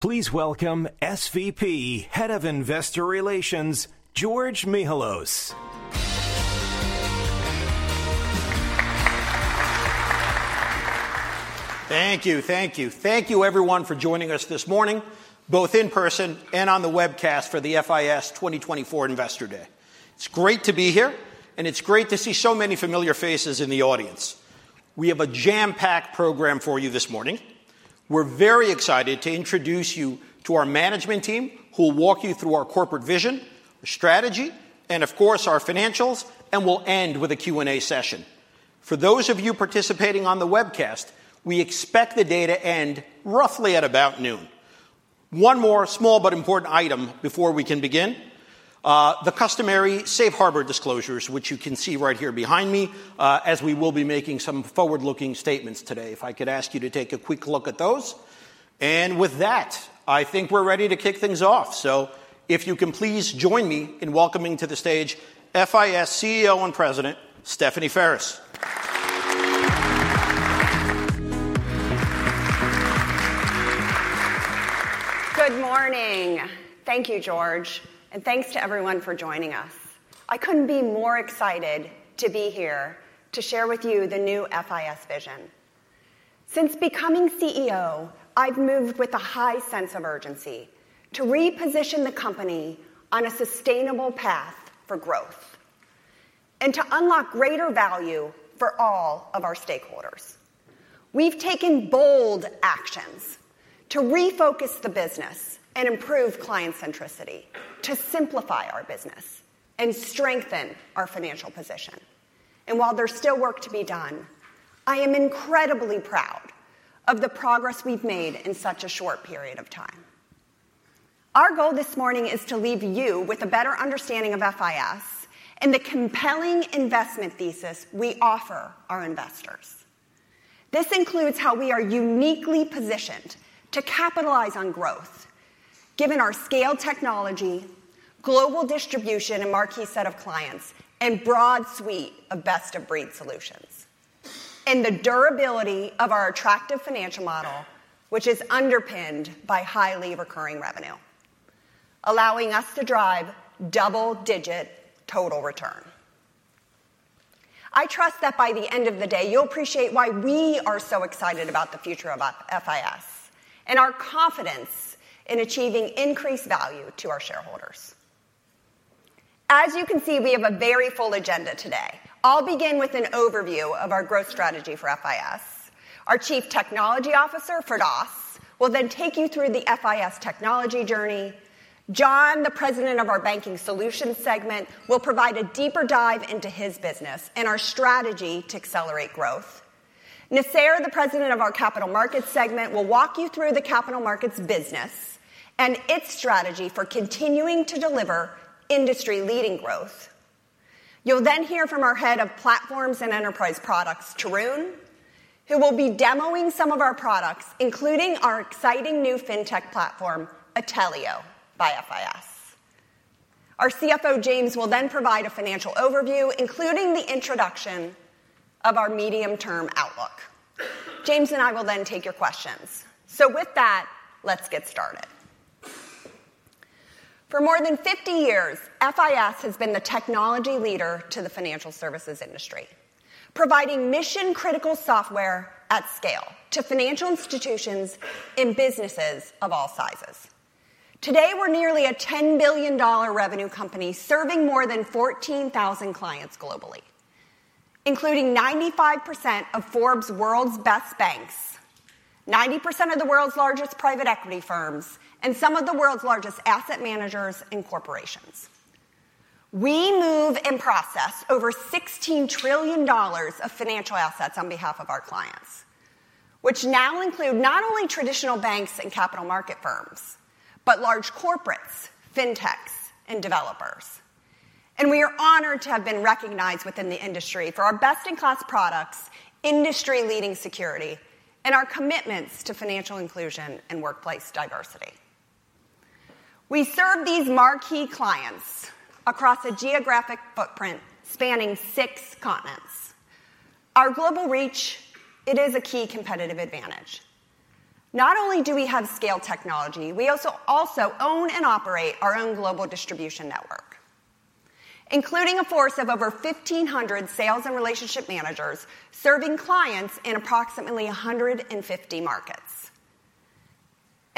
Please welcome SVP, Head of Investor Relations, George Mihalos. Thank you. Thank you. Thank you everyone for joining us this morning, both in person and on the webcast for the FIS 2024 Investor Day. It's great to be here, and it's great to see so many familiar faces in the audience. We have a jam-packed program for you this morning. We're very excited to introduce you to our management team, who will walk you through our corporate vision, strategy, and of course, our financials, and we'll end with a Q&A session. For those of you participating on the webcast, we expect the day to end roughly at about noon. One more small but important item before we can begin the customary safe harbor disclosures, which you can see right here behind me as we will be making some forward-looking statements today. If I could ask you to take a quick look at those. With that, I think we're ready to kick things off. If you can, please join me in welcoming to the stage FIS CEO and President, Stephanie Ferris. Good morning. Thank you, George, and thanks to everyone for joining us. I couldn't be more excited to be here to share with you the new FIS vision. Since becoming CEO, I've moved with a high sense of urgency to reposition the company on a sustainable path for growth and to unlock greater value for all of our stakeholders. We've taken bold actions to refocus the business and improve client centricity, to simplify our business and strengthen our financial position. And while there's still work to be done, I am incredibly proud of the progress we've made in such a short period of time. Our goal this morning is to leave you with a better understanding of FIS and the compelling investment thesis we offer our investors. This includes how we are uniquely positioned to capitalize on growth, given our scale technology, global distribution, and marquee set of clients, and broad suite of best-of-breed solutions, and the durability of our attractive financial model, which is underpinned by highly recurring revenue, allowing us to drive double-digit total return. I trust that by the end of the day, you'll appreciate why we are so excited about the future of FIS, and our confidence in achieving increased value to our shareholders. As you can see, we have a very full agenda today. I'll begin with an overview of our growth strategy for FIS. Our Chief Technology Officer, Firdaus, will then take you through the FIS technology journey. John, the President of our Banking Solutions segment, will provide a deeper dive into his business and our strategy to accelerate growth. Nasser, the President of our Capital Markets segment, will walk you through the Capital Markets business and its strategy for continuing to deliver industry-leading growth. You'll then hear from our Head of Platforms and Enterprise Products, Tarun, who will be demoing some of our products, including our exciting new fintech platform, Atelio by FIS. Our CFO, James, will then provide a financial overview, including the introduction of our medium-term outlook. James and I will then take your questions. With that, let's get started. For more than 50 years, FIS has been the technology leader to the financial services industry, providing mission-critical software at scale to financial institutions in businesses of all sizes. Today, we're nearly a $10 billion revenue company, serving more than 14,000 clients globally, including 95% of Forbes World's Best Banks, 90% of the world's largest private equity firms, and some of the world's largest asset managers and corporations. We move and process over $16 trillion of financial assets on behalf of our clients, which now include not only traditional banks and capital market firms, but large corporates, fintechs, and developers. We are honored to have been recognized within the industry for our best-in-class products, industry-leading security, and our commitments to financial inclusion and workplace diversity. We serve these marquee clients across a geographic footprint spanning six continents. Our global reach. It is a key competitive advantage. Not only do we have scale technology, we also own and operate our own global distribution network, including a force of over 1,500 sales and relationship managers serving clients in approximately 150 markets,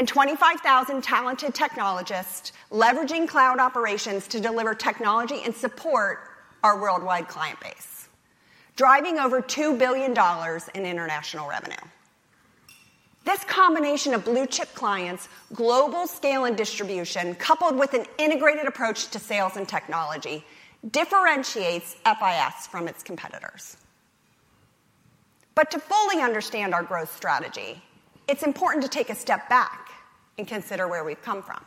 and 25,000 talented technologists leveraging cloud operations to deliver technology and support our worldwide client base, driving over $2 billion in international revenue. This combination of blue-chip clients, global scale and distribution, coupled with an integrated approach to sales and technology, differentiates FIS from its competitors. But to fully understand our growth strategy, it's important to take a step back and consider where we've come from.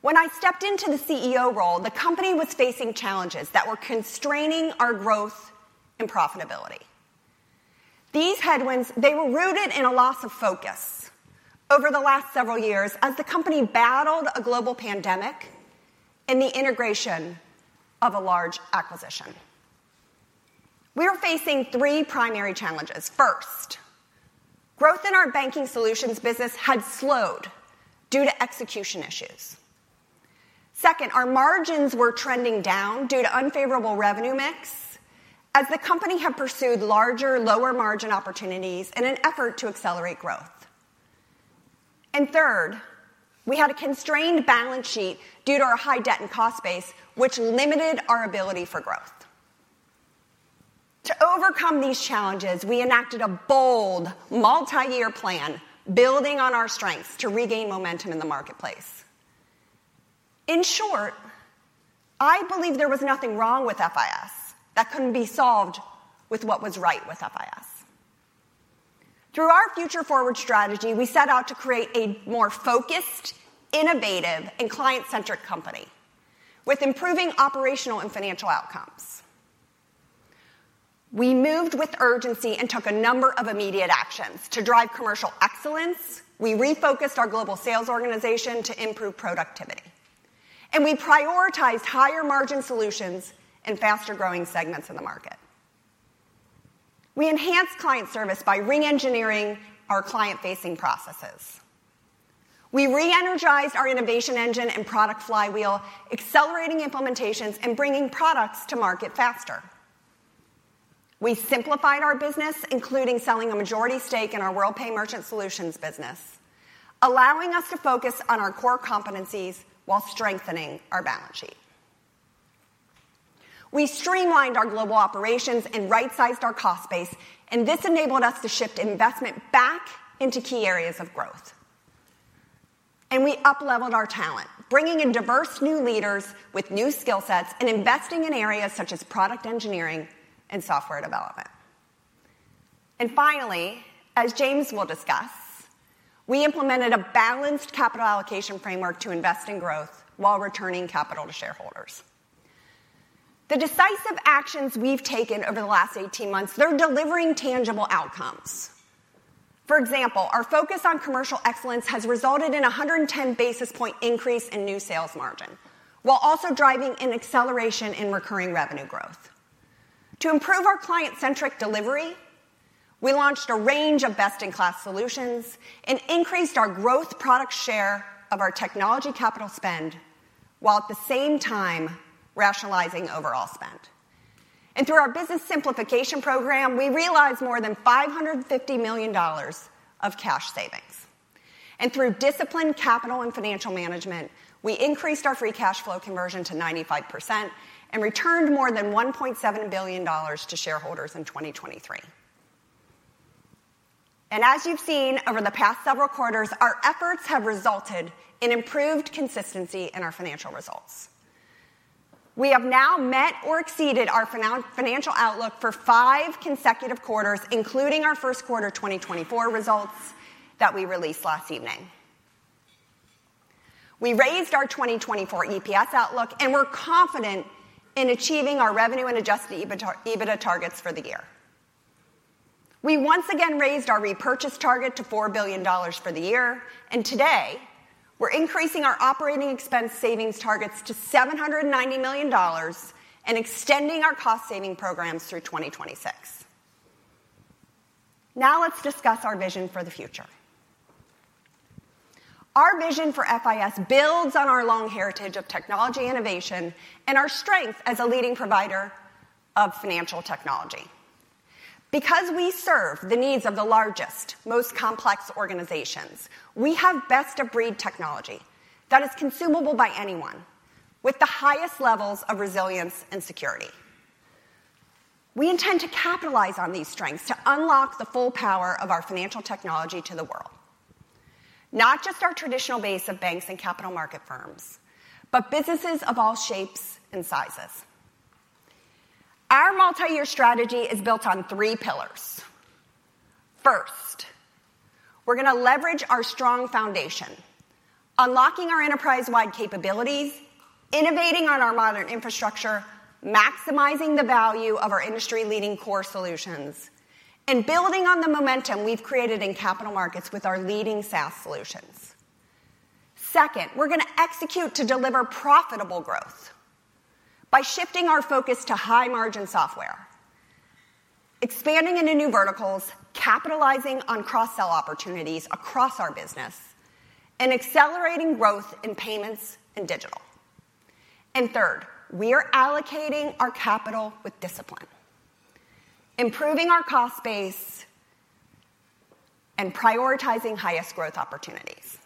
When I stepped into the CEO role, the company was facing challenges that were constraining our growth and profitability. These headwinds, they were rooted in a loss of focus over the last several years as the company battled a global pandemic and the integration of a large acquisition. We were facing three primary challenges. First, growth in our banking solutions business had slowed due to execution issues. Second, our margins were trending down due to unfavorable revenue mix, as the company had pursued larger, lower-margin opportunities in an effort to accelerate growth. And third, we had a constrained balance sheet due to our high debt and cost base, which limited our ability for growth. To overcome these challenges, we enacted a bold multi-year plan, building on our strengths to regain momentum in the marketplace. In short, I believe there was nothing wrong with FIS that couldn't be solved with what was right with FIS. Through our Future Forward strategy, we set out to create a more focused, innovative, and client-centric company with improving operational and financial outcomes. We moved with urgency and took a number of immediate actions. To drive commercial excellence, we refocused our global sales organization to improve productivity, and we prioritized higher-margin solutions in faster-growing segments in the market. We enhanced client service by re-engineering our client-facing processes. We re-energized our innovation engine and product flywheel, accelerating implementations and bringing products to market faster. We simplified our business, including selling a majority stake in our Worldpay Merchant Solutions business, allowing us to focus on our core competencies while strengthening our balance sheet. We streamlined our global operations and right-sized our cost base, and this enabled us to shift investment back into key areas of growth. We up leveled our talent, bringing in diverse new leaders with new skill sets and investing in areas such as product engineering and software development. Finally, as James will discuss, we implemented a balanced capital allocation framework to invest in growth while returning capital to shareholders. The decisive actions we've taken over the last 18 months, they're delivering tangible outcomes. For example, our focus on commercial excellence has resulted in a 110 basis points increase in new sales margin, while also driving an acceleration in recurring revenue growth. To improve our client-centric delivery, we launched a range of best-in-class solutions and increased our growth product share of our technology capital spend, while at the same time rationalizing overall spend. Through our business simplification program, we realized more than $550 million of cash savings. Through disciplined capital and financial management, we increased our free cash flow conversion to 95% and returned more than $1.7 billion to shareholders in 2023. As you've seen over the past several quarters, our efforts have resulted in improved consistency in our financial results. We have now met or exceeded our financial outlook for five consecutive quarters, including our first quarter 2024 results that we released last evening. We raised our 2024 EPS outlook, and we're confident in achieving our revenue and adjusted EBITDA, EBITDA targets for the year. We once again raised our repurchase target to $4 billion for the year, and today we're increasing our operating expense savings targets to $790 million and extending our cost-saving programs through 2026. Now, let's discuss our vision for the future. Our vision for FIS builds on our long heritage of technology innovation and our strength as a leading provider of financial technology. Because we serve the needs of the largest, most complex organizations, we have best-of-breed technology that is consumable by anyone with the highest levels of resilience and security. We intend to capitalize on these strengths to unlock the full power of our financial technology to the world, not just our traditional base of banks and capital market firms, but businesses of all shapes and sizes. Our multi-year strategy is built on three pillars. First, we're gonna leverage our strong foundation, unlocking our enterprise-wide capabilities, innovating on our modern infrastructure, maximizing the value of our industry-leading core solutions, and building on the momentum we've created in capital markets with our leading SaaS solutions. Second, we're gonna execute to deliver profitable growth by shifting our focus to high-margin software, expanding into new verticals, capitalizing on cross-sell opportunities across our business, and accelerating growth in payments and digital. And third, we are allocating our capital with discipline, improving our cost base, and prioritizing highest growth opportunities,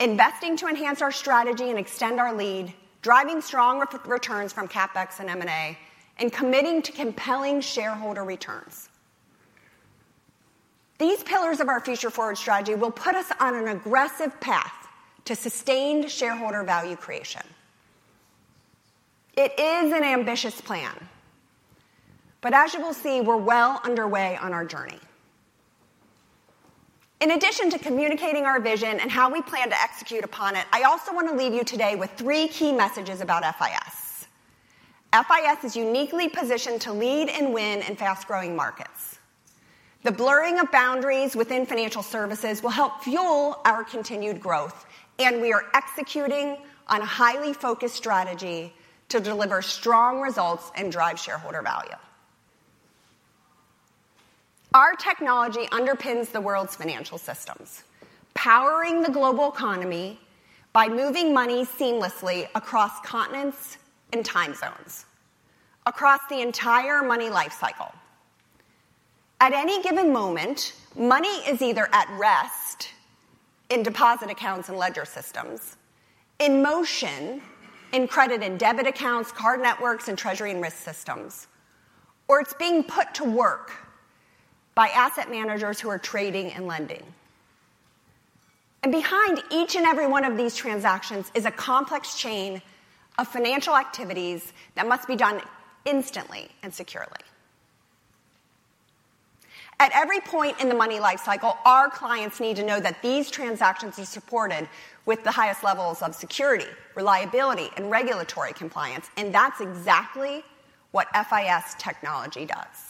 investing to enhance our strategy and extend our lead, driving strong returns from CapEx and M&A, and committing to compelling shareholder returns. These pillars of our Future Forward strategy will put us on an aggressive path to sustained shareholder value creation. It is an ambitious plan, but as you will see, we're well underway on our journey. In addition to communicating our vision and how we plan to execute upon it, I also want to leave you today with three key messages about FIS. FIS is uniquely positioned to lead and win in fast-growing markets.... The blurring of boundaries within financial services will help fuel our continued growth, and we are executing on a highly focused strategy to deliver strong results and drive shareholder value. Our technology underpins the world's financial systems, powering the global economy by moving money seamlessly across continents and time zones, across the entire money life cycle. At any given moment, money is either at rest in deposit accounts and ledger systems, in motion in credit and debit accounts, card networks, and treasury and risk systems, or it's being put to work by asset managers who are trading and lending. And behind each and every one of these transactions is a complex chain of financial activities that must be done instantly and securely. At every point in the money life cycle, our clients need to know that these transactions are supported with the highest levels of security, reliability, and regulatory compliance, and that's exactly what FIS technology does.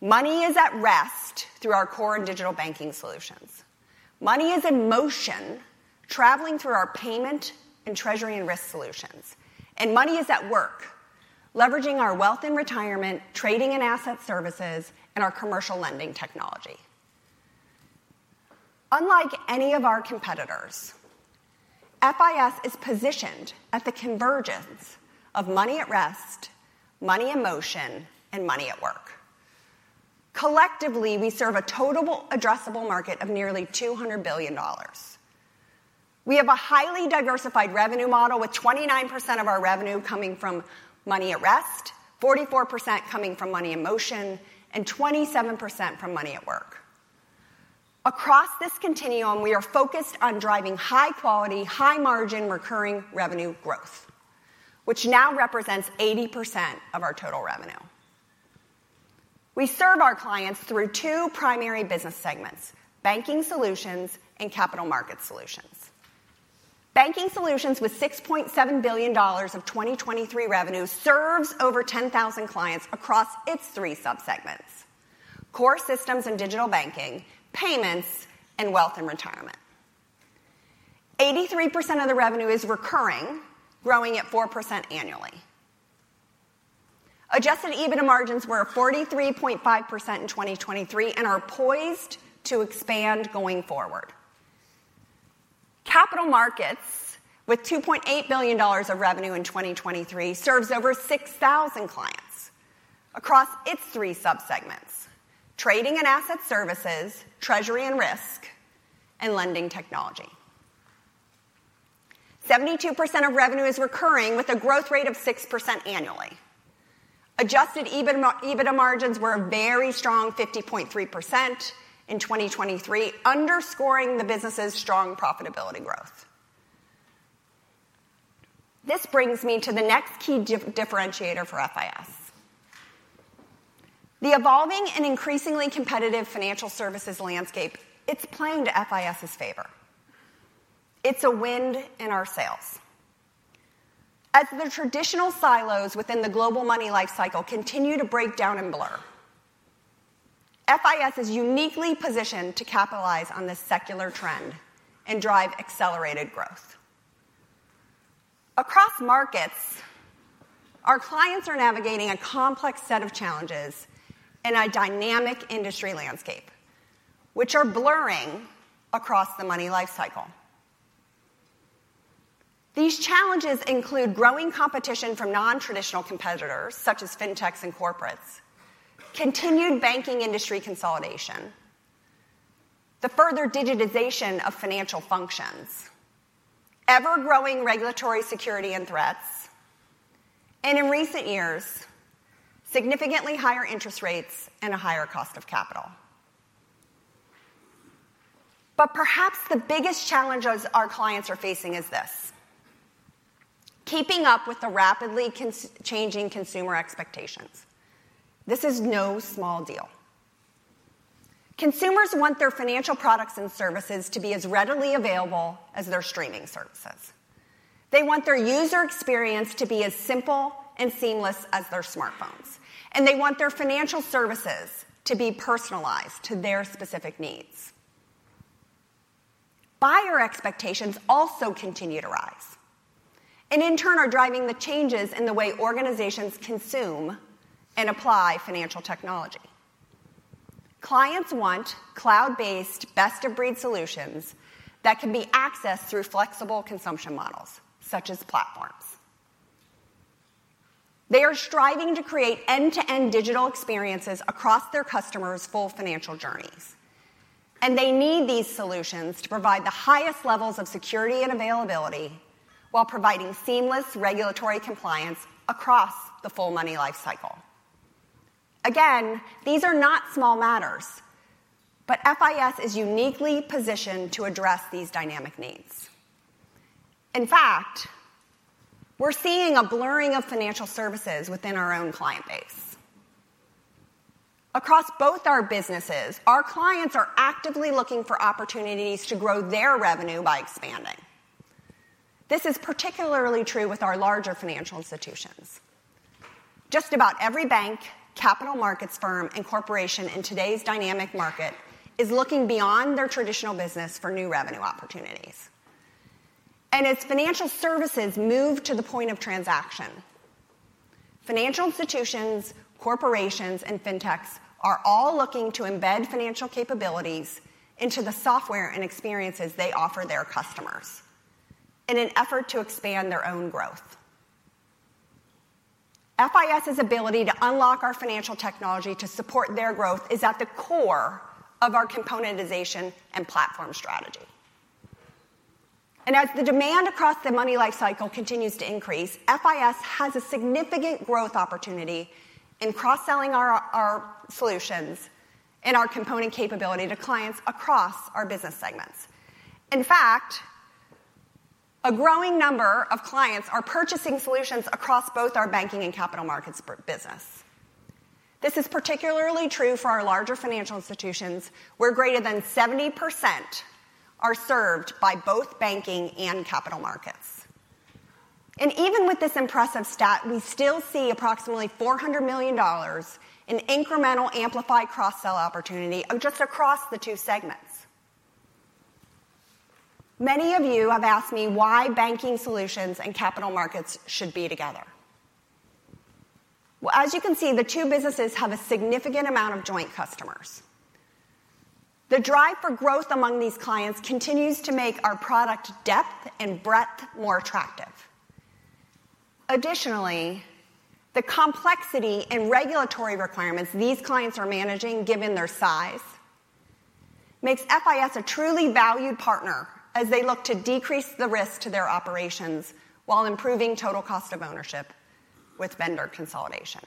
Money is at rest through our core and digital banking solutions. Money is in motion, traveling through our payment and treasury and risk solutions. Money is at work, leveraging our wealth and retirement, trading and asset services, and our commercial lending technology. Unlike any of our competitors, FIS is positioned at the convergence of money at rest, money in motion, and money at work. Collectively, we serve a total addressable market of nearly $200 billion. We have a highly diversified revenue model, with 29% of our revenue coming from money at rest, 44% coming from money in motion, and 27% from money at work. Across this continuum, we are focused on driving high quality, high margin, recurring revenue growth, which now represents 80% of our total revenue. We serve our clients through two primary business segments: banking solutions and capital market solutions. Banking solutions, with $6.7 billion of 2023 revenue, serves over 10,000 clients across its three subsegments: core systems and digital banking, payments, and wealth and retirement. 83% of the revenue is recurring, growing at 4% annually. Adjusted EBITDA margins were 43.5% in 2023, and are poised to expand going forward. Capital markets, with $2.8 billion of revenue in 2023, serves over 6,000 clients across its three subsegments: trading and asset services, treasury and risk, and lending technology. 72% of revenue is recurring, with a growth rate of 6% annually. Adjusted EBITDA margins were a very strong 50.3% in 2023, underscoring the business's strong profitability growth. This brings me to the next key differentiator for FIS. The evolving and increasingly competitive financial services landscape, it's playing to FIS's favor. It's a wind in our sails. As the traditional silos within the global money life cycle continue to break down and blur, FIS is uniquely positioned to capitalize on this secular trend and drive accelerated growth. Across markets, our clients are navigating a complex set of challenges in a dynamic industry landscape, which are blurring across the money life cycle. These challenges include growing competition from non-traditional competitors, such as fintechs and corporates, continued banking industry consolidation, the further digitization of financial functions, ever-growing regulatory security and threats, and in recent years, significantly higher interest rates and a higher cost of capital. But perhaps the biggest challenge as our clients are facing is this: keeping up with the rapidly changing consumer expectations. This is no small deal. Consumers want their financial products and services to be as readily available as their streaming services. They want their user experience to be as simple and seamless as their smartphones, and they want their financial services to be personalized to their specific needs. Buyer expectations also continue to rise, and in turn, are driving the changes in the way organizations consume and apply financial technology. Clients want cloud-based, best-of-breed solutions that can be accessed through flexible consumption models, such as platforms. They are striving to create end-to-end digital experiences across their customers' full financial journeys, and they need these solutions to provide the highest levels of security and availability while providing seamless regulatory compliance across the full money life cycle. Again, these are not small matters, but FIS is uniquely positioned to address these dynamic needs. In fact, we're seeing a blurring of financial services within our own client base. Across both our businesses, our clients are actively looking for opportunities to grow their revenue by expanding.... This is particularly true with our larger financial institutions. Just about every bank, capital markets firm, and corporation in today's dynamic market is looking beyond their traditional business for new revenue opportunities. And as financial services move to the point of transaction, financial institutions, corporations, and fintechs are all looking to embed financial capabilities into the software and experiences they offer their customers in an effort to expand their own growth. FIS's ability to unlock our financial technology to support their growth is at the core of our componentization and platform strategy. As the demand across the money life cycle continues to increase, FIS has a significant growth opportunity in cross-selling our, our solutions and our component capability to clients across our business segments. In fact, a growing number of clients are purchasing solutions across both our banking and capital markets business. This is particularly true for our larger financial institutions, where greater than 70% are served by both banking and capital markets. Even with this impressive stat, we still see approximately $400 million in incremental amplified cross-sell opportunity just across the two segments. Many of you have asked me why banking solutions and capital markets should be together. Well, as you can see, the two businesses have a significant amount of joint customers. The drive for growth among these clients continues to make our product depth and breadth more attractive. Additionally, the complexity and regulatory requirements these clients are managing, given their size, makes FIS a truly valued partner as they look to decrease the risk to their operations while improving total cost of ownership with vendor consolidation.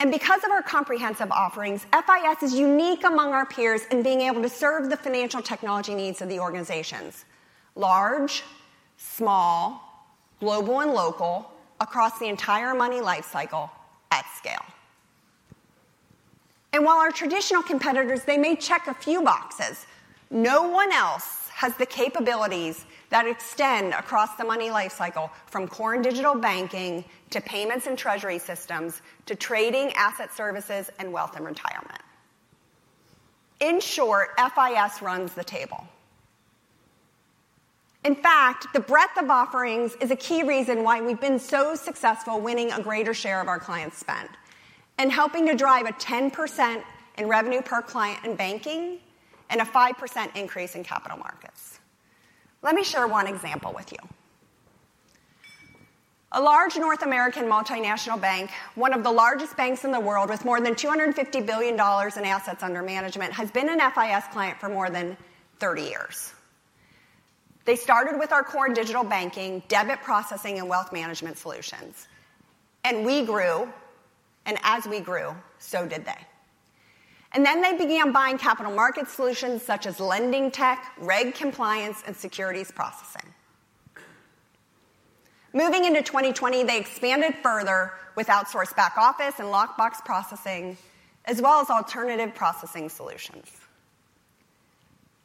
And because of our comprehensive offerings, FIS is unique among our peers in being able to serve the financial technology needs of the organizations, large, small, global, and local, across the entire money lifecycle at scale. And while our traditional competitors, they may check a few boxes, no one else has the capabilities that extend across the money lifecycle, from core and digital banking to payments and treasury systems to trading, asset services, and wealth and retirement. In short, FIS runs the table. In fact, the breadth of offerings is a key reason why we've been so successful winning a greater share of our clients' spend and helping to drive a 10% in revenue per client in banking and a 5% increase in capital markets. Let me share one example with you. A large North American multinational bank, one of the largest banks in the world, with more than $250 billion in assets under management, has been an FIS client for more than 30 years. They started with our core and digital banking, debit processing, and wealth management solutions, and we grew, and as we grew, so did they. And then they began buying capital market solutions such as lending tech, reg compliance, and securities processing. Moving into 2020, they expanded further with outsourced back office and lockbox processing, as well as alternative processing solutions.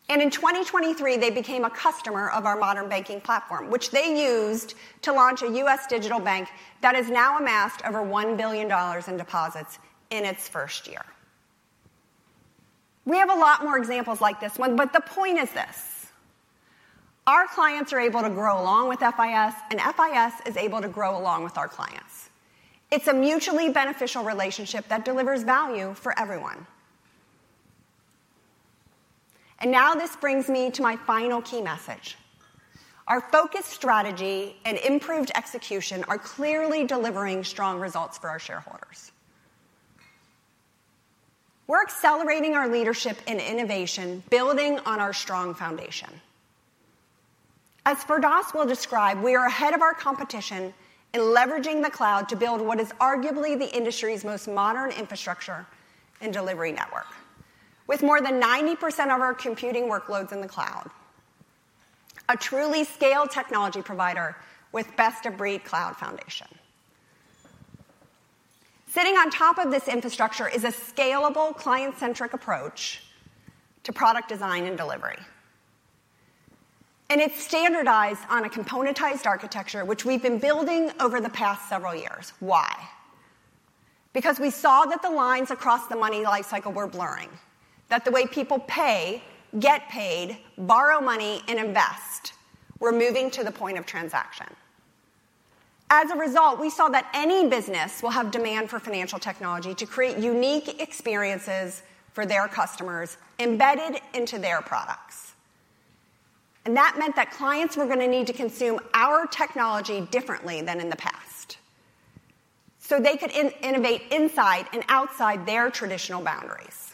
In 2023, they became a customer of our modern banking platform, which they used to launch a U.S. digital bank that has now amassed over $1 billion in deposits in its first year. We have a lot more examples like this one, but the point is this: Our clients are able to grow along with FIS, and FIS is able to grow along with our clients. It's a mutually beneficial relationship that delivers value for everyone. And now this brings me to my final key message. Our focused strategy and improved execution are clearly delivering strong results for our shareholders. We're accelerating our leadership in innovation, building on our strong foundation. As Firdaus will describe, we are ahead of our competition in leveraging the cloud to build what is arguably the industry's most modern infrastructure and delivery network, with more than 90% of our computing workloads in the cloud, a truly scaled technology provider with best-of-breed cloud foundation. Sitting on top of this infrastructure is a scalable, client-centric approach to product design and delivery, and it's standardized on a componentized architecture, which we've been building over the past several years. Why? Because we saw that the lines across the money lifecycle were blurring, that the way people pay, get paid, borrow money, and invest were moving to the point of transaction. As a result, we saw that any business will have demand for financial technology to create unique experiences for their customers embedded into their products. That meant that clients were gonna need to consume our technology differently than in the past so they could innovate inside and outside their traditional boundaries.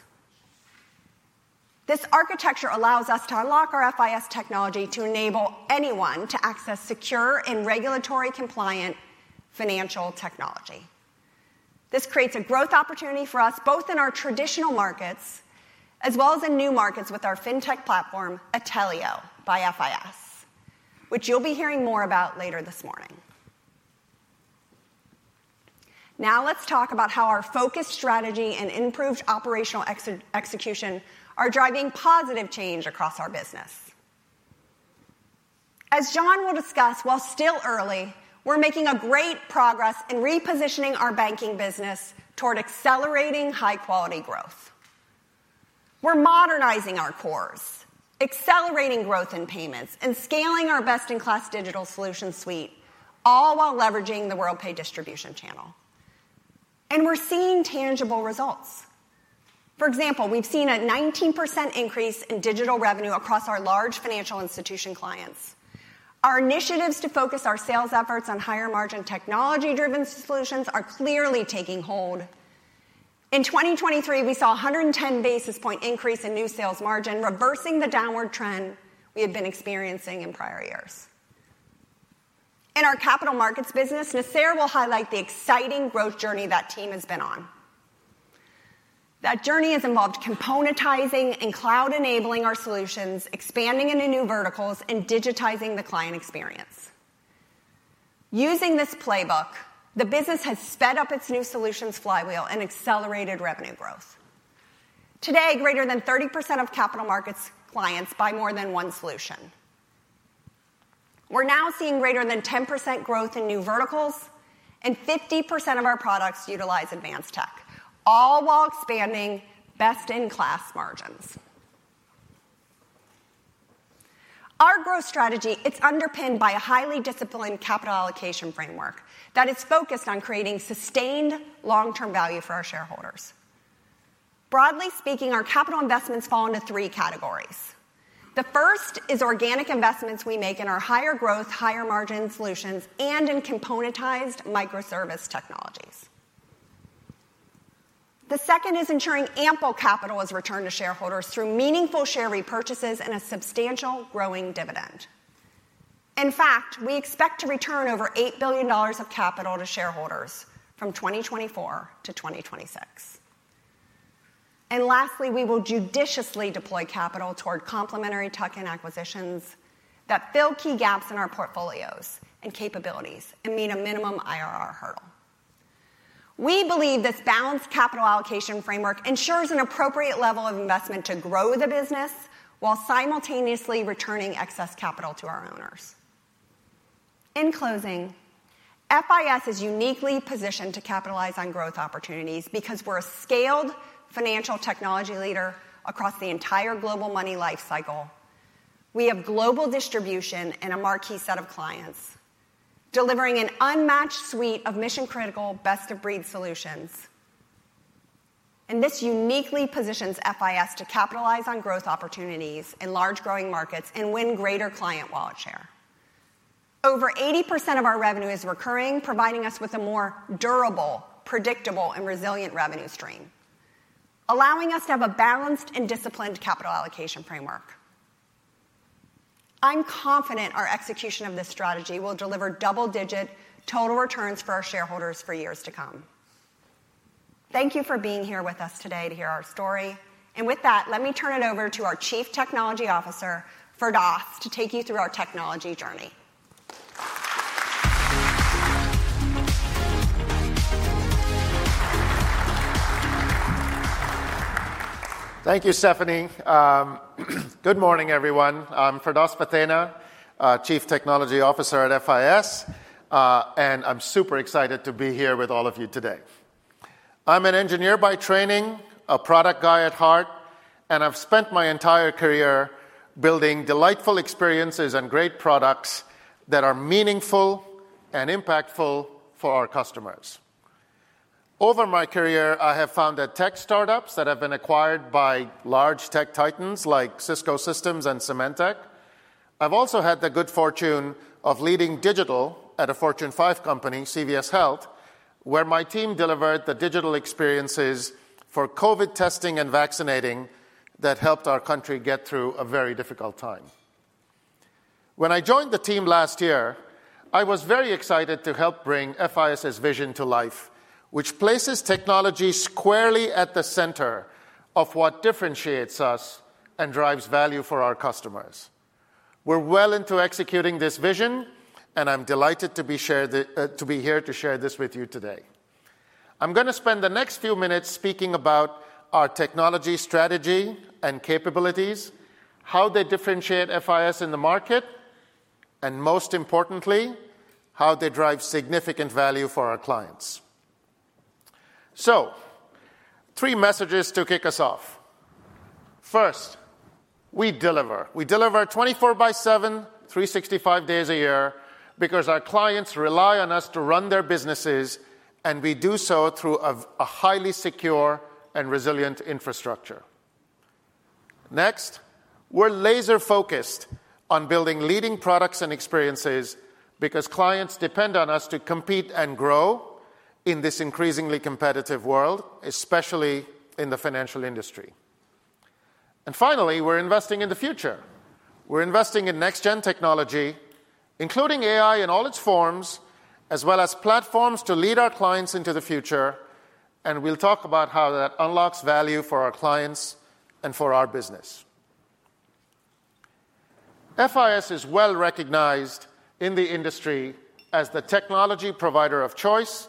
This architecture allows us to unlock our FIS technology to enable anyone to access secure and regulatory-compliant financial technology. This creates a growth opportunity for us, both in our traditional markets as well as in new markets with our fintech platform, Atelio by FIS, which you'll be hearing more about later this morning... Now let's talk about how our focused strategy and improved operational execution are driving positive change across our business. As John will discuss, while still early, we're making a great progress in repositioning our banking business toward accelerating high-quality growth. We're modernizing our cores, accelerating growth in payments, and scaling our best-in-class digital solution suite, all while leveraging the Worldpay distribution channel, and we're seeing tangible results. For example, we've seen a 19% increase in digital revenue across our large financial institution clients. Our initiatives to focus our sales efforts on higher-margin, technology-driven solutions are clearly taking hold. In 2023, we saw a 110 basis point increase in new sales margin, reversing the downward trend we had been experiencing in prior years. In our capital markets business, Nasser will highlight the exciting growth journey that team has been on. That journey has involved componentizing and cloud-enabling our solutions, expanding into new verticals, and digitizing the client experience. Using this playbook, the business has sped up its new solutions flywheel and accelerated revenue growth. Today, greater than 30% of capital markets clients buy more than one solution. We're now seeing greater than 10% growth in new verticals, and 50% of our products utilize advanced tech, all while expanding best-in-class margins. Our growth strategy, it's underpinned by a highly disciplined capital allocation framework that is focused on creating sustained long-term value for our shareholders. Broadly speaking, our capital investments fall into three categories. The first is organic investments we make in our higher-growth, higher-margin solutions and in componentized microservice technologies. The second is ensuring ample capital is returned to shareholders through meaningful share repurchases and a substantial growing dividend. In fact, we expect to return over $8 billion of capital to shareholders from 2024-2026. And lastly, we will judiciously deploy capital toward complementary tuck-in acquisitions that fill key gaps in our portfolios and capabilities and meet a minimum IRR hurdle. We believe this balanced capital allocation framework ensures an appropriate level of investment to grow the business while simultaneously returning excess capital to our owners. In closing, FIS is uniquely positioned to capitalize on growth opportunities because we're a scaled financial technology leader across the entire global money life cycle. We have global distribution and a marquee set of clients, delivering an unmatched suite of mission-critical, best-of-breed solutions. This uniquely positions FIS to capitalize on growth opportunities in large, growing markets and win greater client wallet share. Over 80% of our revenue is recurring, providing us with a more durable, predictable, and resilient revenue stream, allowing us to have a balanced and disciplined capital allocation framework. I'm confident our execution of this strategy will deliver double-digit total returns for our shareholders for years to come. Thank you for being here with us today to hear our story. With that, let me turn it over to our Chief Technology Officer, Firdaus, to take you through our technology journey. Thank you, Stephanie. Good morning, everyone. I'm Firdaus Bhathena, Chief Technology Officer at FIS, and I'm super excited to be here with all of you today. I'm an engineer by training, a product guy at heart, and I've spent my entire career building delightful experiences and great products that are meaningful and impactful for our customers. Over my career, I have founded tech startups that have been acquired by large tech titans like Cisco Systems and Symantec. I've also had the good fortune of leading digital at a Fortune 5 company, CVS Health, where my team delivered the digital experiences for COVID testing and vaccinating that helped our country get through a very difficult time. When I joined the team last year, I was very excited to help bring FIS's vision to life, which places technology squarely at the center of what differentiates us and drives value for our customers. We're well into executing this vision, and I'm delighted to be here to share this with you today. I'm gonna spend the next few minutes speaking about our technology strategy and capabilities, how they differentiate FIS in the market, and most importantly, how they drive significant value for our clients. So three messages to kick us off. First, we deliver. We deliver 24/7, 365 days a year because our clients rely on us to run their businesses, and we do so through a highly secure and resilient infrastructure. Next, we're laser-focused on building leading products and experiences because clients depend on us to compete and grow in this increasingly competitive world, especially in the financial industry. And finally, we're investing in the future. We're investing in next-gen technology, including AI in all its forms, as well as platforms to lead our clients into the future, and we'll talk about how that unlocks value for our clients and for our business. FIS is well-recognized in the industry as the technology provider of choice,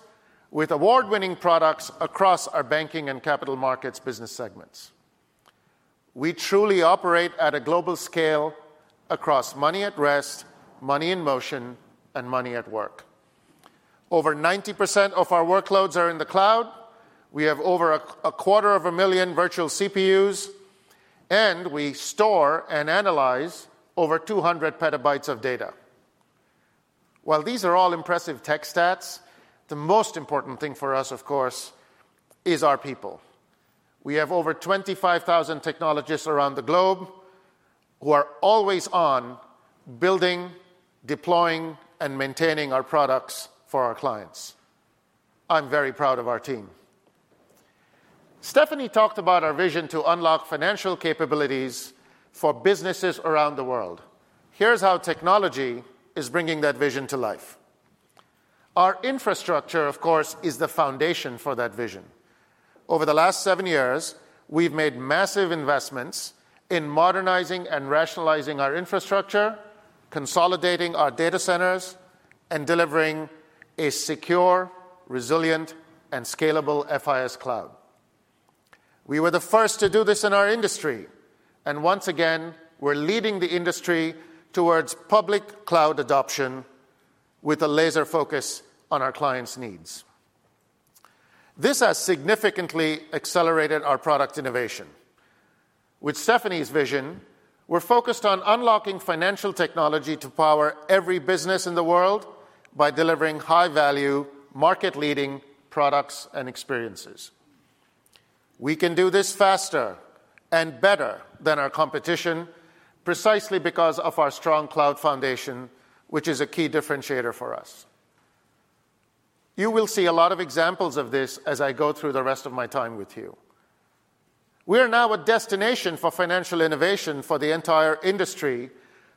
with award-winning products across our banking and capital markets business segments. We truly operate at a global scale across money at rest, money in motion, and money at work. Over 90% of our workloads are in the cloud. We have over 250,000 virtual CPUs, and we store and analyze over 200 petabytes of data. While these are all impressive tech stats, the most important thing for us, of course, is our people. We have over 25,000 technologists around the globe who are always on building, deploying, and maintaining our products for our clients. I'm very proud of our team. Stephanie talked about our vision to unlock financial capabilities for businesses around the world. Here's how technology is bringing that vision to life. Our infrastructure, of course, is the foundation for that vision. Over the last seven years, we've made massive investments in modernizing and rationalizing our infrastructure, consolidating our data centers, and delivering a secure, resilient, and scalable FIS cloud. We were the first to do this in our industry, and once again, we're leading the industry towards public cloud adoption with a laser focus on our clients' needs. This has significantly accelerated our product innovation. With Stephanie's vision, we're focused on unlocking financial technology to power every business in the world by delivering high-value, market-leading products and experiences. We can do this faster and better than our competition precisely because of our strong cloud foundation, which is a key differentiator for us. You will see a lot of examples of this as I go through the rest of my time with you. We are now a destination for financial innovation for the entire industry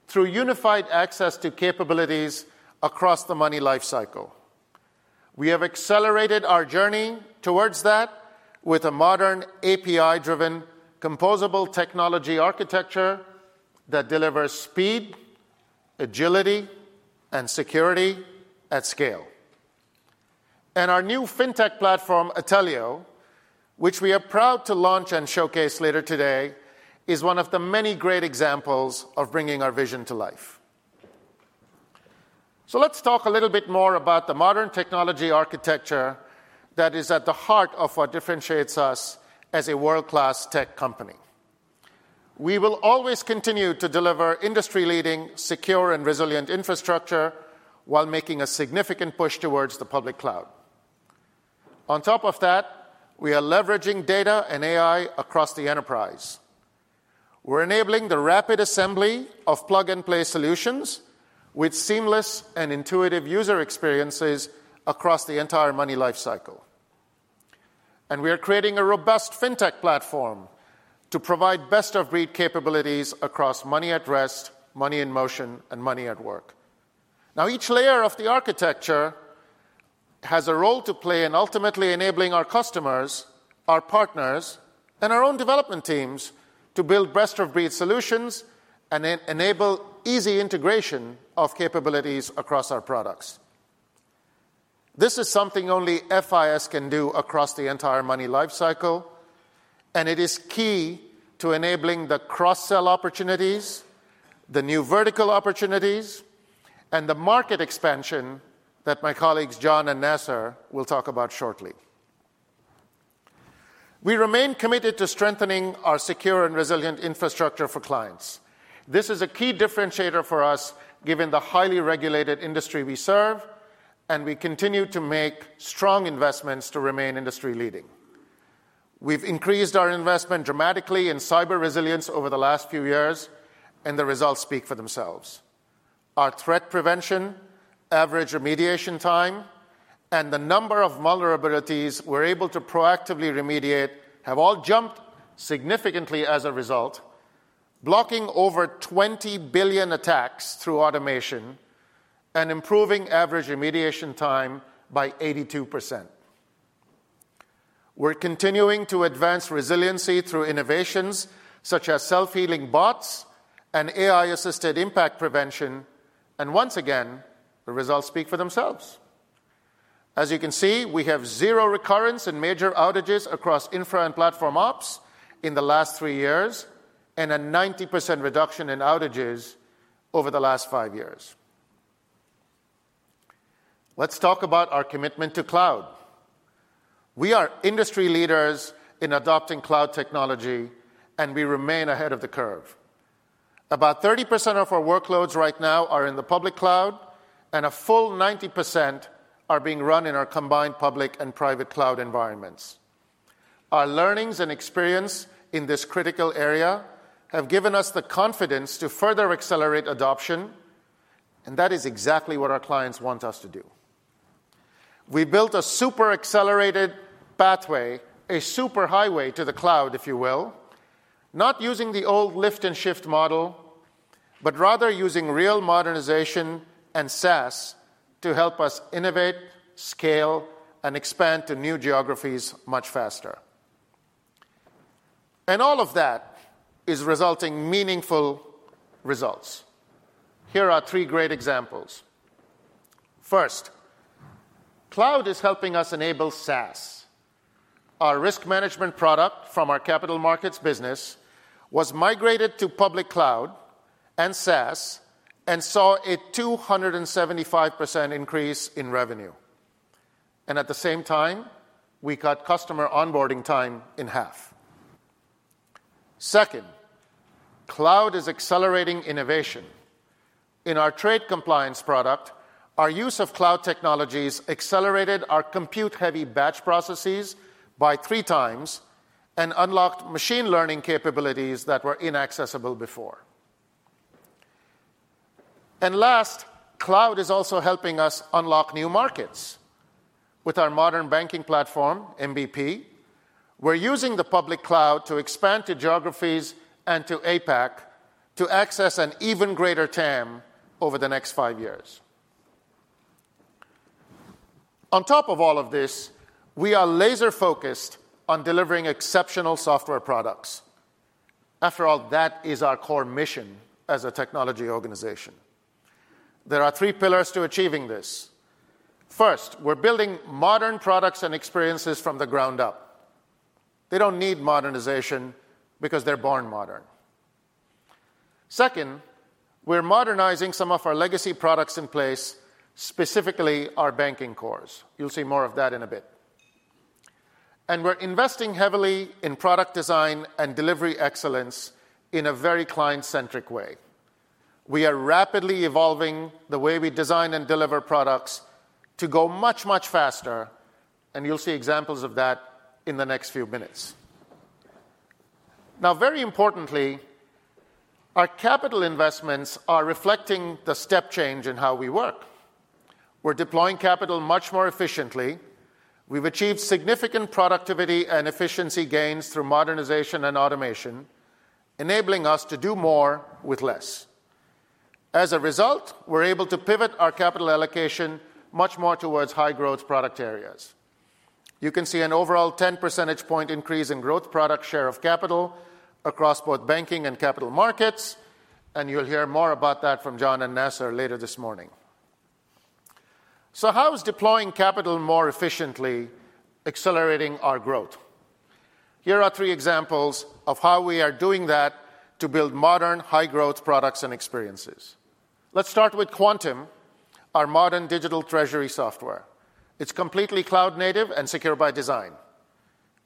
through unified access to capabilities across the money life cycle. We have accelerated our journey towards that with a modern, API-driven, composable technology architecture that delivers speed, agility, and security at scale. Our new fintech platform, Atelio, which we are proud to launch and showcase later today, is one of the many great examples of bringing our vision to life. So let's talk a little bit more about the modern technology architecture that is at the heart of what differentiates us as a world-class tech company. We will always continue to deliver industry-leading, secure, and resilient infrastructure while making a significant push towards the public cloud. On top of that, we are leveraging data and AI across the enterprise. We're enabling the rapid assembly of plug-and-play solutions with seamless and intuitive user experiences across the entire money life cycle. And we are creating a robust fintech platform to provide best-of-breed capabilities across money at rest, money in motion, and money at work. Now, each layer of the architecture has a role to play in ultimately enabling our customers, our partners, and our own development teams to build best-of-breed solutions and enable easy integration of capabilities across our products. This is something only FIS can do across the entire money life cycle, and it is key to enabling the cross-sell opportunities, the new vertical opportunities, and the market expansion that my colleagues John and Nasser will talk about shortly. We remain committed to strengthening our secure and resilient infrastructure for clients. This is a key differentiator for us, given the highly regulated industry we serve, and we continue to make strong investments to remain industry-leading. We've increased our investment dramatically in cyber resilience over the last few years, and the results speak for themselves. Our threat prevention, average remediation time, and the number of vulnerabilities we're able to proactively remediate have all jumped significantly as a result, blocking over 20 billion attacks through automation and improving average remediation time by 82%. We're continuing to advance resiliency through innovations such as self-healing bots and AI-assisted impact prevention, and once again, the results speak for themselves. As you can see, we have zero recurrence and major outages across infra and platform ops in the last three years and a 90% reduction in outages over the last three years. Let's talk about our commitment to cloud. We are industry leaders in adopting cloud technology, and we remain ahead of the curve. About 30% of our workloads right now are in the public cloud, and a full 90% are being run in our combined public and private cloud environments. Our learnings and experience in this critical area have given us the confidence to further accelerate adoption, and that is exactly what our clients want us to do. We built a super-accelerated pathway, a superhighway to the cloud, if you will, not using the old lift and shift model, but rather using real modernization and SaaS to help us innovate, scale, and expand to new geographies much faster. And all of that is resulting meaningful results. Here are three great examples. First, cloud is helping us enable SaaS. Our risk management product from our capital markets business was migrated to public cloud and SaaS and saw a 275% increase in revenue. And at the same time, we cut customer onboarding time in half. Second, cloud is accelerating innovation. In our trade compliance product, our use of cloud technologies accelerated our compute-heavy batch processes by three times and unlocked machine learning capabilities that were inaccessible before. And last, cloud is also helping us unlock new markets. With our modern banking platform, MBP, we're using the public cloud to expand to geographies and to APAC to access an even greater TAM over the next five years. On top of all of this, we are laser-focused on delivering exceptional software products. After all, that is our core mission as a technology organization. There are three pillars to achieving this. First, we're building modern products and experiences from the ground up. They don't need modernization because they're born modern. Second, we're modernizing some of our legacy products in place, specifically our banking cores. You'll see more of that in a bit. We're investing heavily in product design and delivery excellence in a very client-centric way. We are rapidly evolving the way we design and deliver products to go much, much faster, and you'll see examples of that in the next few minutes. Now, very importantly, our capital investments are reflecting the step change in how we work. We're deploying capital much more efficiently. We've achieved significant productivity and efficiency gains through modernization and automation, enabling us to do more with less. As a result, we're able to pivot our capital allocation much more towards high-growth product areas. You can see an overall 10 percentage point increase in growth product share of capital across both banking and capital markets, and you'll hear more about that from John and Nasser later this morning. So how is deploying capital more efficiently accelerating our growth? Here are three examples of how we are doing that to build modern, high-growth products and experiences. Let's start with Quantum, our modern digital treasury software. It's completely cloud-native and secure by design.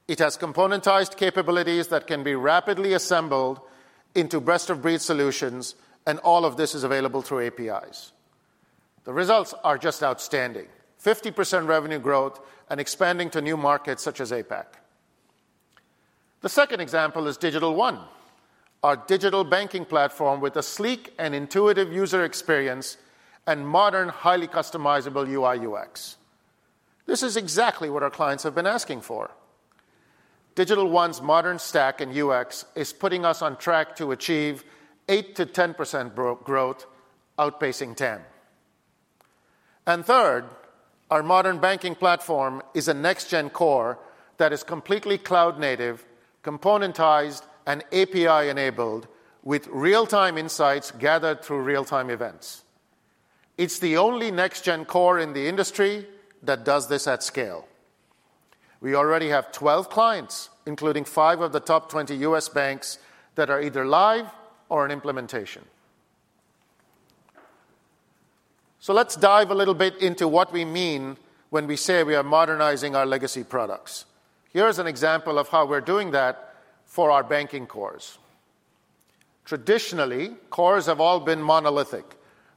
It has componentized capabilities that can be rapidly assembled into best-of-breed solutions, and all of this is available through APIs. The results are just outstanding: 50% revenue growth and expanding to new markets such as APAC. The second example is Digital One, our digital banking platform with a sleek and intuitive user experience and modern, highly customizable UI/UX. This is exactly what our clients have been asking for. Digital One's modern stack and UX is putting us on track to achieve 8%-10% growth, outpacing 10. And third, our modern banking platform is a next-gen core that is completely cloud native, componentized, and API-enabled, with real-time insights gathered through real-time events. It's the only next-gen core in the industry that does this at scale. We already have 12 clients, including five of the top 20 U.S. banks, that are either live or in implementation. So let's dive a little bit into what we mean when we say we are modernizing our legacy products. Here is an example of how we're doing that for our banking cores. Traditionally, cores have all been monolithic,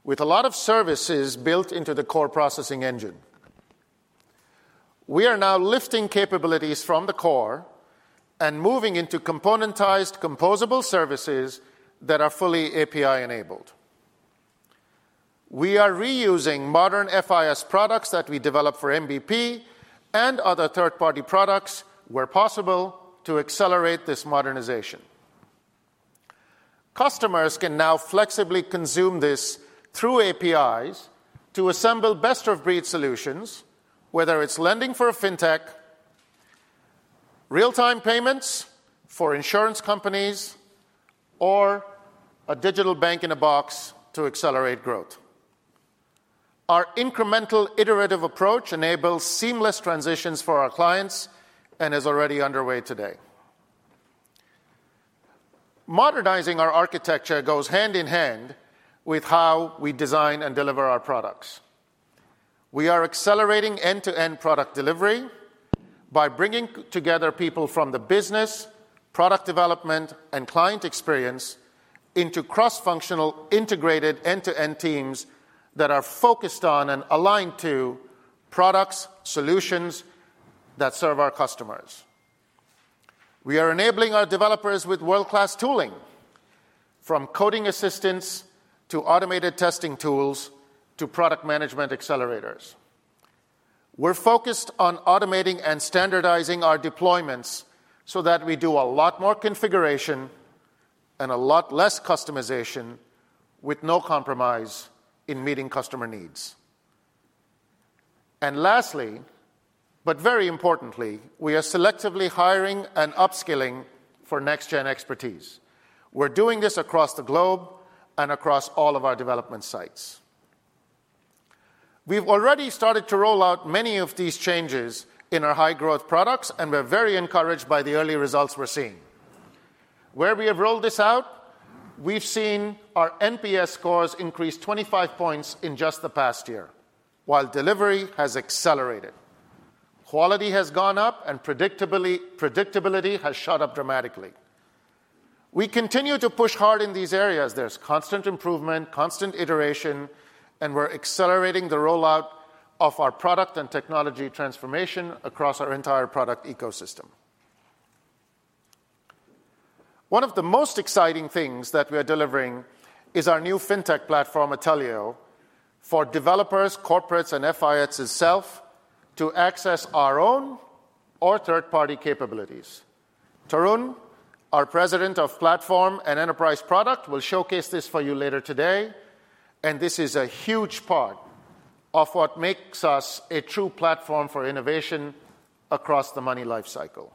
with a lot of services built into the core processing engine. We are now lifting capabilities from the core and moving into componentized, composable services that are fully API-enabled. We are reusing modern FIS products that we developed for MBP and other third-party products where possible to accelerate this modernization. Customers can now flexibly consume this through APIs to assemble best-of-breed solutions, whether it's lending for a fintech, real-time payments for insurance companies, or a digital bank-in-a-box to accelerate growth. Our incremental iterative approach enables seamless transitions for our clients and is already underway today. Modernizing our architecture goes hand in hand with how we design and deliver our products. We are accelerating end-to-end product delivery by bringing together people from the business, product development, and client experience into cross-functional, integrated end-to-end teams that are focused on and aligned to products, solutions that serve our customers. We are enabling our developers with world-class tooling, from coding assistance to automated testing tools to product management accelerators. We're focused on automating and standardizing our deployments so that we do a lot more configuration and a lot less customization with no compromise in meeting customer needs.... Lastly, but very importantly, we are selectively hiring and upskilling for next-gen expertise. We're doing this across the globe and across all of our development sites. We've already started to roll out many of these changes in our high-growth products, and we're very encouraged by the early results we're seeing. Where we have rolled this out, we've seen our NPS scores increase 25 points in just the past year, while delivery has accelerated. Quality has gone up, and predictably, predictability has shot up dramatically. We continue to push hard in these areas. There's constant improvement, constant iteration, and we're accelerating the rollout of our product and technology transformation across our entire product ecosystem. One of the most exciting things that we are delivering is our new fintech platform, Atelio, for developers, corporates, and FIS itself, to access our own or third-party capabilities. Tarun, our President of Platform and Enterprise Product, will showcase this for you later today, and this is a huge part of what makes us a true platform for innovation across the money life cycle.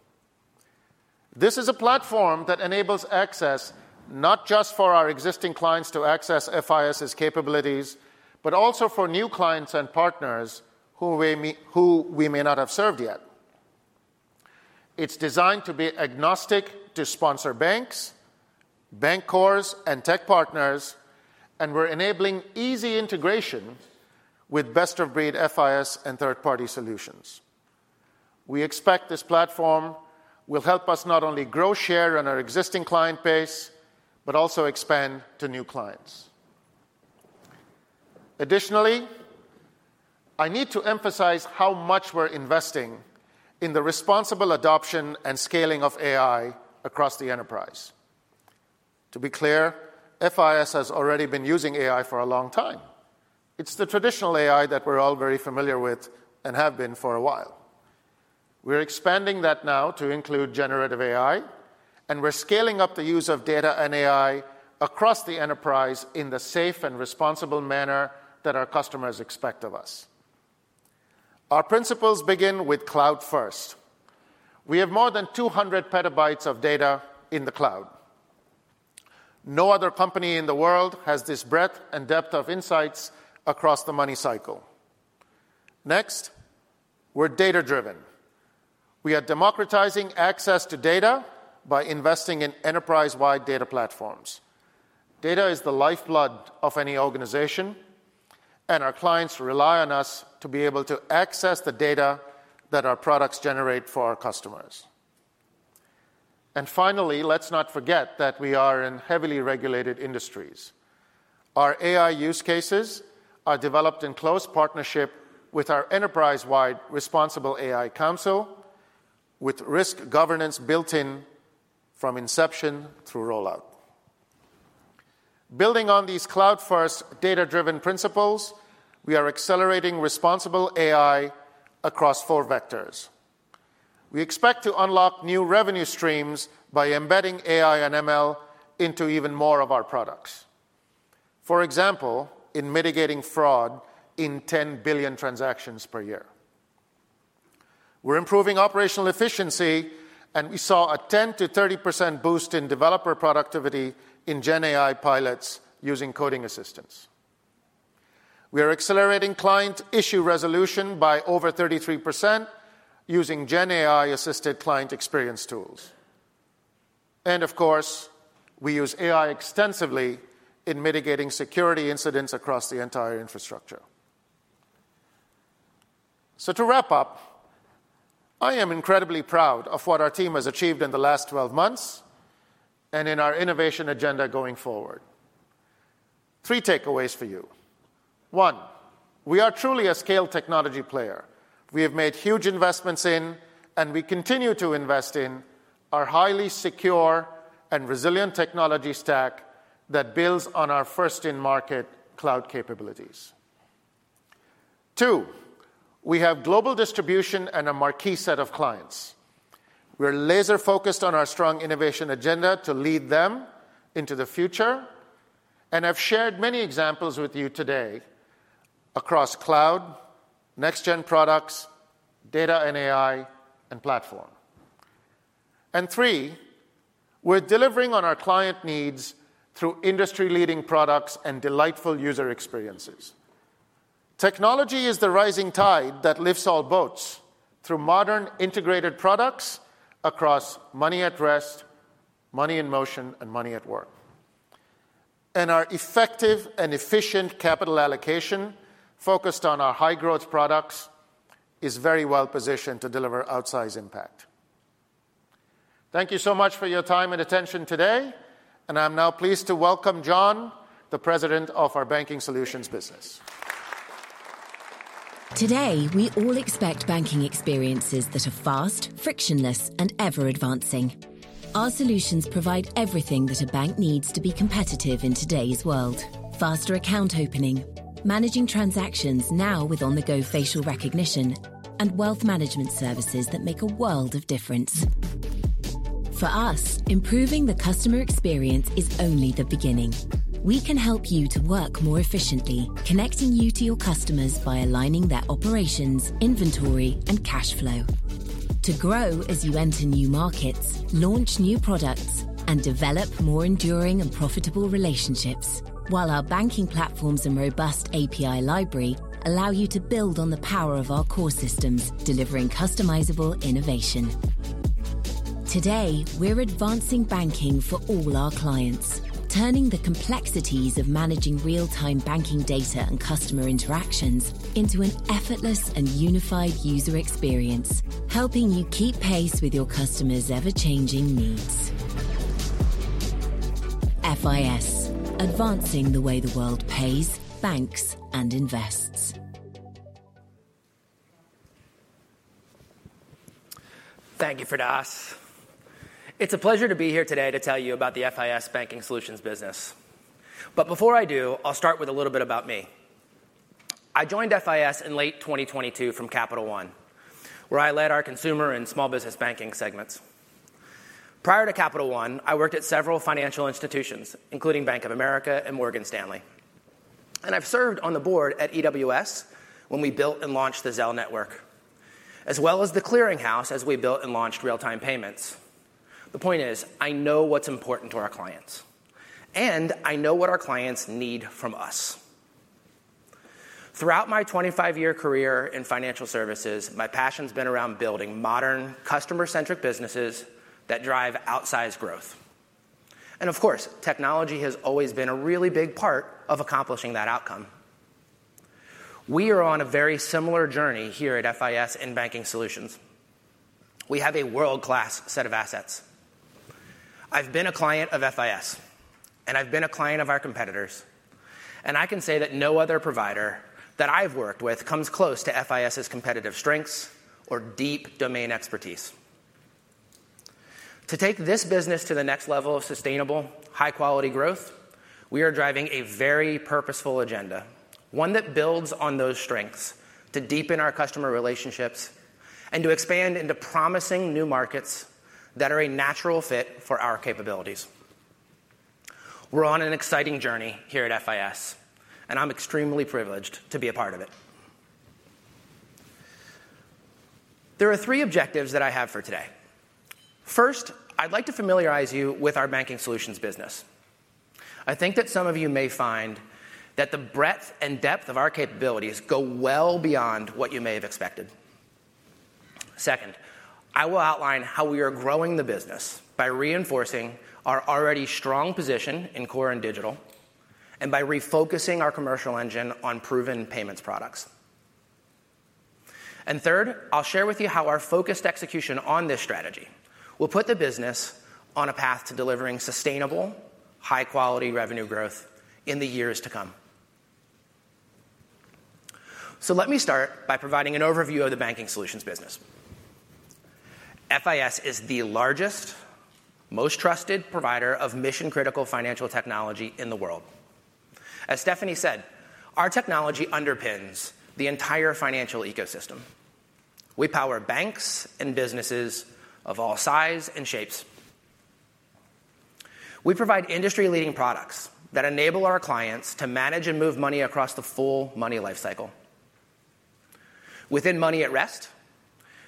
This is a platform that enables access, not just for our existing clients to access FIS's capabilities, but also for new clients and partners who we may not have served yet. It's designed to be agnostic to sponsor banks, bank cores, and tech partners, and we're enabling easy integration with best-of-breed FIS and third-party solutions. We expect this platform will help us not only grow share on our existing client base, but also expand to new clients. Additionally, I need to emphasize how much we're investing in the responsible adoption and scaling of AI across the enterprise. To be clear, FIS has already been using AI for a long time. It's the traditional AI that we're all very familiar with and have been for a while. We're expanding that now to include generative AI, and we're scaling up the use of data and AI across the enterprise in the safe and responsible manner that our customers expect of us. Our principles begin with cloud first. We have more than 200 PB of data in the cloud. No other company in the world has this breadth and depth of insights across the money cycle. Next, we're data-driven. We are democratizing access to data by investing in enterprise-wide data platforms. Data is the lifeblood of any organization, and our clients rely on us to be able to access the data that our products generate for our customers. Finally, let's not forget that we are in heavily regulated industries. Our AI use cases are developed in close partnership with our enterprise-wide responsible AI council, with risk governance built in from inception through rollout. Building on these cloud-first, data-driven principles, we are accelerating responsible AI across four vectors. We expect to unlock new revenue streams by embedding AI and ML into even more of our products. For example, in mitigating fraud in 10 billion transactions per year. We're improving operational efficiency, and we saw a 10%-30% boost in developer productivity in GenAI pilots using coding assistance. We are accelerating client issue resolution by over 33% using GenAI-assisted client experience tools. And of course, we use AI extensively in mitigating security incidents across the entire infrastructure. So to wrap up, I am incredibly proud of what our team has achieved in the last 12 months and in our innovation agenda going forward. three takeaways for you. one we are truly a scale technology player. We have made huge investments in, and we continue to invest in, our highly secure and resilient technology stack that builds on our first-in-market cloud capabilities. Two, we have global distribution and a marquee set of clients. We're laser-focused on our strong innovation agenda to lead them into the future, and I've shared many examples with you today across cloud, next-gen products, data and AI, and platform. And three, we're delivering on our client needs through industry-leading products and delightful user experiences. Technology is the rising tide that lifts all boats through modern, integrated products across money at rest, money in motion, and money at work. Our effective and efficient capital allocation, focused on our high-growth products, is very well-positioned to deliver outsized impact. Thank you so much for your time and attention today, and I'm now pleased to welcome John, the President of our Banking Solutions business. Today, we all expect banking experiences that are fast, frictionless, and ever-advancing. Our solutions provide everything that a bank needs to be competitive in today's world: faster account opening, managing transactions now with on-the-go facial recognition, and wealth management services that make a world of difference... For us, improving the customer experience is only the beginning. We can help you to work more efficiently, connecting you to your customers by aligning their operations, inventory, and cash flow. To grow as you enter new markets, launch new products, and develop more enduring and profitable relationships, while our banking platforms and robust API library allow you to build on the power of our core systems, delivering customizable innovation. Today, we're advancing banking for all our clients, turning the complexities of managing real-time banking data and customer interactions into an effortless and unified user experience, helping you keep pace with your customers' ever-changing needs. FIS, advancing the way the world pays, banks, and invests. Thank you, Firdaus. It's a pleasure to be here today to tell you about the FIS Banking Solutions business. But before I do, I'll start with a little bit about me. I joined FIS in late 2022 from Capital One, where I led our consumer and small business banking segments. Prior to Capital One, I worked at several financial institutions, including Bank of America and Morgan Stanley, and I've served on the board at EWS when we built and launched the Zelle Network, as well as the clearing house as we built and launched real-time payments. The point is, I know what's important to our clients, and I know what our clients need from us. Throughout my 25-year career in financial services, my passion's been around building modern, customer-centric businesses that drive outsized growth. And of course, technology has always been a really big part of accomplishing that outcome. We are on a very similar journey here at FIS in Banking Solutions. We have a world-class set of assets. I've been a client of FIS, and I've been a client of our competitors, and I can say that no other provider that I've worked with comes close to FIS's competitive strengths or deep domain expertise. To take this business to the next level of sustainable, high-quality growth, we are driving a very purposeful agenda, one that builds on those strengths to deepen our customer relationships and to expand into promising new markets that are a natural fit for our capabilities. We're on an exciting journey here at FIS, and I'm extremely privileged to be a part of it. There are three objectives that I have for today. First, I'd like to familiarize you with our banking solutions business. I think that some of you may find that the breadth and depth of our capabilities go well beyond what you may have expected. Second, I will outline how we are growing the business by reinforcing our already strong position in core and digital, and by refocusing our commercial engine on proven payments products. Third, I'll share with you how our focused execution on this strategy will put the business on a path to delivering sustainable, high-quality revenue growth in the years to come. Let me start by providing an overview of the banking solutions business. FIS is the largest, most trusted provider of mission-critical financial technology in the world. As Stephanie said, our technology underpins the entire financial ecosystem. We power banks and businesses of all sizes and shapes. We provide industry-leading products that enable our clients to manage and move money across the full money life cycle. Within money at rest,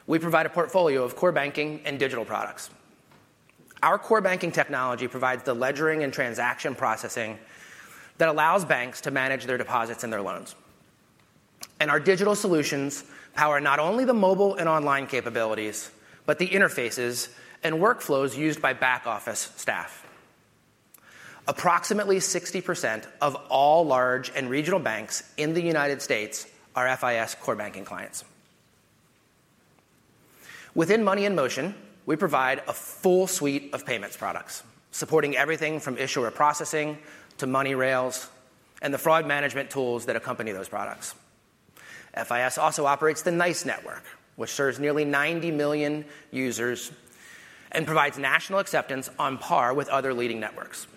we provide a portfolio of core banking and digital products. Our core banking technology provides the ledgering and transaction processing that allows banks to manage their deposits and their loans. Our digital solutions power not only the mobile and online capabilities, but the interfaces and workflows used by back-office staff. Approximately 60% of all large and regional banks in the United States are FIS core banking clients. Within money in motion, we provide a full suite of payments products, supporting everything from issuer processing to money rails and the fraud management tools that accompany those products. FIS also operates the NYCE network, which serves nearly 90 million users and provides national acceptance on par with other leading networks.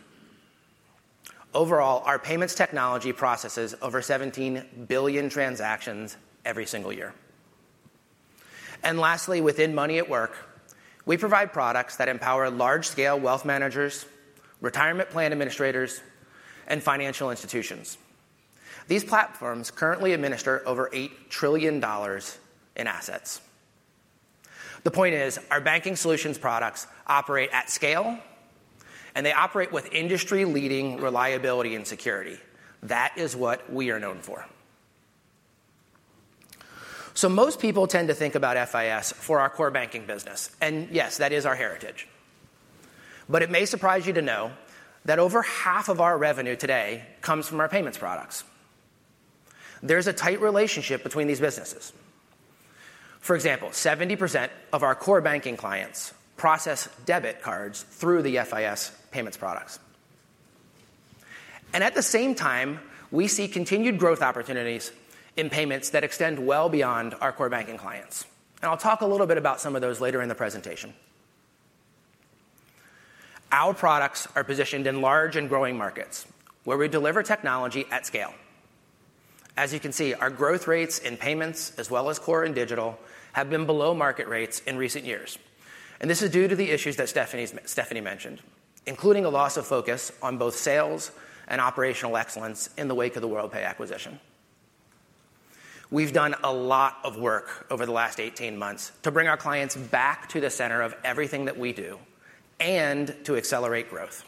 Overall, our payments technology processes over 17 billion transactions every single year. Lastly, within money at work, we provide products that empower large-scale wealth managers, retirement plan administrators, and financial institutions. These platforms currently administer over $8 trillion in assets. The point is, our banking solutions products operate at scale, and they operate with industry-leading reliability and security. That is what we are known for. Most people tend to think about FIS for our core banking business, and yes, that is our heritage. It may surprise you to know that over half of our revenue today comes from our payments products. There's a tight relationship between these businesses. For example, 70% of our core banking clients process debit cards through the FIS payments products. And at the same time, we see continued growth opportunities in payments that extend well beyond our core banking clients, and I'll talk a little bit about some of those later in the presentation. Our products are positioned in large and growing markets where we deliver technology at scale. As you can see, our growth rates in payments, as well as core and digital, have been below market rates in recent years. This is due to the issues that Stephanie mentioned, including a loss of focus on both sales and operational excellence in the wake of the Worldpay acquisition. We've done a lot of work over the last 18 months to bring our clients back to the center of everything that we do and to accelerate growth.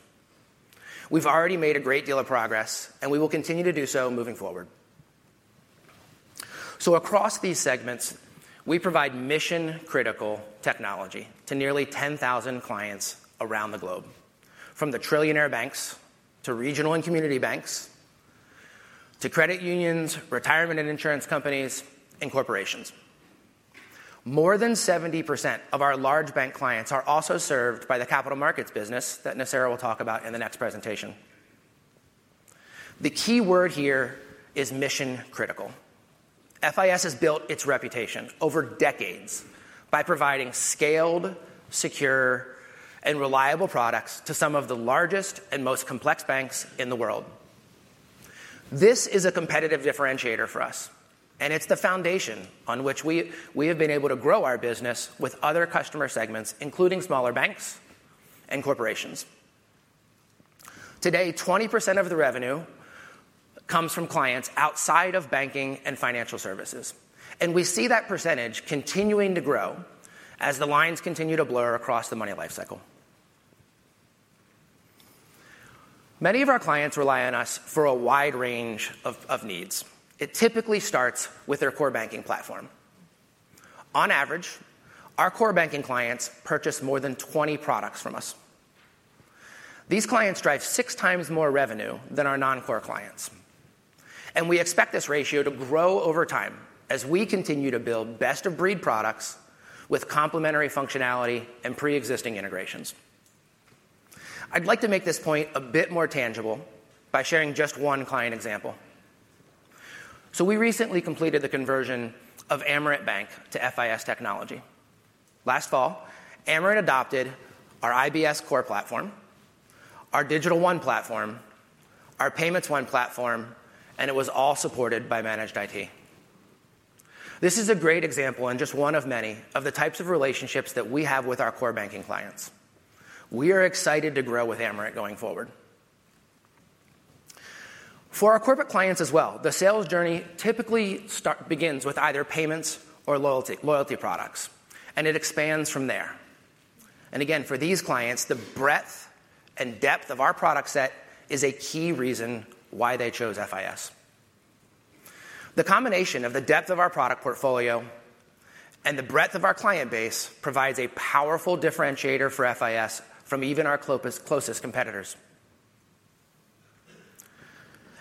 We've already made a great deal of progress, and we will continue to do so moving forward. So across these segments, we provide mission-critical technology to nearly 10,000 clients around the globe, from the trillionaire banks to regional and community banks, to credit unions, retirement and insurance companies, and corporations. More than 70% of our large bank clients are also served by the capital markets business that Nasser will talk about in the next presentation. The key word here is mission critical. FIS has built its reputation over decades by providing scaled, secure, and reliable products to some of the largest and most complex banks in the world. This is a competitive differentiator for us, and it's the foundation on which we have been able to grow our business with other customer segments, including smaller banks and corporations. Today, 20% of the revenue comes from clients outside of banking and financial services, and we see that percentage continuing to grow as the lines continue to blur across the money lifecycle. Many of our clients rely on us for a wide range of needs. It typically starts with their core banking platform. On average, our core banking clients purchase more than 20 products from us. These clients drive 6x more revenue than our non-core clients, and we expect this ratio to grow over time as we continue to build best-of-breed products with complementary functionality and pre-existing integrations. I'd like to make this point a bit more tangible by sharing just one client example. So we recently completed the conversion of Amerant Bank to FIS technology. Last fall, Amerant adopted our IBS core platform, our Digital One platform, our Payments One platform, and it was all supported by Managed IT. This is a great example, and just one of many, of the types of relationships that we have with our core banking clients. We are excited to grow with Amerant going forward. For our corporate clients as well, the sales journey typically begins with either payments or loyalty, loyalty products, and it expands from there. And again, for these clients, the breadth and depth of our product set is a key reason why they chose FIS. The combination of the depth of our product portfolio and the breadth of our client base provides a powerful differentiator for FIS from even our closest competitors.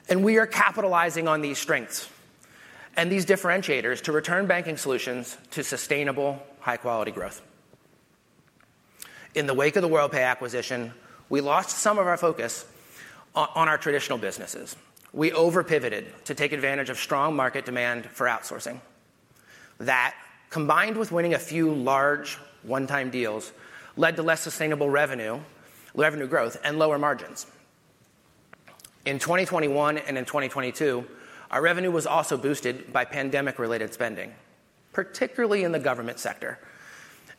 And we are capitalizing on these strengths and these differentiators to return banking solutions to sustainable, high-quality growth. In the wake of the Worldpay acquisition, we lost some of our focus on our traditional businesses. We over-pivoted to take advantage of strong market demand for outsourcing. That, combined with winning a few large one-time deals, led to less sustainable revenue, revenue growth and lower margins. In 2021 and in 2022, our revenue was also boosted by pandemic-related spending, particularly in the government sector,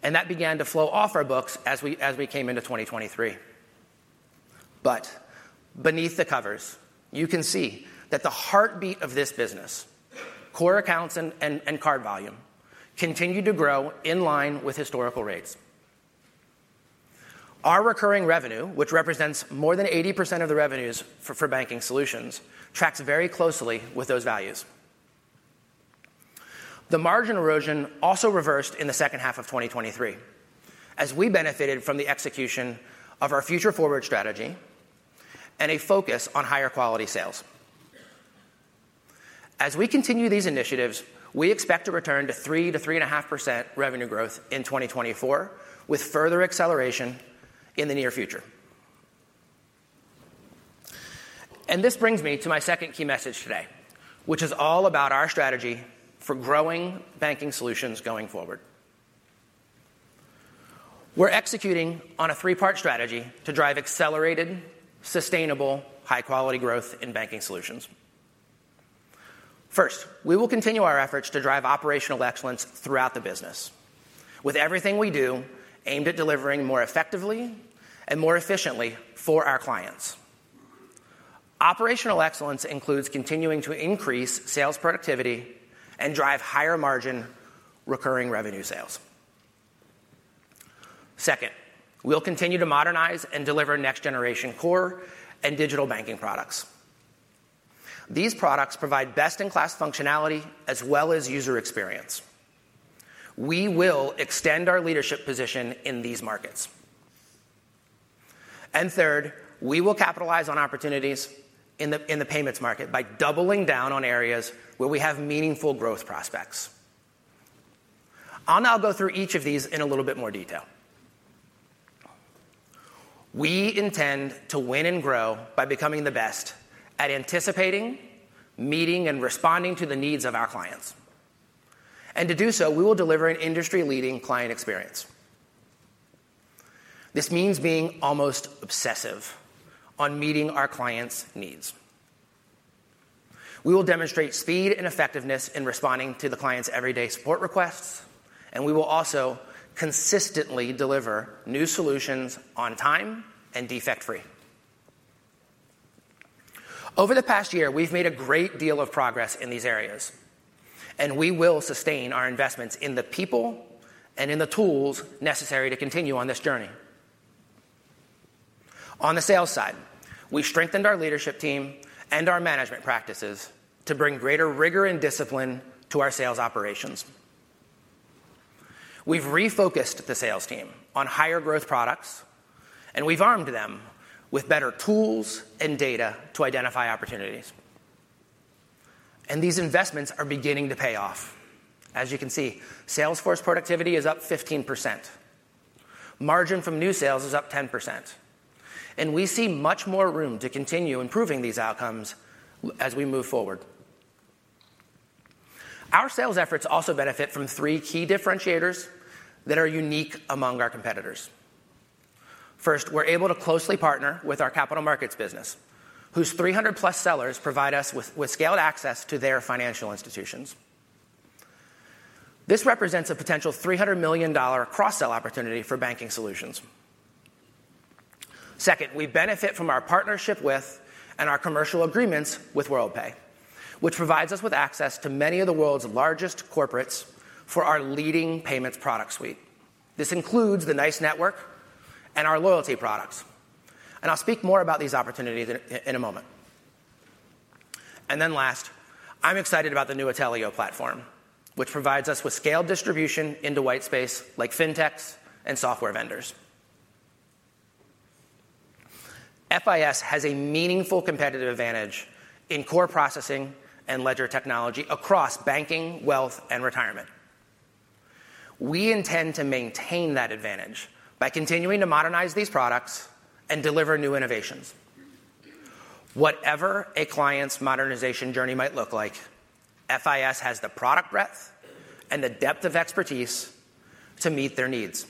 and that began to flow off our books as we came into 2023. But beneath the covers, you can see that the heartbeat of this business, core accounts and card volume, continued to grow in line with historical rates. Our recurring revenue, which represents more than 80% of the revenues for banking solutions, tracks very closely with those values. The margin erosion also reversed in the second half of 2023, as we benefited from the execution of our future forward strategy and a focus on higher quality sales. As we continue these initiatives, we expect to return to 3%-3.5% revenue growth in 2024, with further acceleration in the near future. This brings me to my second key message today, which is all about our strategy for growing banking solutions going forward. We're executing on a three-part strategy to drive accelerated, sustainable, high-quality growth in banking solutions. First, we will continue our efforts to drive operational excellence throughout the business, with everything we do aimed at delivering more effectively and more efficiently for our clients. Operational excellence includes continuing to increase sales productivity and drive higher margin recurring revenue sales. Second, we'll continue to modernize and deliver next generation core and digital banking products. These products provide best-in-class functionality as well as user experience. We will extend our leadership position in these markets. And third, we will capitalize on opportunities in the payments market by doubling down on areas where we have meaningful growth prospects. I'll now go through each of these in a little bit more detail. We intend to win and grow by becoming the best at anticipating, meeting, and responding to the needs of our clients. And to do so, we will deliver an industry-leading client experience.... This means being almost obsessive on meeting our clients' needs. We will demonstrate speed and effectiveness in responding to the client's everyday support requests, and we will also consistently deliver new solutions on time and defect-free. Over the past year, we've made a great deal of progress in these areas, and we will sustain our investments in the people and in the tools necessary to continue on this journey. On the sales side, we've strengthened our leadership team and our management practices to bring greater rigor and discipline to our sales operations. We've refocused the sales team on higher growth products, and we've armed them with better tools and data to identify opportunities, and these investments are beginning to pay off. As you can see, sales force productivity is up 15%, margin from new sales is up 10%, and we see much more room to continue improving these outcomes as we move forward. Our sales efforts also benefit from three key differentiators that are unique among our competitors. First, we're able to closely partner with our capital markets business, whose 300+ sellers provide us with scaled access to their financial institutions. This represents a potential $300 million cross-sell opportunity for banking solutions. Second, we benefit from our partnership with and our commercial agreements with Worldpay, which provides us with access to many of the world's largest corporates for our leading payments product suite. This includes the NYCE network and our loyalty products, and I'll speak more about these opportunities in a moment. And then last, I'm excited about the new Atelio platform, which provides us with scaled distribution into white space, like fintechs and software vendors. FIS has a meaningful competitive advantage in core processing and ledger technology across banking, wealth, and retirement. We intend to maintain that advantage by continuing to modernize these products and deliver new innovations. Whatever a client's modernization journey might look like, FIS has the product breadth and the depth of expertise to meet their needs.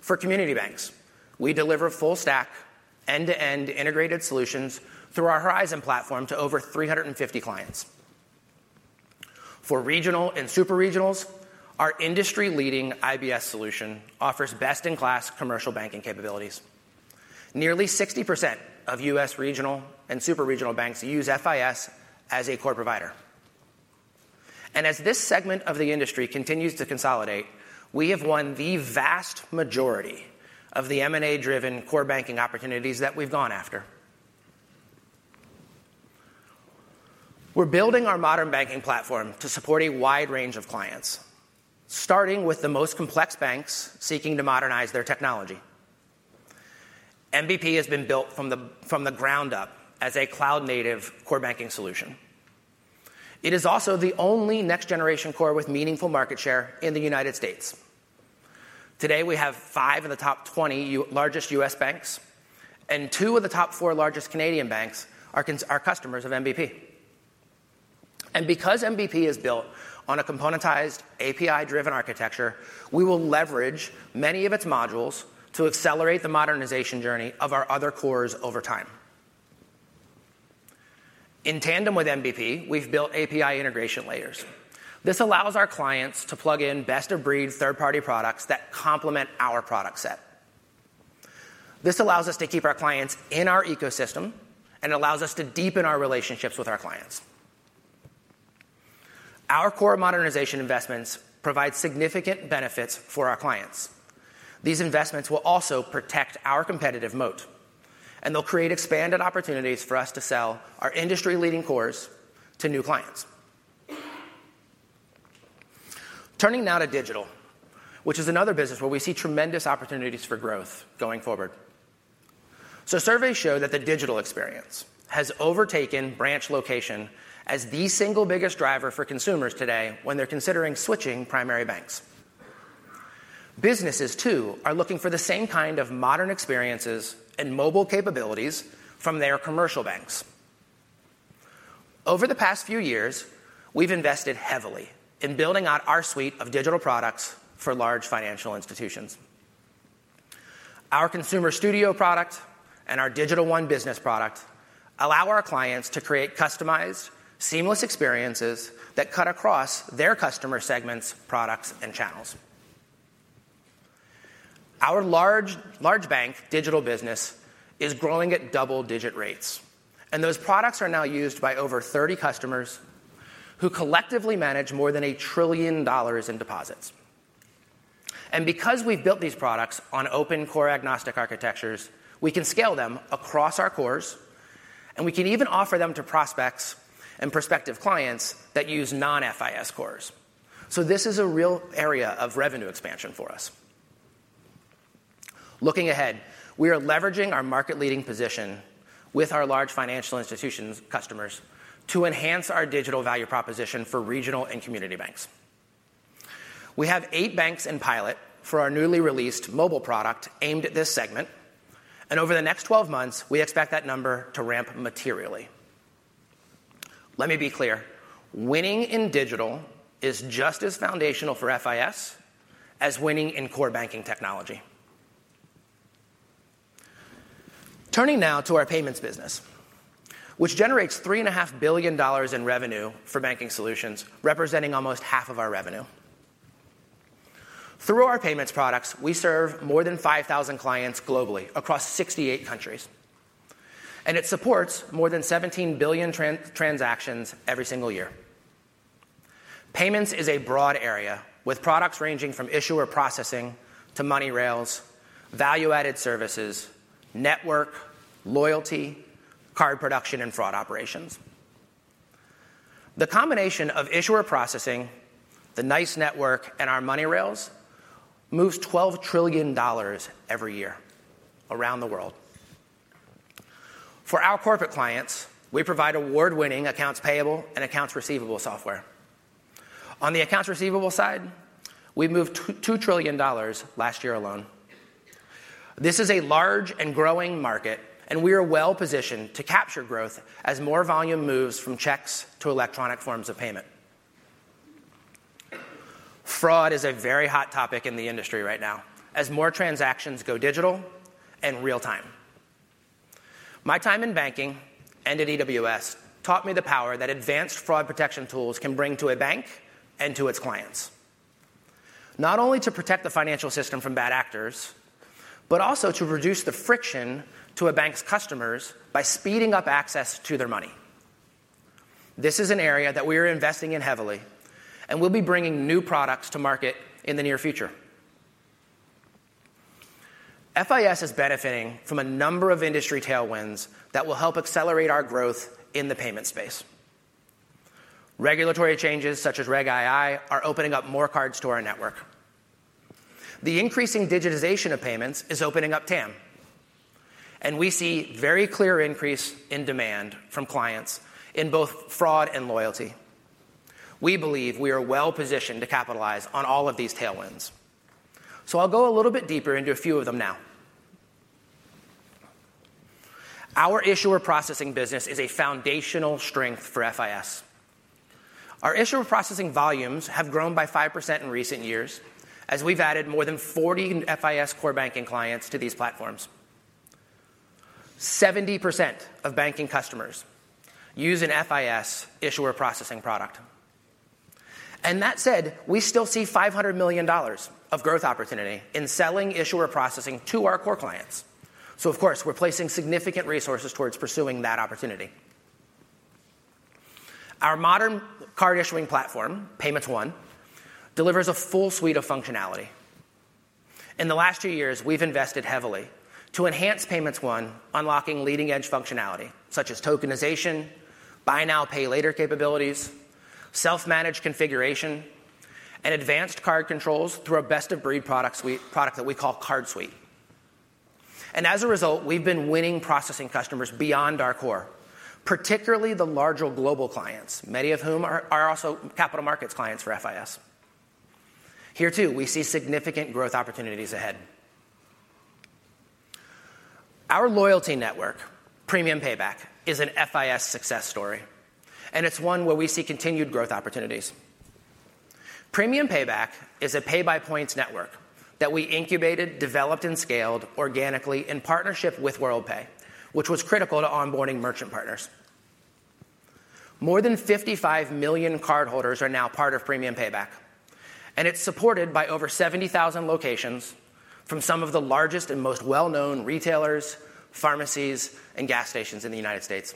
For community banks, we deliver full stack, end-to-end integrated solutions through our Horizon platform to over 350 clients. For regional and super regionals, our industry-leading IBS solution offers best-in-class commercial banking capabilities. Nearly 60% of U.S. regional and super regional banks use FIS as a core provider. And as this segment of the industry continues to consolidate, we have won the vast majority of the M&A-driven core banking opportunities that we've gone after. We're building our modern banking platform to support a wide range of clients, starting with the most complex banks seeking to modernize their technology. MBP has been built from the ground up as a cloud-native core banking solution. It is also the only next-generation core with meaningful market share in the United States. Today, we have five of the top 20 largest U.S. banks, and two of the top four largest Canadian banks are customers of MBP. Because MBP is built on a componentized, API-driven architecture, we will leverage many of its modules to accelerate the modernization journey of our other cores over time. In tandem with MBP, we've built API integration layers. This allows our clients to plug in best-of-breed third-party products that complement our product set. This allows us to keep our clients in our ecosystem and allows us to deepen our relationships with our clients. Our core modernization investments provide significant benefits for our clients. These investments will also protect our competitive moat, and they'll create expanded opportunities for us to sell our industry-leading cores to new clients. Turning now to digital, which is another business where we see tremendous opportunities for growth going forward. Surveys show that the digital experience has overtaken branch location as the single biggest driver for consumers today when they're considering switching primary banks. Businesses, too, are looking for the same kind of modern experiences and mobile capabilities from their commercial banks. Over the past few years, we've invested heavily in building out our suite of digital products for large financial institutions. Our Consumer Studio product and our Digital One Business product allow our clients to create customized, seamless experiences that cut across their customer segments, products, and channels. Our large, large bank digital business is growing at double-digit rates, and those products are now used by over 30 customers who collectively manage more than $1 trillion in deposits. Because we've built these products on open core agnostic architectures, we can scale them across our cores, and we can even offer them to prospects and prospective clients that use non-FIS cores. So this is a real area of revenue expansion for us. Looking ahead, we are leveraging our market-leading position with our large financial institutions customers to enhance our digital value proposition for regional and community banks. We have eight banks in pilot for our newly released mobile product aimed at this segment, and over the next 12 months, we expect that number to ramp materially... Let me be clear, winning in digital is just as foundational for FIS as winning in core banking technology. Turning now to our payments business, which generates $3.5 billion in revenue for banking solutions, representing almost half of our revenue. Through our payments products, we serve more than 5,000 clients globally across 68 countries, and it supports more than 17 billion transactions every single year. Payments is a broad area, with products ranging from issuer processing to money rails, value-added services, network, loyalty, card production, and fraud operations. The combination of issuer processing, the NYCE network, and our money rails moves $12 trillion every year around the world. For our corporate clients, we provide award-winning accounts payable and accounts receivable software. On the accounts receivable side, we moved $2 trillion last year alone. This is a large and growing market, and we are well-positioned to capture growth as more volume moves from checks to electronic forms of payment. Fraud is a very hot topic in the industry right now as more transactions go digital and real-time. My time in banking and at EWS taught me the power that advanced fraud protection tools can bring to a bank and to its clients. Not only to protect the financial system from bad actors, but also to reduce the friction to a bank's customers by speeding up access to their money. This is an area that we are investing in heavily, and we'll be bringing new products to market in the near future. FIS is benefiting from a number of industry tailwinds that will help accelerate our growth in the payment space. Regulatory changes such as Reg II are opening up more cards to our network. The increasing digitization of payments is opening up TAM, and we see very clear increase in demand from clients in both fraud and loyalty. We believe we are well-positioned to capitalize on all of these tailwinds. So I'll go a little bit deeper into a few of them now. Our issuer processing business is a foundational strength for FIS. Our issuer processing volumes have grown by 5% in recent years as we've added more than 40 FIS core banking clients to these platforms. 70% of banking customers use an FIS issuer processing product, and that said, we still see $500 million of growth opportunity in selling issuer processing to our core clients. So of course, we're placing significant resources towards pursuing that opportunity. Our modern card issuing platform, Payments One, delivers a full suite of functionality. In the last two years, we've invested heavily to enhance Payments One, unlocking leading-edge functionality such as tokenization, buy now, pay later capabilities, self-managed configuration, and advanced card controls through our best-of-breed product suite, product that we call Card Suite. As a result, we've been winning processing customers beyond our core, particularly the larger global clients, many of whom are also capital markets clients for FIS. Here, too, we see significant growth opportunities ahead. Our loyalty network, Premium Payback, is an FIS success story, and it's one where we see continued growth opportunities. Premium Payback is a pay-by-points network that we incubated, developed, and scaled organically in partnership with Worldpay, which was critical to onboarding merchant partners. More than 55 million cardholders are now part of Premium Payback, and it's supported by over 70,000 locations from some of the largest and most well-known retailers, pharmacies, and gas stations in the United States.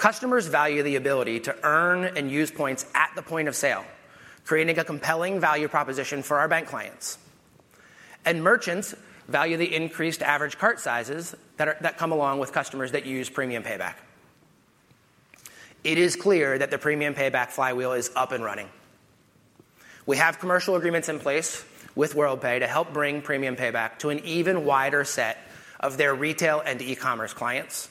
Customers value the ability to earn and use points at the point of sale, creating a compelling value proposition for our bank clients. Merchants value the increased average cart sizes that come along with customers that use Premium Payback. It is clear that the Premium Payback flywheel is up and running. We have commercial agreements in place with Worldpay to help bring Premium Payback to an even wider set of their retail and e-commerce clients,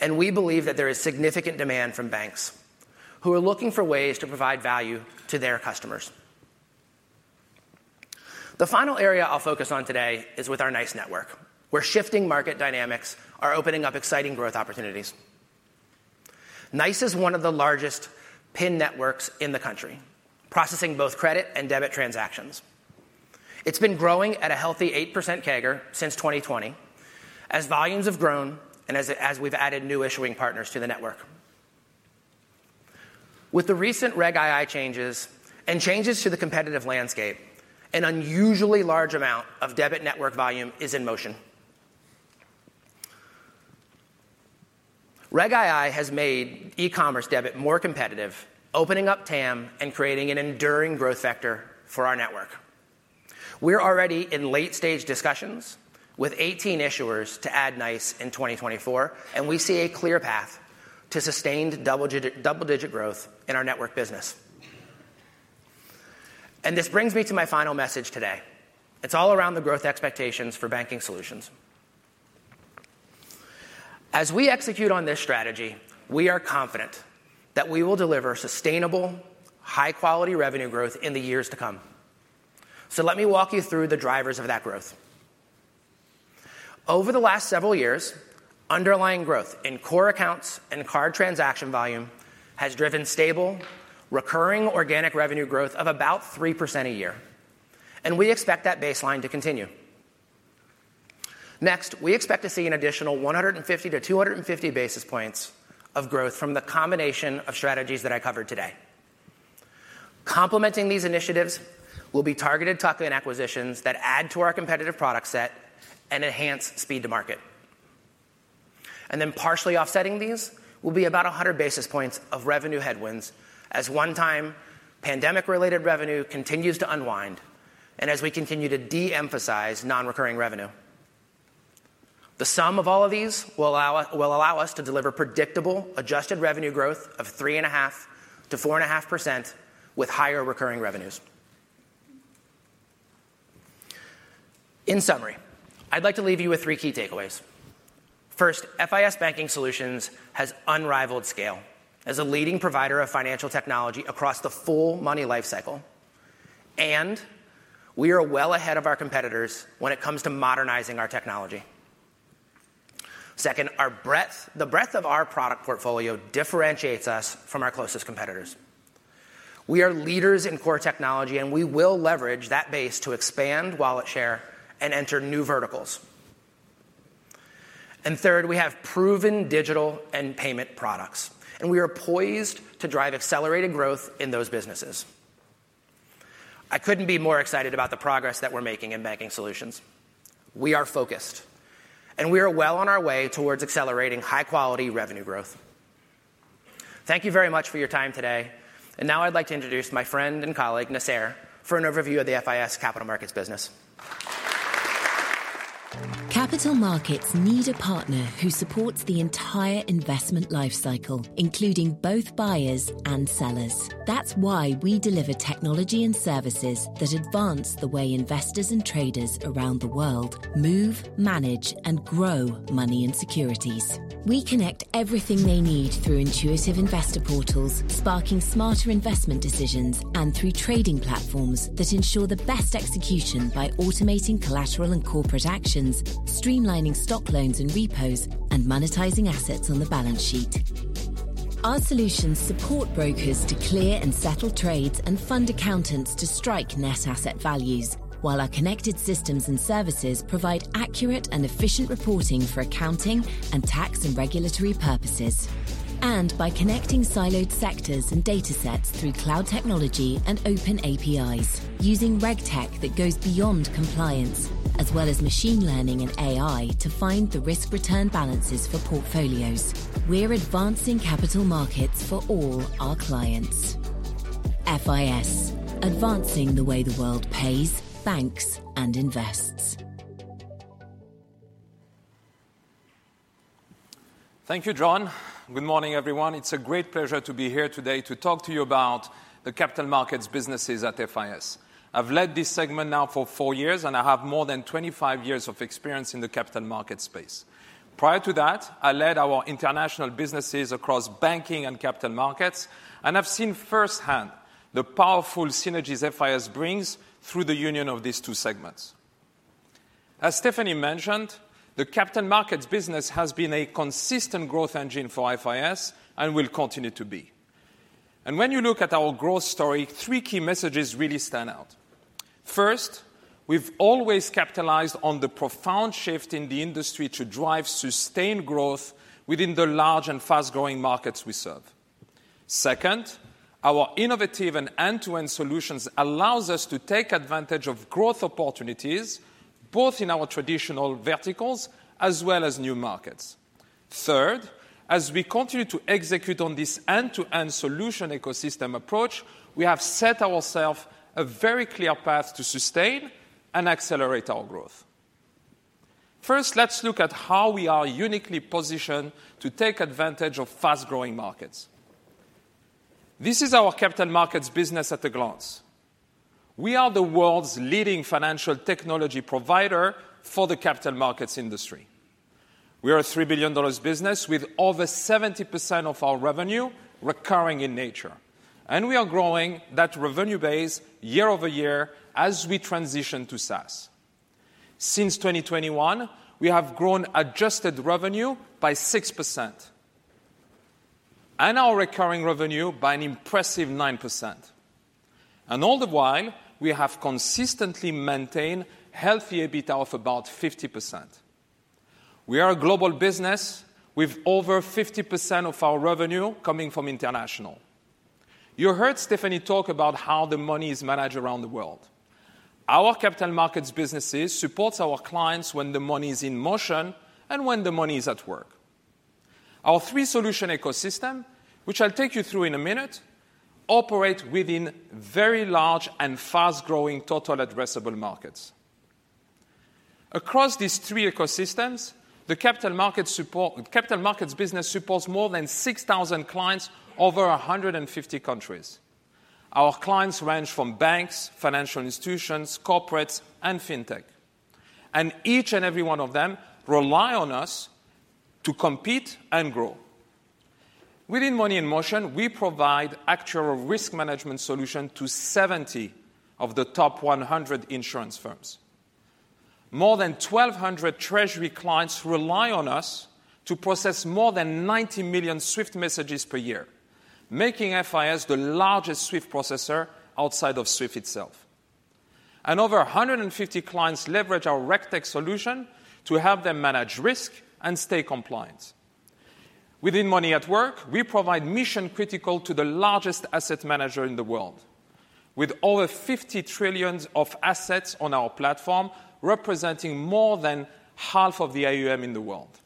and we believe that there is significant demand from banks who are looking for ways to provide value to their customers. The final area I'll focus on today is with our NYCE network, where shifting market dynamics are opening up exciting growth opportunities. NYCE is one of the largest PIN networks in the country, processing both credit and debit transactions. It's been growing at a healthy 8% CAGR since 2020, as volumes have grown and as we've added new issuing partners to the network. With the recent Reg II changes and changes to the competitive landscape, an unusually large amount of debit network volume is in motion. Reg II has made e-commerce debit more competitive, opening up TAM and creating an enduring growth vector for our network. We're already in late-stage discussions with 18 issuers to add NYCE in 2024, and we see a clear path to sustained double-digit growth in our network business. And this brings me to my final message today. It's all around the growth expectations for banking solutions. As we execute on this strategy, we are confident that we will deliver sustainable, high-quality revenue growth in the years to come. So let me walk you through the drivers of that growth.... Over the last several years, underlying growth in core accounts and card transaction volume has driven stable, recurring organic revenue growth of about 3% a year, and we expect that baseline to continue. Next, we expect to see an additional 150-250 basis points of growth from the combination of strategies that I covered today. Complementing these initiatives will be targeted tuck-in acquisitions that add to our competitive product set and enhance speed to market. And then partially offsetting these will be about 100 basis points of revenue headwinds as one-time pandemic-related revenue continues to unwind and as we continue to de-emphasize non-recurring revenue. The sum of all of these will allow us to deliver predictable adjusted revenue growth of 3.5%-4.5% with higher recurring revenues. In summary, I'd like to leave you with three key takeaways. First, FIS Banking Solutions has unrivaled scale as a leading provider of financial technology across the full money lifecycle, and we are well ahead of our competitors when it comes to modernizing our technology. Second, our breadth, the breadth of our product portfolio differentiates us from our closest competitors. We are leaders in core technology, and we will leverage that base to expand wallet share and enter new verticals. And third, we have proven digital and payment products, and we are poised to drive accelerated growth in those businesses. I couldn't be more excited about the progress that we're making in Banking Solutions. We are focused, and we are well on our way towards accelerating high-quality revenue growth. Thank you very much for your time today, and now I'd like to introduce my friend and colleague, Nasser, for an overview of the FIS Capital Markets business. Capital markets need a partner who supports the entire investment lifecycle, including both buyers and sellers. That's why we deliver technology and services that advance the way investors and traders around the world move, manage, and grow money and securities. We connect everything they need through intuitive investor portals, sparking smarter investment decisions, and through trading platforms that ensure the best execution by automating collateral and corporate actions, streamlining stock loans and repos, and monetizing assets on the balance sheet. Our solutions support brokers to clear and settle trades and fund accountants to strike net asset values, while our connected systems and services provide accurate and efficient reporting for accounting and tax and regulatory purposes. By connecting siloed sectors and datasets through cloud technology and open APIs, using RegTech that goes beyond compliance, as well as machine learning and AI to find the risk-return balances for portfolios, we're advancing capital markets for all our clients. FIS: advancing the way the world pays, banks, and invests. Thank you, John. Good morning, everyone. It's a great pleasure to be here today to talk to you about the capital markets businesses at FIS. I've led this segment now for four years, and I have more than 25 years of experience in the capital market space. Prior to that, I led our international businesses across banking and capital markets, and I've seen firsthand the powerful synergies FIS brings through the union of these two segment. As Stephanie mentioned, the capital markets business has been a consistent growth engine for FIS and will continue to be. When you look at our growth story, three key messages really stand out. First, we've always capitalized on the profound shift in the industry to drive sustained growth within the large and fast-growing markets we serve. Second, our innovative and end-to-end solutions allows us to take advantage of growth opportunities, both in our traditional verticals as well as new markets. Third, as we continue to execute on this end-to-end solution ecosystem approach, we have set ourself a very clear path to sustain and accelerate our growth. First, let's look at how we are uniquely positioned to take advantage of fast-growing markets. This is our capital markets business at a glance. We are the world's leading financial technology provider for the capital markets industry. We are a $3 billion business with over 70% of our revenue recurring in nature, and we are growing that revenue base year-over-year as we transition to SaaS. Since 2021, we have grown adjusted revenue by 6% and our recurring revenue by an impressive 9%, and all the while, we have consistently maintained healthy EBITDA of about 50%. We are a global business with over 50% of our revenue coming from international. You heard Stephanie talk about how the money is managed around the world. Our capital markets businesses supports our clients when the money is in motion and when the money is at work. Our three-solution ecosystem, which I'll take you through in a minute, operate within very large and fast-growing total addressable markets. Across these three ecosystems, the capital markets business supports more than 6,000 clients over 150 countries. Our clients range from banks, financial institutions, corporates, and fintech, and each and every one of them rely on us to compete and grow. Within Money in Motion, we provide actuarial risk management solution to 70 of the top 100 insurance firms. More than 1,200 treasury clients rely on us to process more than 90 million SWIFT messages per year, making FIS the largest SWIFT processor outside of SWIFT itself. Over 150 clients leverage our RegTech solution to help them manage risk and stay compliant. Within Money at Work, we provide mission critical to the largest asset manager in the world, with over 50 trillion of assets on our platform, representing more than half of the AUM in the world.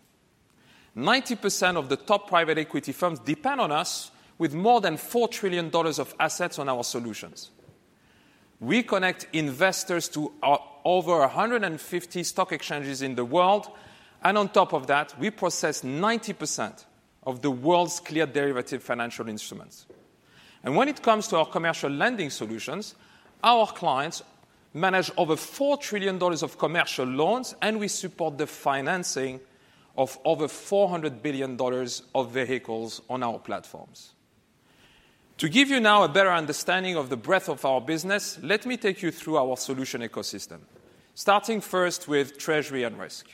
90% of the top private equity firms depend on us, with more than $4 trillion of assets on our solutions. We connect investors to over 150 stock exchanges in the world, and on top of that, we process 90% of the world's cleared derivative financial instruments. When it comes to our commercial lending solutions, our clients manage over $4 trillion of commercial loans, and we support the financing of over $400 billion of vehicles on our platforms. To give you now a better understanding of the breadth of our business, let me take you through our solution ecosystem, starting first with treasury and risk.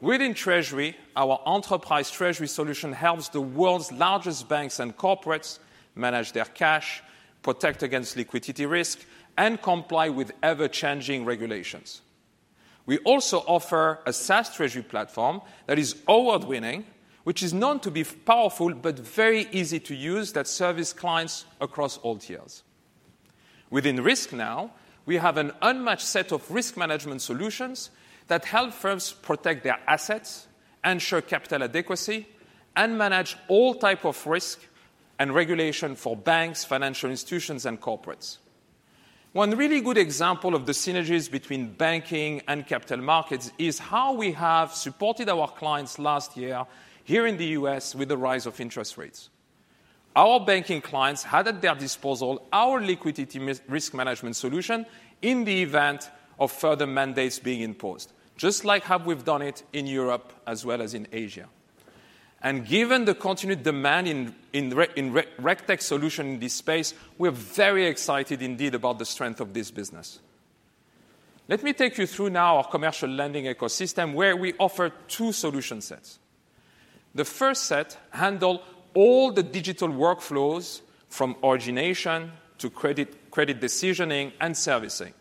Within treasury, our enterprise treasury solution helps the world's largest banks and corporates manage their cash, protect against liquidity risk, and comply with ever-changing regulations. We also offer a SaaS treasury platform that is award-winning, which is known to be powerful but very easy to use, that serves clients across all tiers. Within risk now, we have an unmatched set of risk management solutions that help firms protect their assets, ensure capital adequacy, and manage all type of risk and regulation for banks, financial institutions, and corporates. One really good example of the synergies between banking and capital markets is how we have supported our clients last year here in the U.S. with the rise of interest rates. Our banking clients had at their disposal our liquidity risk management solution in the event of further mandates being imposed, just like how we've done it in Europe as well as in Asia. Given the continued demand in RegTech solution in this space, we're very excited indeed about the strength of this business. Let me take you through now our commercial lending ecosystem, where we offer two solution sets. The first set handles all the digital workflows from origination to credit, credit decisioning, and servicing.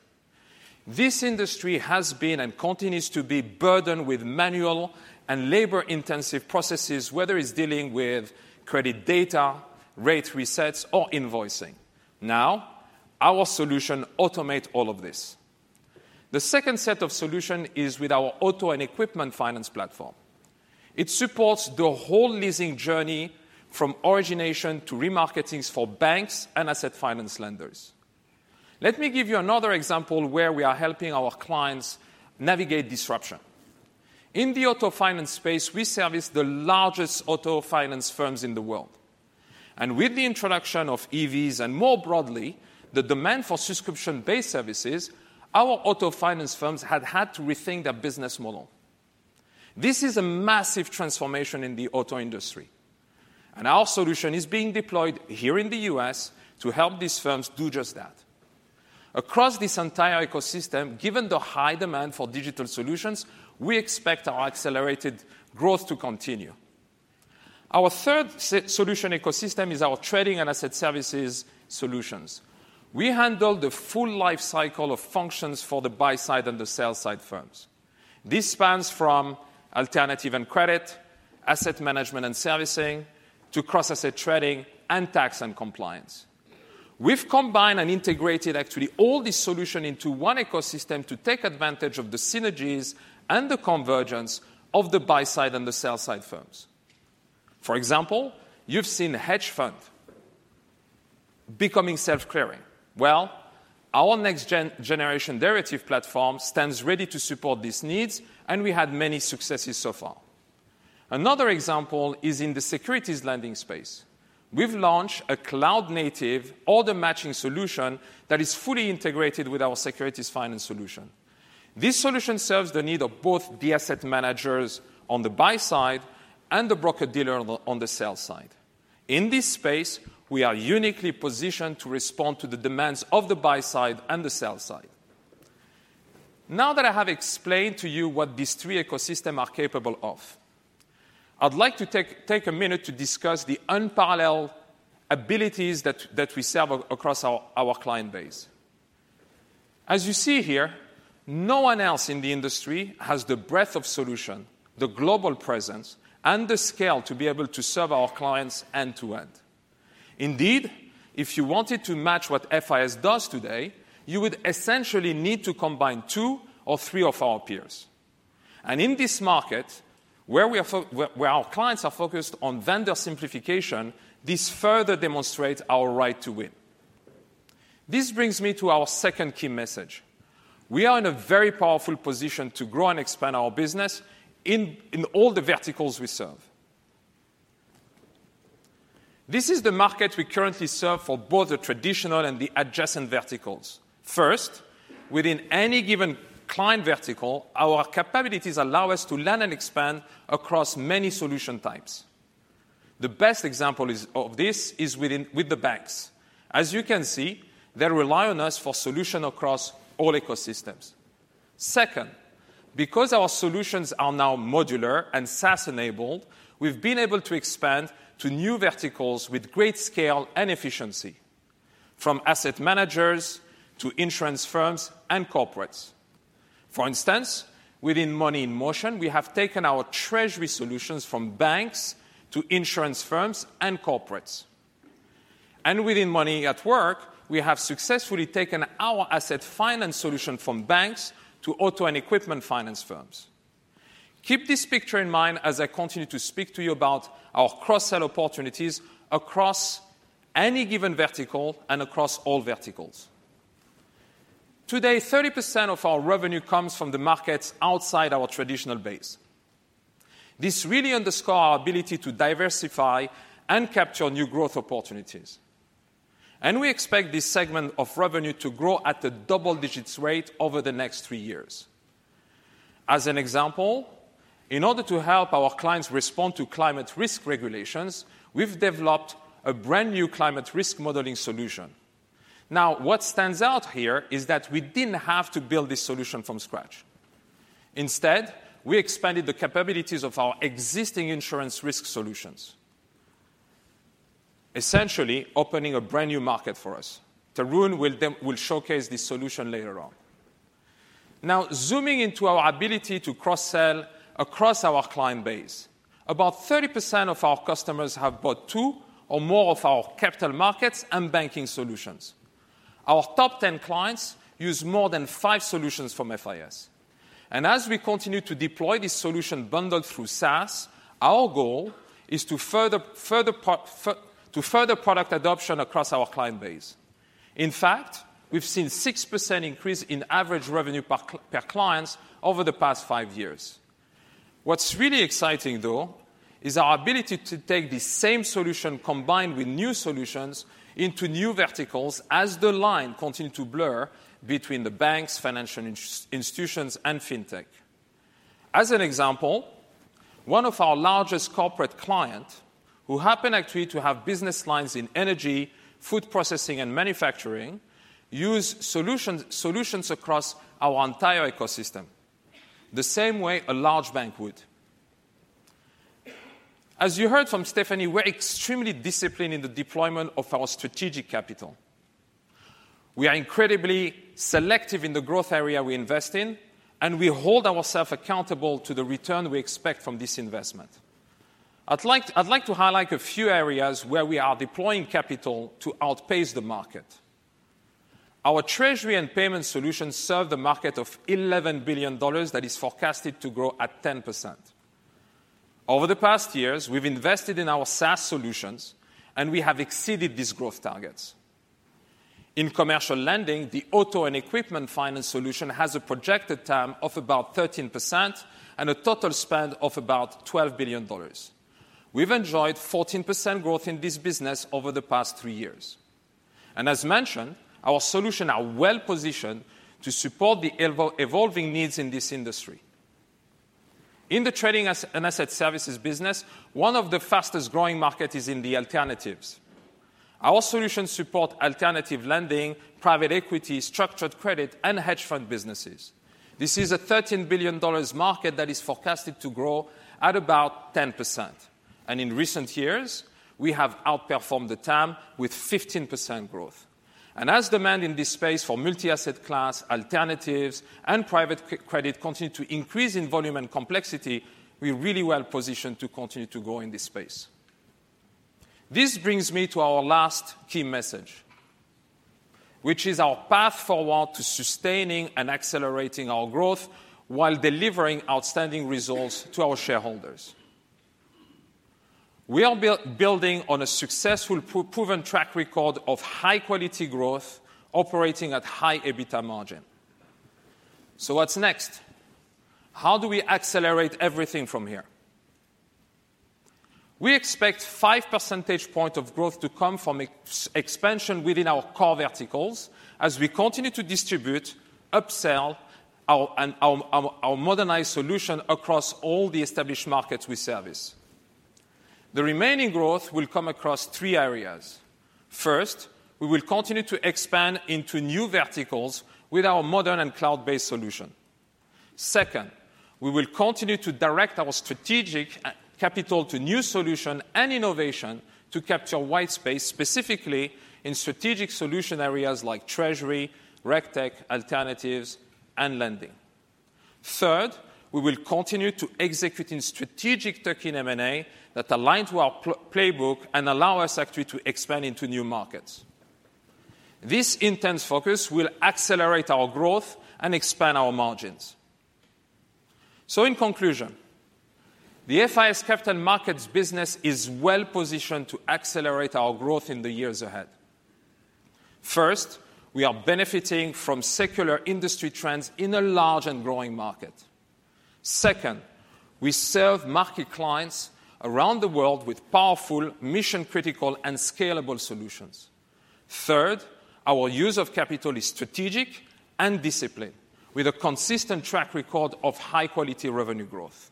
This industry has been, and continues to be, burdened with manual and labor-intensive processes, whether it's dealing with credit data, rate resets, or invoicing. Now, our solution automates all of this. The second set of solutions is with our auto and equipment finance platform. It supports the whole leasing journey from origination to remarketing for banks and asset finance lenders. Let me give you another example where we are helping our clients navigate disruption. In the auto finance space, we service the largest auto finance firms in the world. And with the introduction of EVs, and more broadly, the demand for subscription-based services, our auto finance firms have had to rethink their business model. This is a massive transformation in the auto industry, and our solution is being deployed here in the U.S. to help these firms do just that. Across this entire ecosystem, given the high demand for digital solutions, we expect our accelerated growth to continue. Our third solution ecosystem is our trading and asset services solutions. We handle the full life cycle of functions for the buy side and the sell side firms. This spans from alternative and credit, asset management and servicing, to cross-asset trading, and tax and compliance. We've combined and integrated actually all these solution into one ecosystem to take advantage of the synergies and the convergence of the buy side and the sell side firms. For example, you've seen hedge fund becoming self-clearing. Well, our next generation derivative platform stands ready to support these needs, and we had many successes so far. Another example is in the securities lending space. We've launched a cloud-native order matching solution that is fully integrated with our securities finance solution. This solution serves the need of both the asset managers on the buy side and the broker-dealer on the sell side. In this space, we are uniquely positioned to respond to the demands of the buy side and the sell side. Now that I have explained to you what these three ecosystem are capable of, I'd like to take a minute to discuss the unparalleled abilities that we serve across our client base. As you see here, no one else in the industry has the breadth of solution, the global presence, and the scale to be able to serve our clients end to end. Indeed, if you wanted to match what FIS does today, you would essentially need to combine two or three of our peers. In this market, where our clients are focused on vendor simplification, this further demonstrates our right to win. This brings me to our second key message: We are in a very powerful position to grow and expand our business in all the verticals we serve.... This is the market we currently serve for both the traditional and the adjacent verticals. First, within any given client vertical, our capabilities allow us to learn and expand across many solution types. The best example of this is within the banks. As you can see, they rely on us for solution across all ecosystems. Second, because our solutions are now modular and SaaS-enabled, we've been able to expand to new verticals with great scale and efficiency, from asset managers to insurance firms and corporates. For instance, within Money in Motion, we have taken our treasury solutions from banks to insurance firms and corporates. And within Money at Work, we have successfully taken our asset finance solution from banks to auto and equipment finance firms. Keep this picture in mind as I continue to speak to you about our cross-sell opportunities across any given vertical and across all verticals. Today, 30% of our revenue comes from the markets outside our traditional base. This really underscore our ability to diversify and capture new growth opportunities, and we expect this segment of revenue to grow at a double-digits rate over the next three years. As an example, in order to help our clients respond to climate risk regulations, we've developed a brand-new climate risk modeling solution. Now, what stands out here is that we didn't have to build this solution from scratch. Instead, we expanded the capabilities of our existing insurance risk solutions, essentially opening a brand-new market for us. Tarun will showcase this solution later on. Now, zooming into our ability to cross-sell across our client base, about 30% of our customers have bought two or more of our capital markets and banking solutions. Our top 10 clients use more than five solutions from FIS. And as we continue to deploy this solution bundle through SaaS, our goal is to further product adoption across our client base. In fact, we've seen 6% increase in average revenue per clients over the past five years. What's really exciting, though, is our ability to take the same solution, combined with new solutions, into new verticals as the line continue to blur between the banks, financial institutions, and fintech. As an example, one of our largest corporate client, who happen actually to have business lines in energy, food processing, and manufacturing, use solutions, solutions across our entire ecosystem, the same way a large bank would. As you heard from Stephanie, we're extremely disciplined in the deployment of our strategic capital. We are incredibly selective in the growth area we invest in, and we hold ourselves accountable to the return we expect from this investment. I'd like to, I'd like to highlight a few areas where we are deploying capital to outpace the market. Our treasury and payment solutions serve the market of $11 billion that is forecasted to grow at 10%. Over the past years, we've invested in our SaaS solutions, and we have exceeded these growth targets. In commercial lending, the auto and equipment finance solution has a projected TAM of about 13% and a total spend of about $12 billion. We've enjoyed 14% growth in this business over the past three years. As mentioned, our solutions are well positioned to support the evolving needs in this industry. In the trading as and asset services business, one of the fastest-growing market is in the alternatives. Our solutions support alternative lending, private equity, structured credit, and hedge fund businesses. This is a $13 billion market that is forecasted to grow at about 10%, and in recent years, we have outperformed the TAM with 15% growth. As demand in this space for multi-asset class, alternatives, and private credit continue to increase in volume and complexity, we're really well positioned to continue to grow in this space. This brings me to our last key message, which is our path forward to sustaining and accelerating our growth while delivering outstanding results to our shareholders. We are building on a successful proven track record of high-quality growth, operating at high EBITDA margin. So what's next? How do we accelerate everything from here? We expect five percentage points of growth to come from expansion within our core verticals as we continue to distribute, upsell our modernized solution across all the established markets we service. The remaining growth will come across three areas. First, we will continue to expand into new verticals with our modern and cloud-based solution. Second, we will continue to direct our strategic capital to new solution and innovation to capture white space, specifically in strategic solution areas like treasury, RegTech, alternatives, and lending. Third, we will continue to execute in strategic tech in M&A that align to our playbook and allow us actually to expand into new markets. This intense focus will accelerate our growth and expand our margins. So in conclusion, the FIS Capital Markets business is well positioned to accelerate our growth in the years ahead. First, we are benefiting from secular industry trends in a large and growing market. Second, we serve market clients around the world with powerful, mission-critical, and scalable solutions. Third, our use of capital is strategic and disciplined, with a consistent track record of high-quality revenue growth.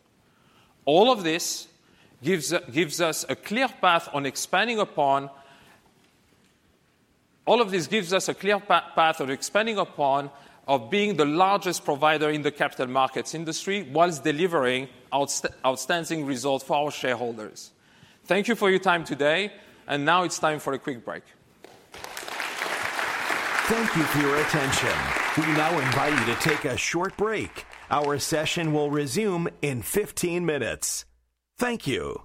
All of this gives us a clear path on expanding upon being the largest provider in the capital markets industry, whilst delivering outstanding results for our shareholders. Thank you for your time today, and now it's time for a quick break. Thank you for your attention. We now invite you to take a short break. Our session will resume in 15 minutes. Thank you.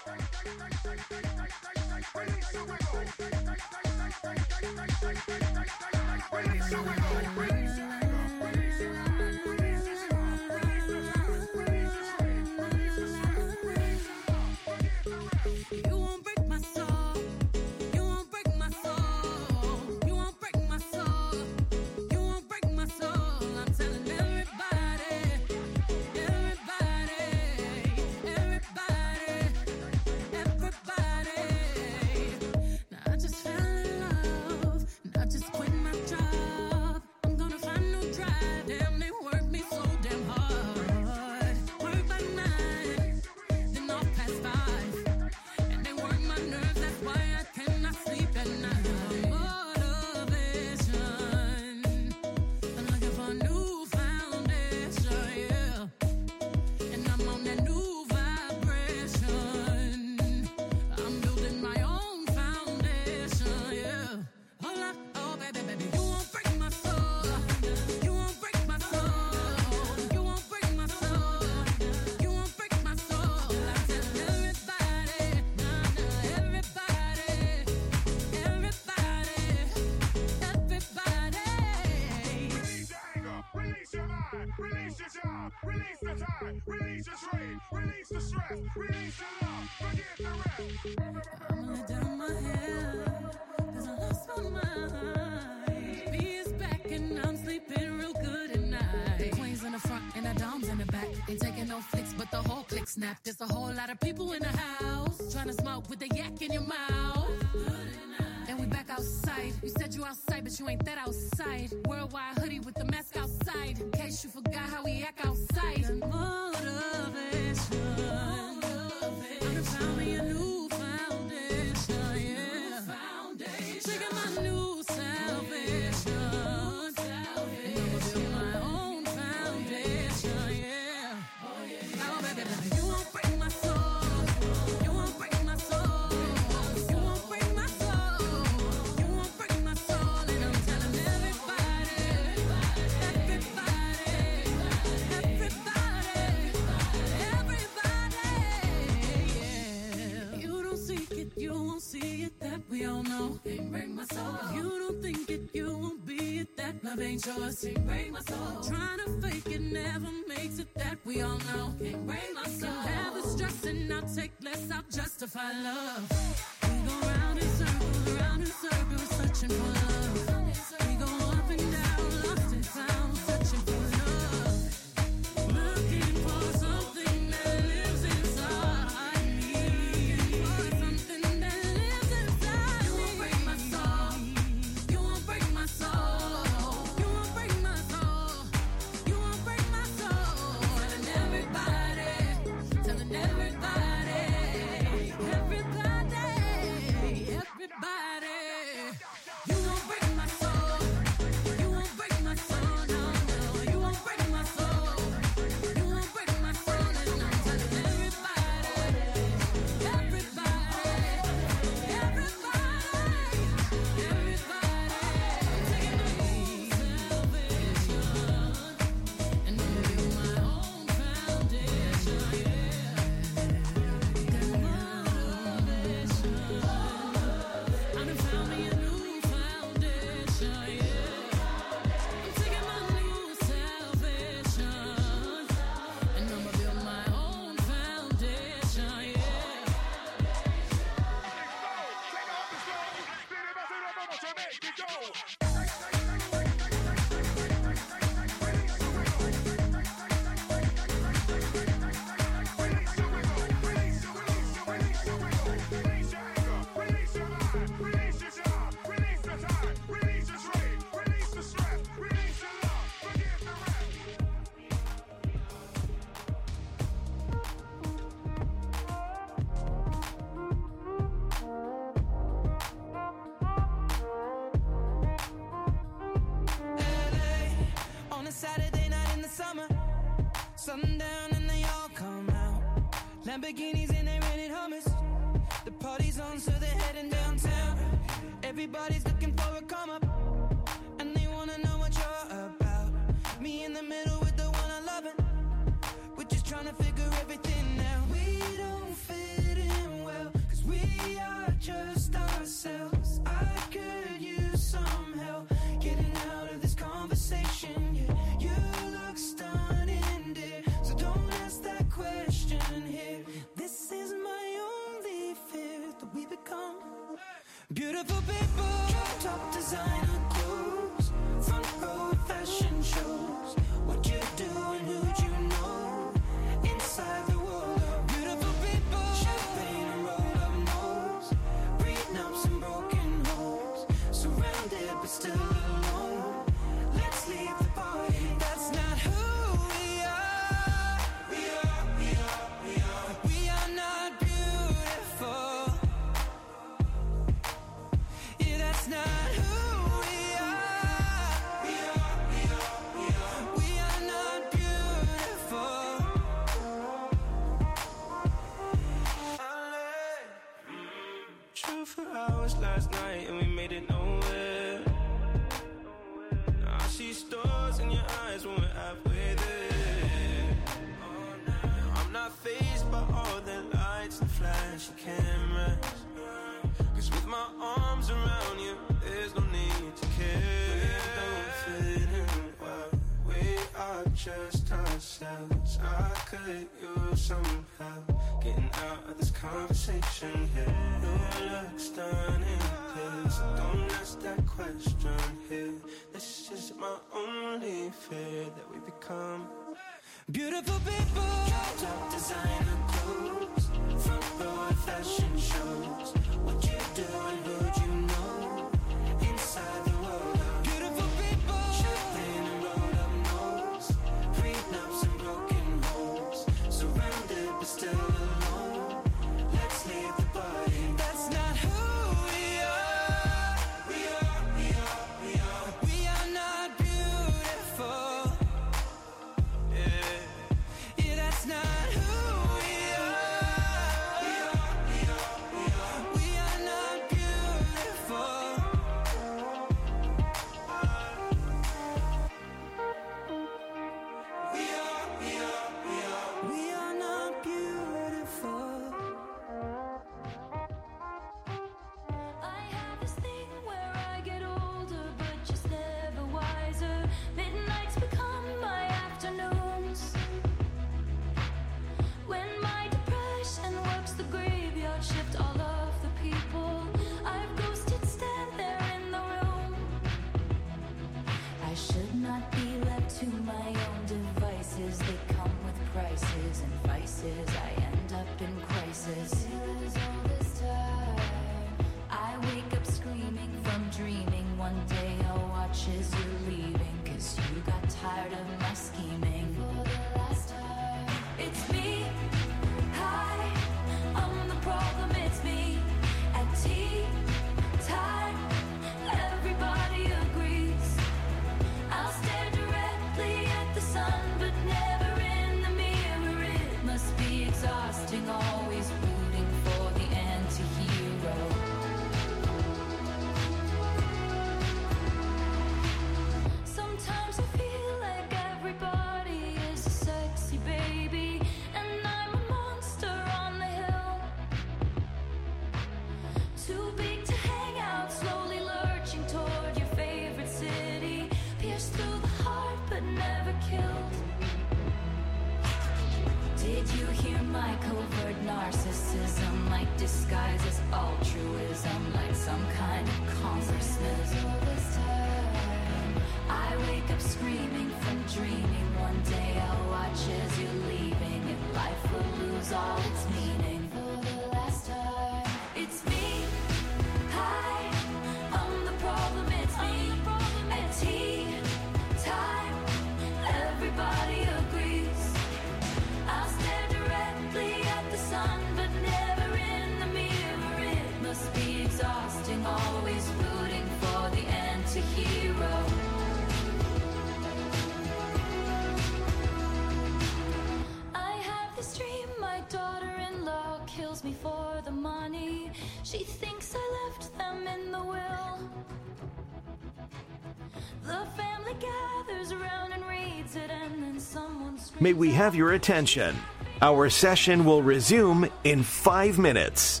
May we have your attention? Our session will resume in five minutes.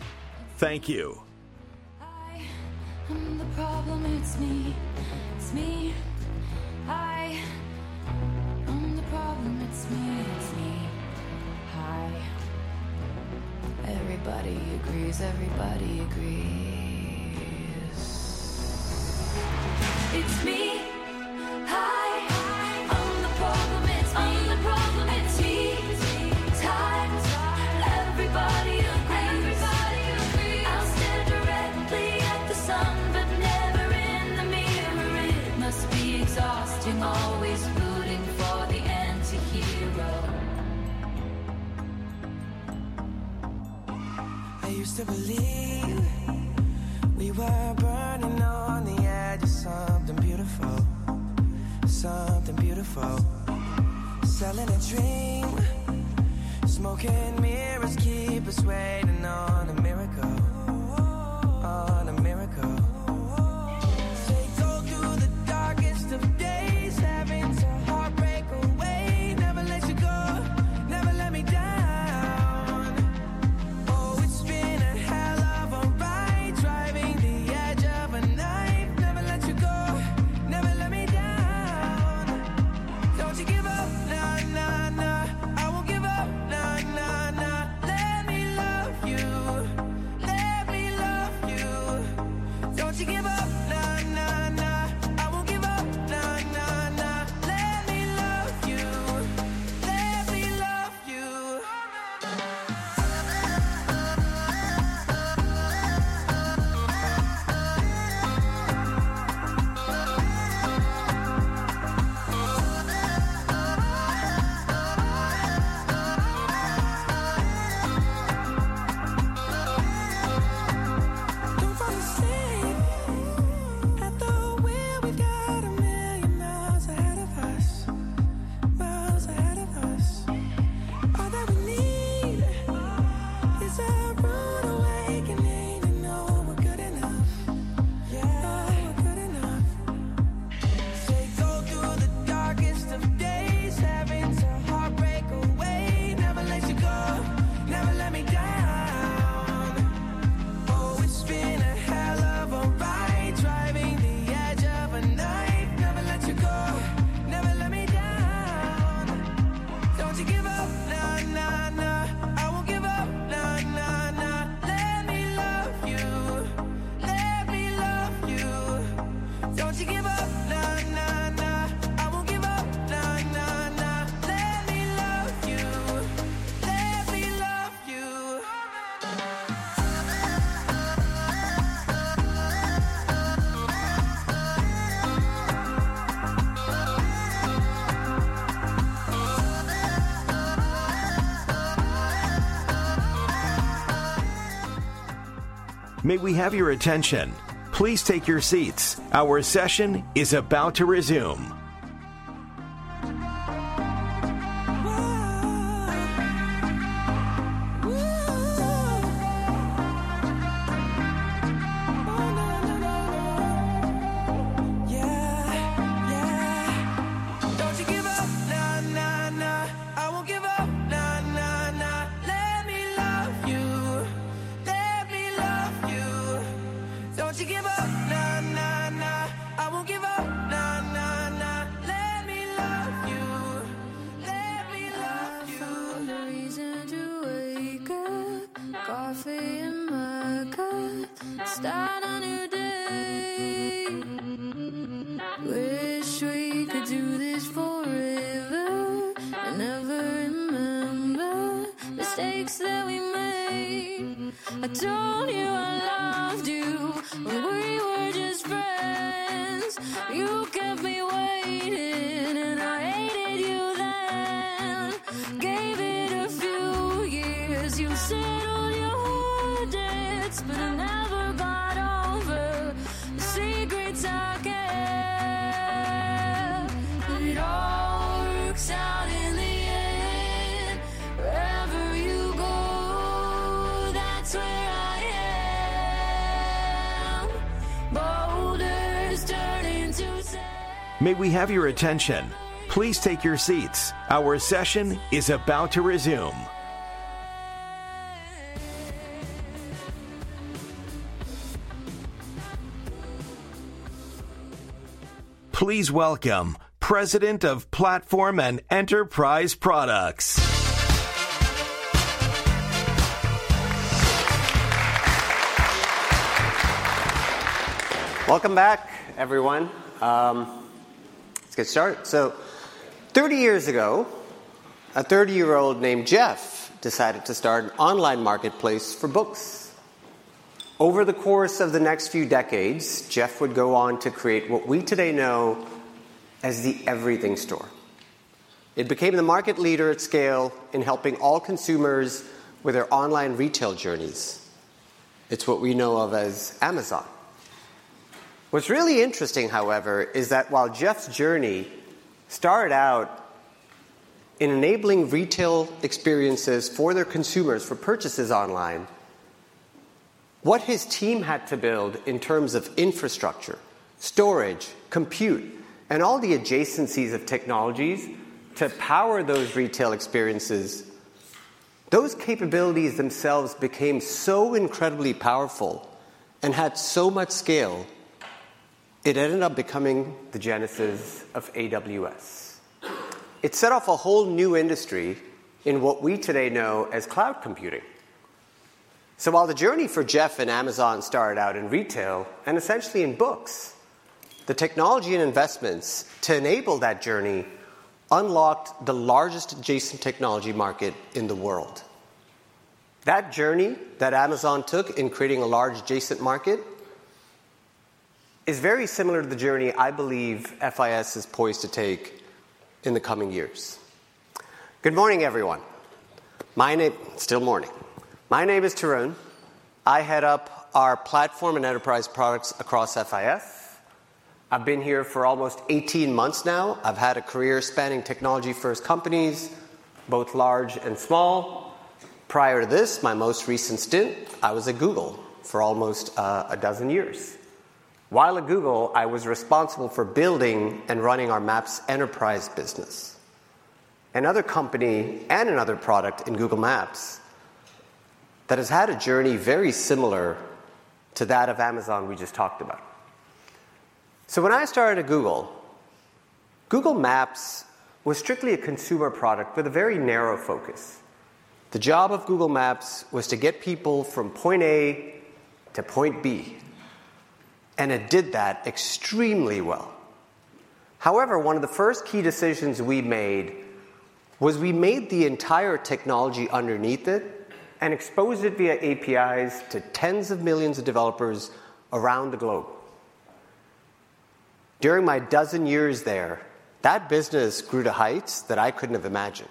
Thank you. May we have your attention? Please take your seats. Our session is about to resume. May we have your attention? Please take your seats. Our session is about to resume. Please welcome President of Platform and Enterprise Products. Welcome back, everyone. Let's get started. So 30 years ago, a 30-year-old named Jeff decided to start an online marketplace for books. Over the course of the next few decades, Jeff would go on to create what we today know as the everything store. It became the market leader at scale in helping all consumers with their online retail journeys. It's what we know of as Amazon. What's really interesting, however, is that while Jeff's journey started out in enabling retail experiences for their consumers for purchases online, what his team had to build in terms of infrastructure, storage, compute, and all the adjacencies of technologies to power those retail experiences, those capabilities themselves became so incredibly powerful and had so much scale, it ended up becoming the genesis of AWS. It set off a whole new industry in what we today know as cloud computing. While the journey for Jeff and Amazon started out in retail, and essentially in books, the technology and investments to enable that journey unlocked the largest adjacent technology market in the world. That journey that Amazon took in creating a large adjacent market is very similar to the journey I believe FIS is poised to take in the coming years. Good morning, everyone. My name—still morning. My name is Tarun. I head up our platform and enterprise products across FIS. I've been here for almost 18 months now. I've had a career spanning technology-first companies, both large and small. Prior to this, my most recent stint, I was at Google for almost a dozen years. While at Google, I was responsible for building and running our Maps enterprise business, another company and another product in Google Maps that has had a journey very similar to that of Amazon we just talked about. So when I started at Google, Google Maps was strictly a consumer product with a very narrow focus. The job of Google Maps was to get people from point A to point B, and it did that extremely well. However, one of the first key decisions we made was we made the entire technology underneath it and exposed it via APIs to tens of millions of developers around the globe. During my dozen years there, that business grew to heights that I couldn't have imagined.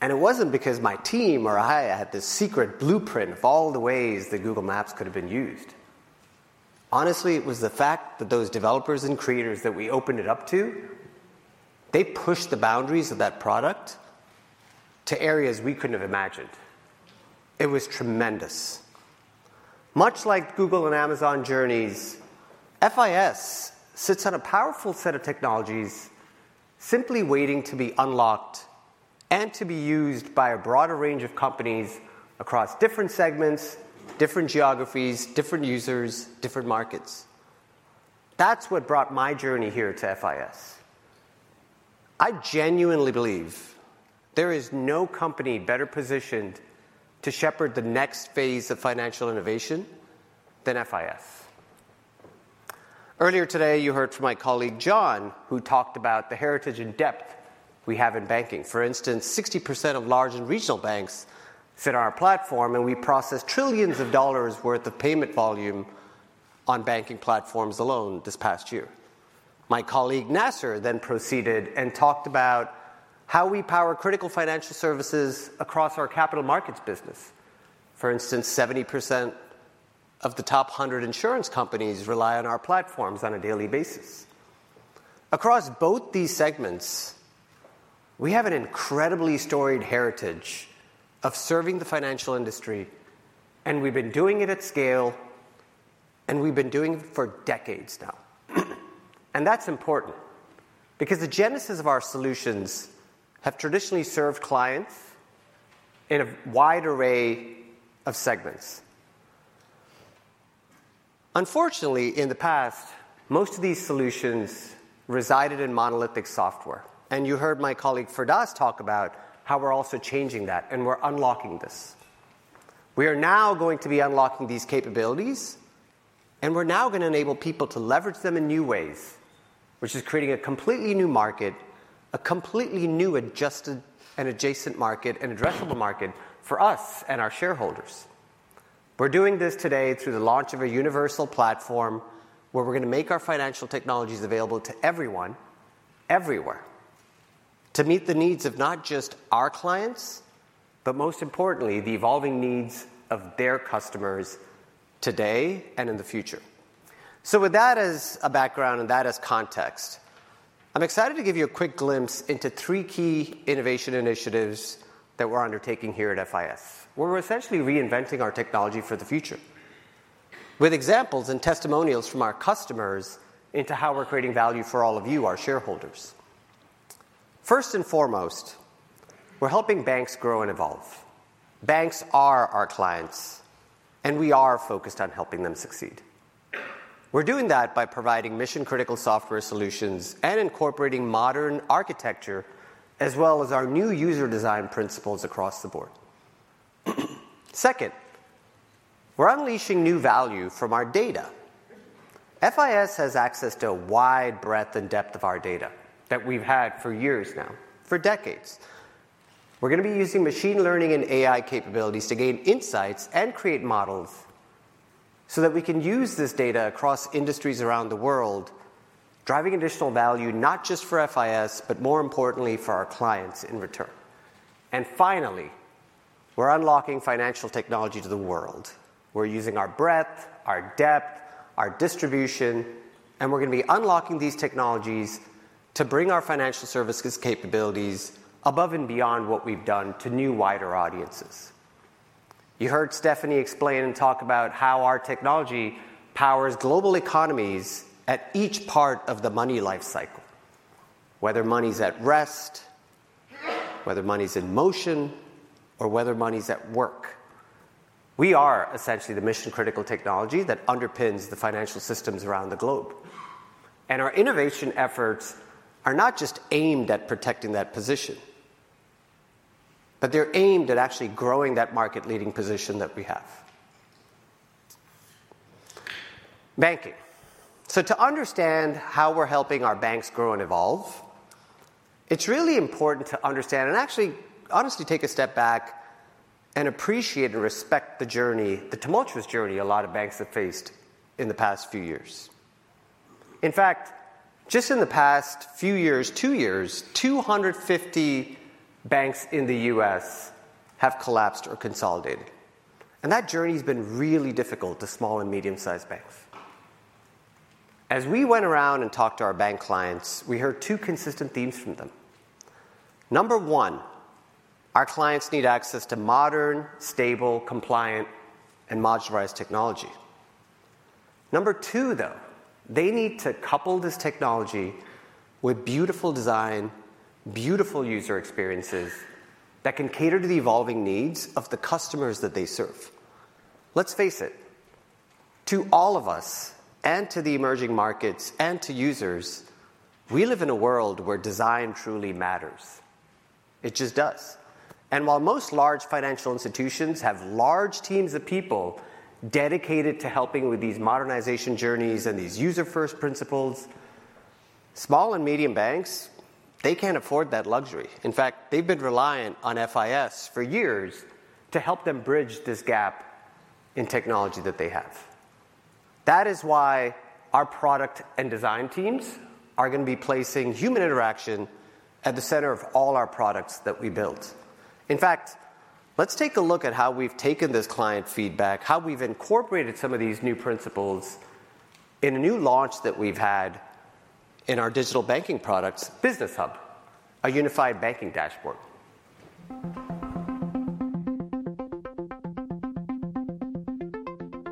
It wasn't because my team or I had this secret blueprint of all the ways that Google Maps could have been used. Honestly, it was the fact that those developers and creators that we opened it up to, they pushed the boundaries of that product to areas we couldn't have imagined. It was tremendous. Much like Google and Amazon journeys, FIS sits on a powerful set of technologies simply waiting to be unlocked and to be used by a broader range of companies across different segments, different geographies, different users, different markets. That's what brought my journey here to FIS. I genuinely believe there is no company better positioned to shepherd the next phase of financial innovation than FIS. Earlier today, you heard from my colleague, John, who talked about the heritage and depth we have in banking. For instance, 60% of large and regional banks fit our platform, and we processed $ trillions worth of payment volume on banking platforms alone this past year. My colleague, Nasser, then proceeded and talked about how we power critical financial services across our capital markets business. For instance, 70% of the top 100 insurance companies rely on our platforms on a daily basis. Across both these segments, we have an incredibly storied heritage of serving the financial industry, and we've been doing it at scale, and we've been doing it for decades now. That's important because the genesis of our solutions have traditionally served clients in a wide array of segments. Unfortunately, in the past, most of these solutions resided in monolithic software, and you heard my colleague, Firdaus, talk about how we're also changing that and we're unlocking this. We are now going to be unlocking these capabilities, and we're now going to enable people to leverage them in new ways, which is creating a completely new market, a completely new adjusted and adjacent market, an addressable market for us and our shareholders. We're doing this today through the launch of a universal platform, where we're going to make our financial technologies available to everyone, everywhere, to meet the needs of not just our clients, but most importantly, the evolving needs of their customers today and in the future. So with that as a background and that as context, I'm excited to give you a quick glimpse into three key innovation initiatives that we're undertaking here at FIS, where we're essentially reinventing our technology for the future, with examples and testimonials from our customers into how we're creating value for all of you, our shareholders. First and foremost, we're helping banks grow and evolve. Banks are our clients, and we are focused on helping them succeed. We're doing that by providing mission-critical software solutions and incorporating modern architecture, as well as our new user design principles across the board. Second, we're unleashing new value from our data. FIS has access to a wide breadth and depth of our data that we've had for years now, for decades. We're going to be using machine learning and AI capabilities to gain insights and create models so that we can use this data across industries around the world, driving additional value, not just for FIS, but more importantly, for our clients in return. And finally, we're unlocking financial technology to the world. We're using our breadth, our depth, our distribution, and we're going to be unlocking these technologies-... to bring our financial services capabilities above and beyond what we've done to new, wider audiences. You heard Stephanie explain and talk about how our technology powers global economies at each part of the money life cycle, whether money's at rest, whether money's in motion, or whether money's at work. We are essentially the mission-critical technology that underpins the financial systems around the globe. Our innovation efforts are not just aimed at protecting that position, but they're aimed at actually growing that market-leading position that we have. Banking. To understand how we're helping our banks grow and evolve, it's really important to understand and actually honestly take a step back and appreciate and respect the journey, the tumultuous journey a lot of banks have faced in the past few years. In fact, just in the past few years, two years, 250 banks in the U.S. have collapsed or consolidated, and that journey's been really difficult to small and medium-sized banks. As we went around and talked to our bank clients, we heard two consistent themes from them. Number one, our clients need access to modern, stable, compliant, and modularized technology. Number two, though, they need to couple this technology with beautiful design, beautiful user experiences that can cater to the evolving needs of the customers that they serve. Let's face it, to all of us, and to the emerging markets, and to users, we live in a world where design truly matters. It just does. And while most large financial institutions have large teams of people dedicated to helping with these modernization journeys and these user-first principles, small and medium banks, they can't afford that luxury. In fact, they've been reliant on FIS for years to help them bridge this gap in technology that they have. That is why our product and design teams are gonna be placing human interaction at the center of all our products that we build. In fact, let's take a look at how we've taken this client feedback, how we've incorporated some of these new principles in a new launch that we've had in our digital banking products, Business Hub, a unified banking dashboard.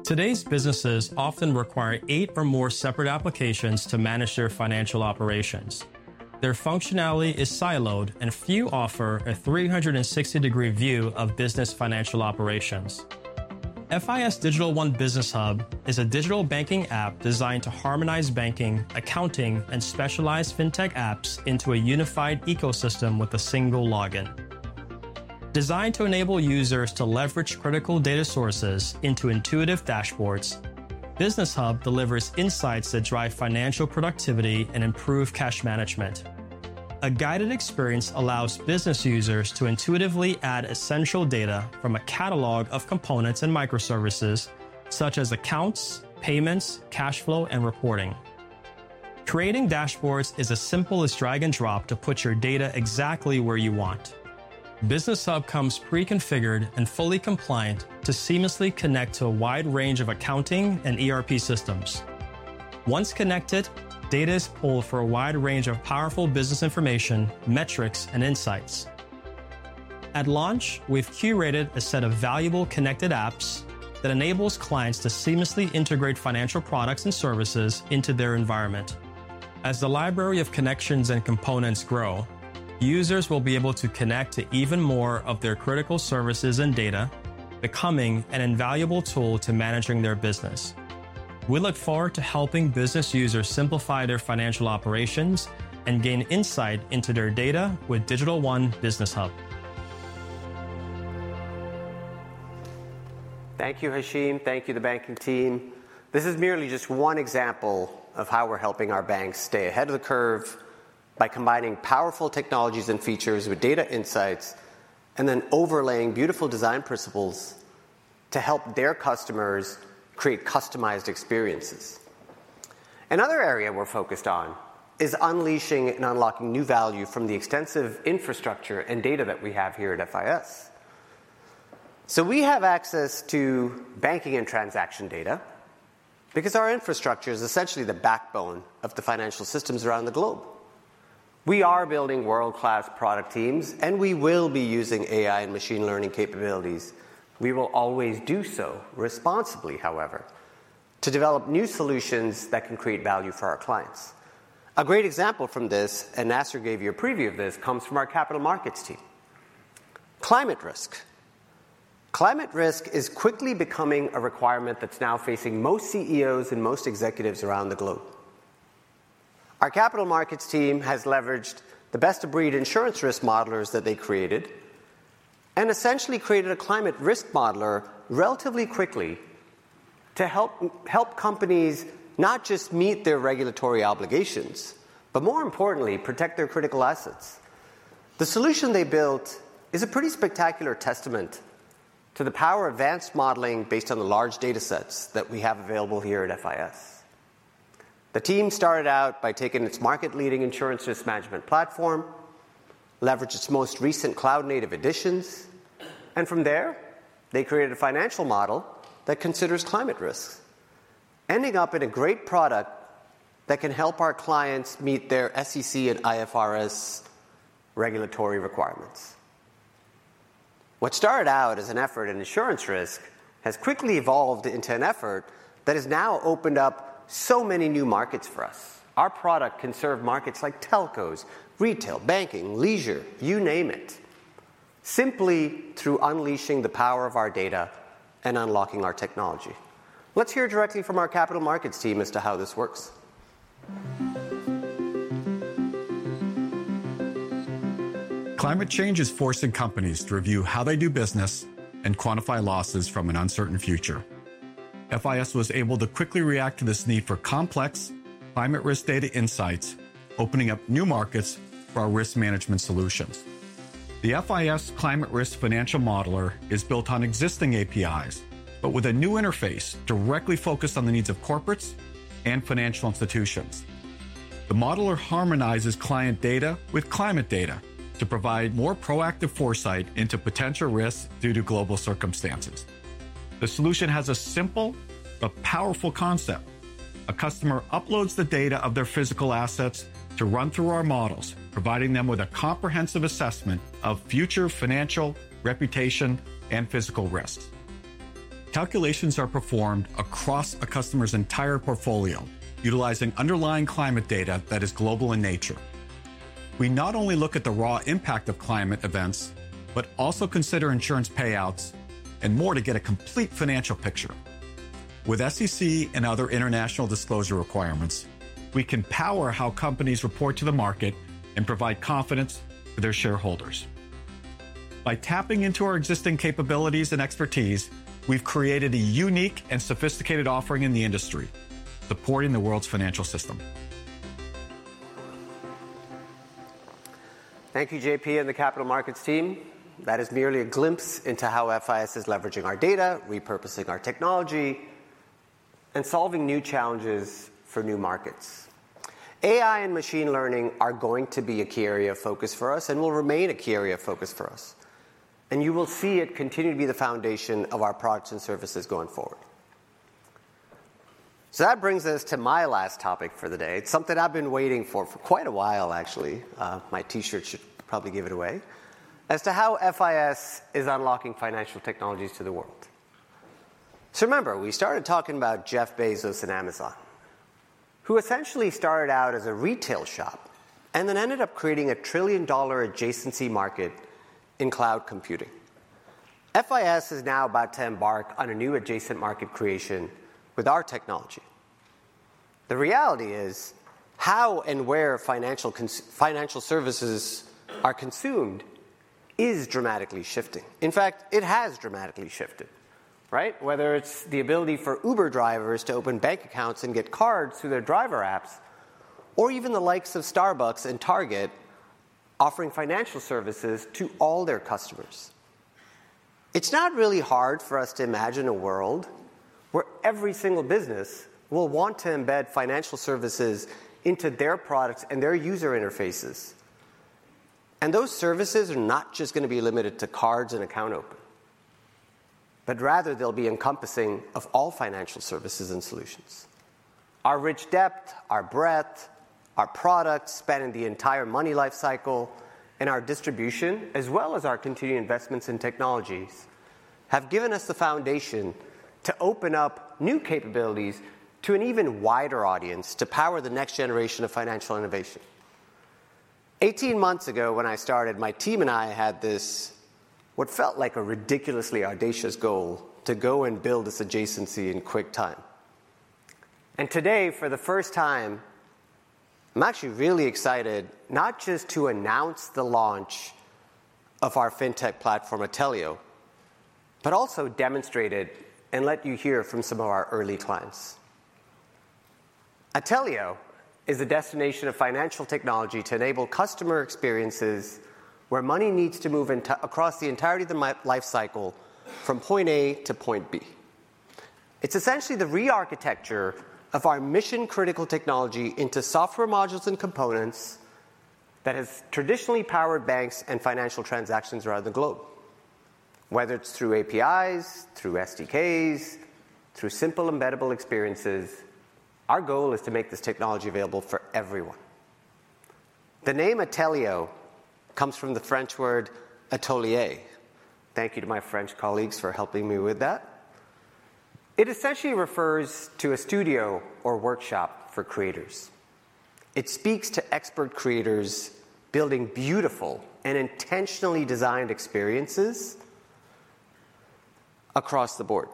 Today's businesses often require eight or more separate applications to manage their financial operations. Their functionality is siloed, and few offer a 360-degree view of business financial operations. FIS Digital One Business Hub is a digital banking app designed to harmonize banking, accounting, and specialized fintech apps into a unified ecosystem with a single login. Designed to enable users to leverage critical data sources into intuitive dashboards, Business Hub delivers insights that drive financial productivity and improve cash management. A guided experience allows business users to intuitively add essential data from a catalog of components and microservices, such as accounts, payments, cash flow, and reporting. Creating dashboards is as simple as drag and drop to put your data exactly where you want. Business Hub comes preconfigured and fully compliant to seamlessly connect to a wide range of accounting and ERP systems. Once connected, data is pulled for a wide range of powerful business information, metrics, and insights. At launch, we've curated a set of valuable connected apps that enables clients to seamlessly integrate financial products and services into their environment. As the library of connections and components grow, users will be able to connect to even more of their critical services and data, becoming an invaluable tool to managing their business. We look forward to helping business users simplify their financial operations and gain insight into their data with Digital One Business Hub. Thank you, Hashim. Thank you, the banking team. This is merely just one example of how we're helping our banks stay ahead of the curve by combining powerful technologies and features with data insights, and then overlaying beautiful design principles to help their customers create customized experiences. Another area we're focused on is unleashing and unlocking new value from the extensive infrastructure and data that we have here at FIS. We have access to banking and transaction data because our infrastructure is essentially the backbone of the financial systems around the globe. We are building world-class product teams, and we will be using AI and machine learning capabilities. We will always do so responsibly, however, to develop new solutions that can create value for our clients. A great example from this, and Nasser gave you a preview of this, comes from our capital markets team. Climate risk. Climate risk is quickly becoming a requirement that's now facing most CEOs and most executives around the globe. Our capital markets team has leveraged the best-of-breed insurance risk modelers that they created and essentially created a climate risk modeler relatively quickly to help companies not just meet their regulatory obligations, but more importantly, protect their critical assets. The solution they built is a pretty spectacular testament to the power of advanced modeling based on the large data sets that we have available here at FIS. The team started out by taking its market-leading insurance risk management platform, leverage its most recent cloud-native additions, and from there, they created a financial model that considers climate risk, ending up in a great product that can help our clients meet their SEC and IFRS regulatory requirements. What started out as an effort in insurance risk has quickly evolved into an effort that has now opened up so many new markets for us. Our product can serve markets like telcos, retail, banking, leisure, you name it, simply through unleashing the power of our data and unlocking our technology. Let's hear directly from our capital markets team as to how this works. Climate change is forcing companies to review how they do business and quantify losses from an uncertain future. FIS was able to quickly react to this need for complex climate risk data insights, opening up new markets for our risk management solutions. The FIS Climate Risk Financial Modeler is built on existing APIs, but with a new interface directly focused on the needs of corporates and financial institutions. The modeler harmonizes client data with climate data to provide more proactive foresight into potential risks due to global circumstances. The solution has a simple but powerful concept. A customer uploads the data of their physical assets to run through our models, providing them with a comprehensive assessment of future financial, reputation, and physical risks. Calculations are performed across a customer's entire portfolio, utilizing underlying climate data that is global in nature. We not only look at the raw impact of climate events, but also consider insurance payouts and more to get a complete financial picture. With SEC and other international disclosure requirements, we can power how companies report to the market and provide confidence to their shareholders. By tapping into our existing capabilities and expertise, we've created a unique and sophisticated offering in the industry, supporting the world's financial system. Thank you, JP and the capital markets team. That is merely a glimpse into how FIS is leveraging our data, repurposing our technology, and solving new challenges for new markets. AI and machine learning are going to be a key area of focus for us and will remain a key area of focus for us, and you will see it continue to be the foundation of our products and services going forward. So that brings us to my last topic for the day. It's something I've been waiting for for quite a while, actually, my T-shirt should probably give it away, as to how FIS is unlocking financial technologies to the world. So remember, we started talking about Jeff Bezos and Amazon, who essentially started out as a retail shop and then ended up creating a trillion-dollar adjacency market in cloud computing. FIS is now about to embark on a new adjacent market creation with our technology. The reality is, how and where financial services are consumed is dramatically shifting. In fact, it has dramatically shifted, right? Whether it's the ability for Uber drivers to open bank accounts and get cards through their driver apps, or even the likes of Starbucks and Target offering financial services to all their customers. It's not really hard for us to imagine a world where every single business will want to embed financial services into their products and their user interfaces, and those services are not just going to be limited to cards and account open, but rather they'll be encompassing of all financial services and solutions. Our rich depth, our breadth, our products spanning the entire money life cycle, and our distribution, as well as our continued investments in technologies, have given us the foundation to open up new capabilities to an even wider audience to power the next generation of financial innovation. 18 months ago, when I started, my team and I had this, what felt like a ridiculously audacious goal, to go and build this adjacency in quick time. Today, for the first time, I'm actually really excited, not just to announce the launch of our fintech platform, Atelio, but also demonstrate it and let you hear from some of our early clients. Atelio is a destination of financial technology to enable customer experiences where money needs to move across the entirety of the money life cycle from point A to point B. It's essentially the re-architecture of our mission-critical technology into software modules and components that has traditionally powered banks and financial transactions around the globe. Whether it's through APIs, through SDKs, through simple embeddable experiences, our goal is to make this technology available for everyone. The name Atelio comes from the French word, atelier. Thank you to my French colleagues for helping me with that. It essentially refers to a studio or workshop for creators. It speaks to expert creators building beautiful and intentionally designed experiences across the board.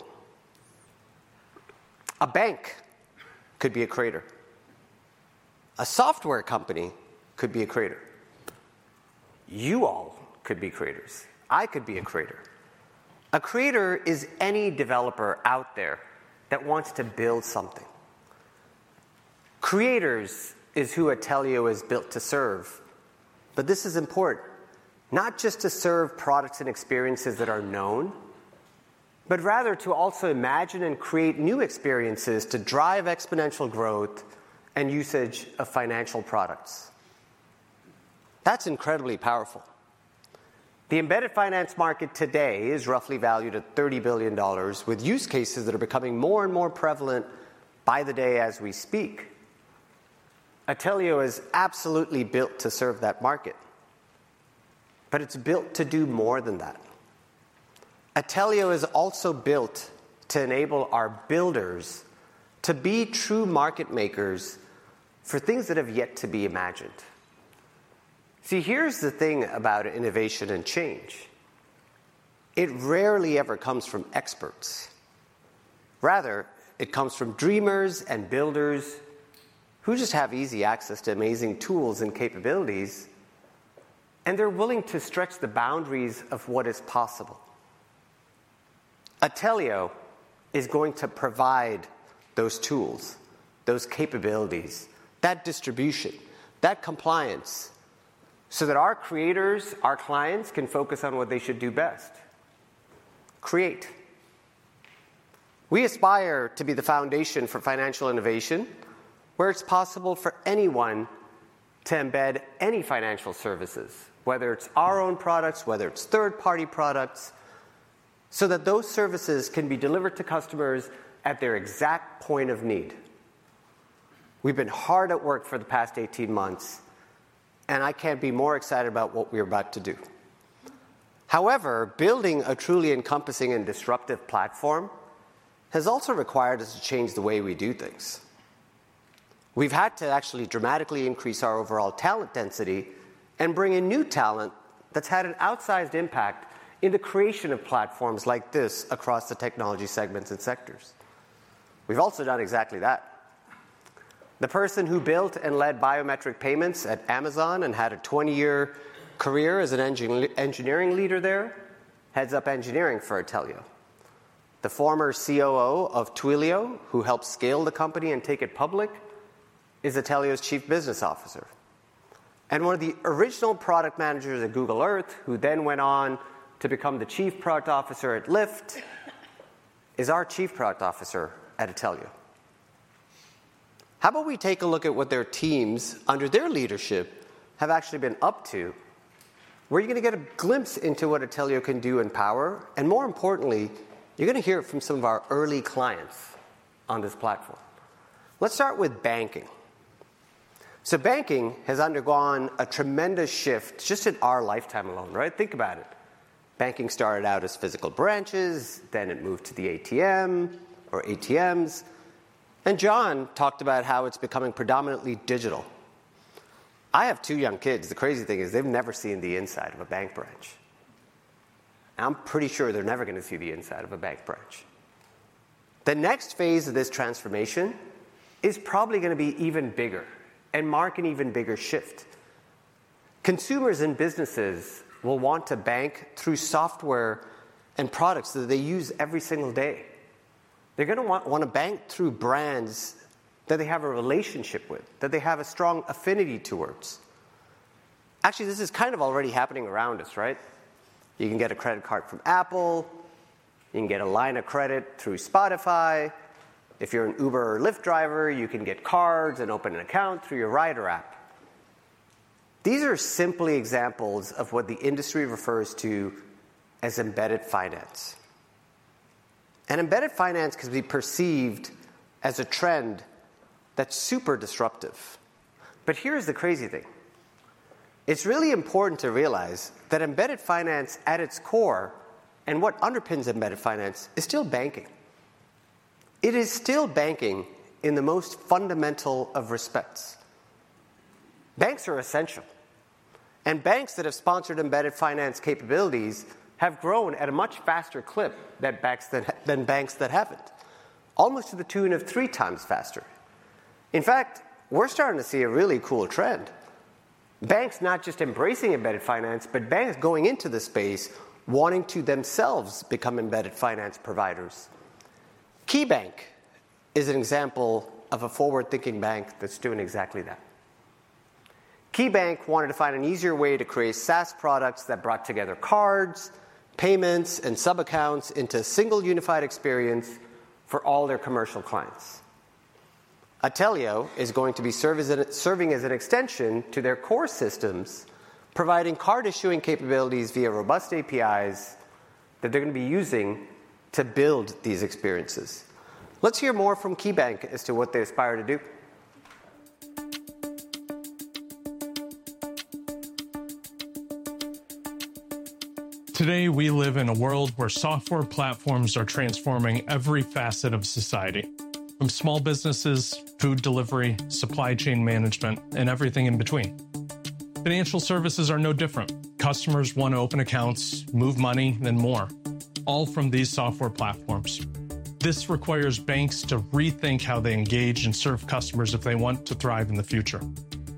A bank could be a creator. A software company could be a creator. You all could be creators. I could be a creator. A creator is any developer out there that wants to build something. Creators is who Atelio is built to serve, but this is important: not just to serve products and experiences that are known...... but rather to also imagine and create new experiences to drive exponential growth and usage of financial products. That's incredibly powerful. The embedded finance market today is roughly valued at $30 billion, with use cases that are becoming more and more prevalent by the day as we speak. Atelio is absolutely built to serve that market, but it's built to do more than that. Atelio is also built to enable our builders to be true market makers for things that have yet to be imagined. See, here's the thing about innovation and change: It rarely ever comes from experts. Rather, it comes from dreamers and builders who just have easy access to amazing tools and capabilities, and they're willing to stretch the boundaries of what is possible. Atelio is going to provide those tools, those capabilities, that distribution, that compliance, so that our creators, our clients, can focus on what they should do best: create. We aspire to be the foundation for financial innovation, where it's possible for anyone to embed any financial services, whether it's our own products, whether it's third-party products, so that those services can be delivered to customers at their exact point of need. We've been hard at work for the past 18 months, and I can't be more excited about what we're about to do. However, building a truly encompassing and disruptive platform has also required us to change the way we do things. We've had to actually dramatically increase our overall talent density and bring in new talent that's had an outsized impact in the creation of platforms like this across the technology segments and sectors. We've also done exactly that. The person who built and led biometric payments at Amazon and had a 20-year career as an engineering leader there, heads up engineering for Atelio. The former COO of Twilio, who helped scale the company and take it public, is Atelio's Chief Business Officer. And one of the original product managers at Google Earth, who then went on to become the Chief Product Officer at Lyft, is our Chief Product Officer at Atelio. How about we take a look at what their teams, under their leadership, have actually been up to? Well, you're gonna get a glimpse into what Atelio can do in power, and more importantly, you're gonna hear from some of our early clients on this platform. Let's start with banking. So banking has undergone a tremendous shift just in our lifetime alone, right? Think about it. Banking started out as physical branches, then it moved to the ATM or ATMs, and John talked about how it's becoming predominantly digital. I have two young kids. The crazy thing is they've never seen the inside of a bank branch. I'm pretty sure they're never gonna see the inside of a bank branch. The next phase of this transformation is probably gonna be even bigger and mark an even bigger shift. Consumers and businesses will want to bank through software and products that they use every single day. They're gonna wanna bank through brands that they have a relationship with, that they have a strong affinity towards. Actually, this is kind of already happening around us, right? You can get a credit card from Apple. You can get a line of credit through Spotify. If you're an Uber or Lyft driver, you can get cards and open an account through your rider app. These are simply examples of what the industry refers to as embedded finance. And embedded finance can be perceived as a trend that's super disruptive. But here is the crazy thing: It's really important to realize that embedded finance, at its core, and what underpins embedded finance, is still banking. It is still banking in the most fundamental of respects. Banks are essential, and banks that have sponsored embedded finance capabilities have grown at a much faster clip than banks that haven't, almost to the tune of three times faster. In fact, we're starting to see a really cool trend: banks not just embracing embedded finance, but banks going into the space wanting to themselves become embedded finance providers. KeyBank is an example of a forward-thinking bank that's doing exactly that. KeyBank wanted to find an easier way to create SaaS products that brought together cards, payments, and sub-accounts into a single unified experience for all their commercial clients. Atelio is going to serve as an extension to their core systems, providing card-issuing capabilities via robust APIs that they're gonna be using to build these experiences. Let's hear more from KeyBank as to what they aspire to do. Today, we live in a world where software platforms are transforming every facet of society, from small businesses, food delivery, supply chain management, and everything in between. Financial services are no different. Customers want to open accounts, move money, and more, all from these software platforms. This requires banks to rethink how they engage and serve customers if they want to thrive in the future.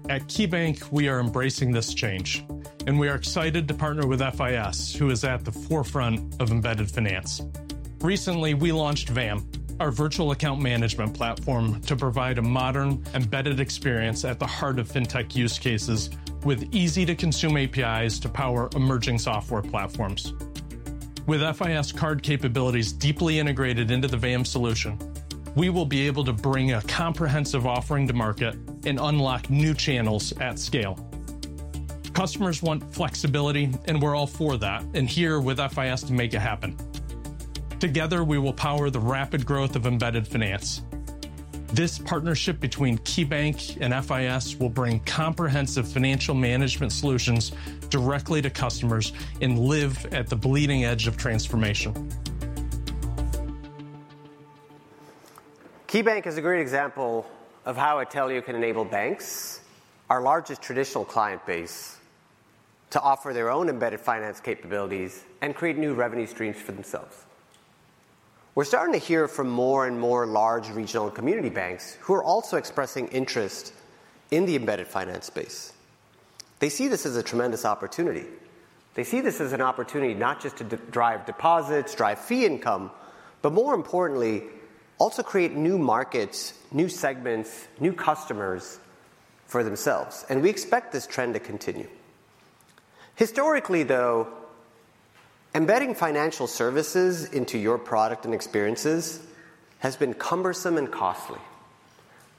At KeyBank, we are embracing this change, and we are excited to partner with FIS, who is at the forefront of embedded finance. Recently, we launched VAMP, our virtual account management platform, to provide a modern, embedded experience at the heart of fintech use cases with easy-to-consume APIs to power emerging software platforms... With FIS card capabilities deeply integrated into the VAMP solution, we will be able to bring a comprehensive offering to market and unlock new channels at scale. Customers want flexibility, and we're all for that, and here with FIS to make it happen. Together, we will power the rapid growth of embedded finance. This partnership between KeyBank and FIS will bring comprehensive financial management solutions directly to customers and live at the bleeding edge of transformation. KeyBank is a great example of how Atelio can enable banks, our largest traditional client base, to offer their own embedded finance capabilities and create new revenue streams for themselves. We're starting to hear from more and more large regional and community banks who are also expressing interest in the embedded finance space. They see this as a tremendous opportunity. They see this as an opportunity not just to drive deposits, drive fee income, but more importantly, also create new markets, new segments, new customers for themselves, and we expect this trend to continue. Historically, though, embedding financial services into your product and experiences has been cumbersome and costly.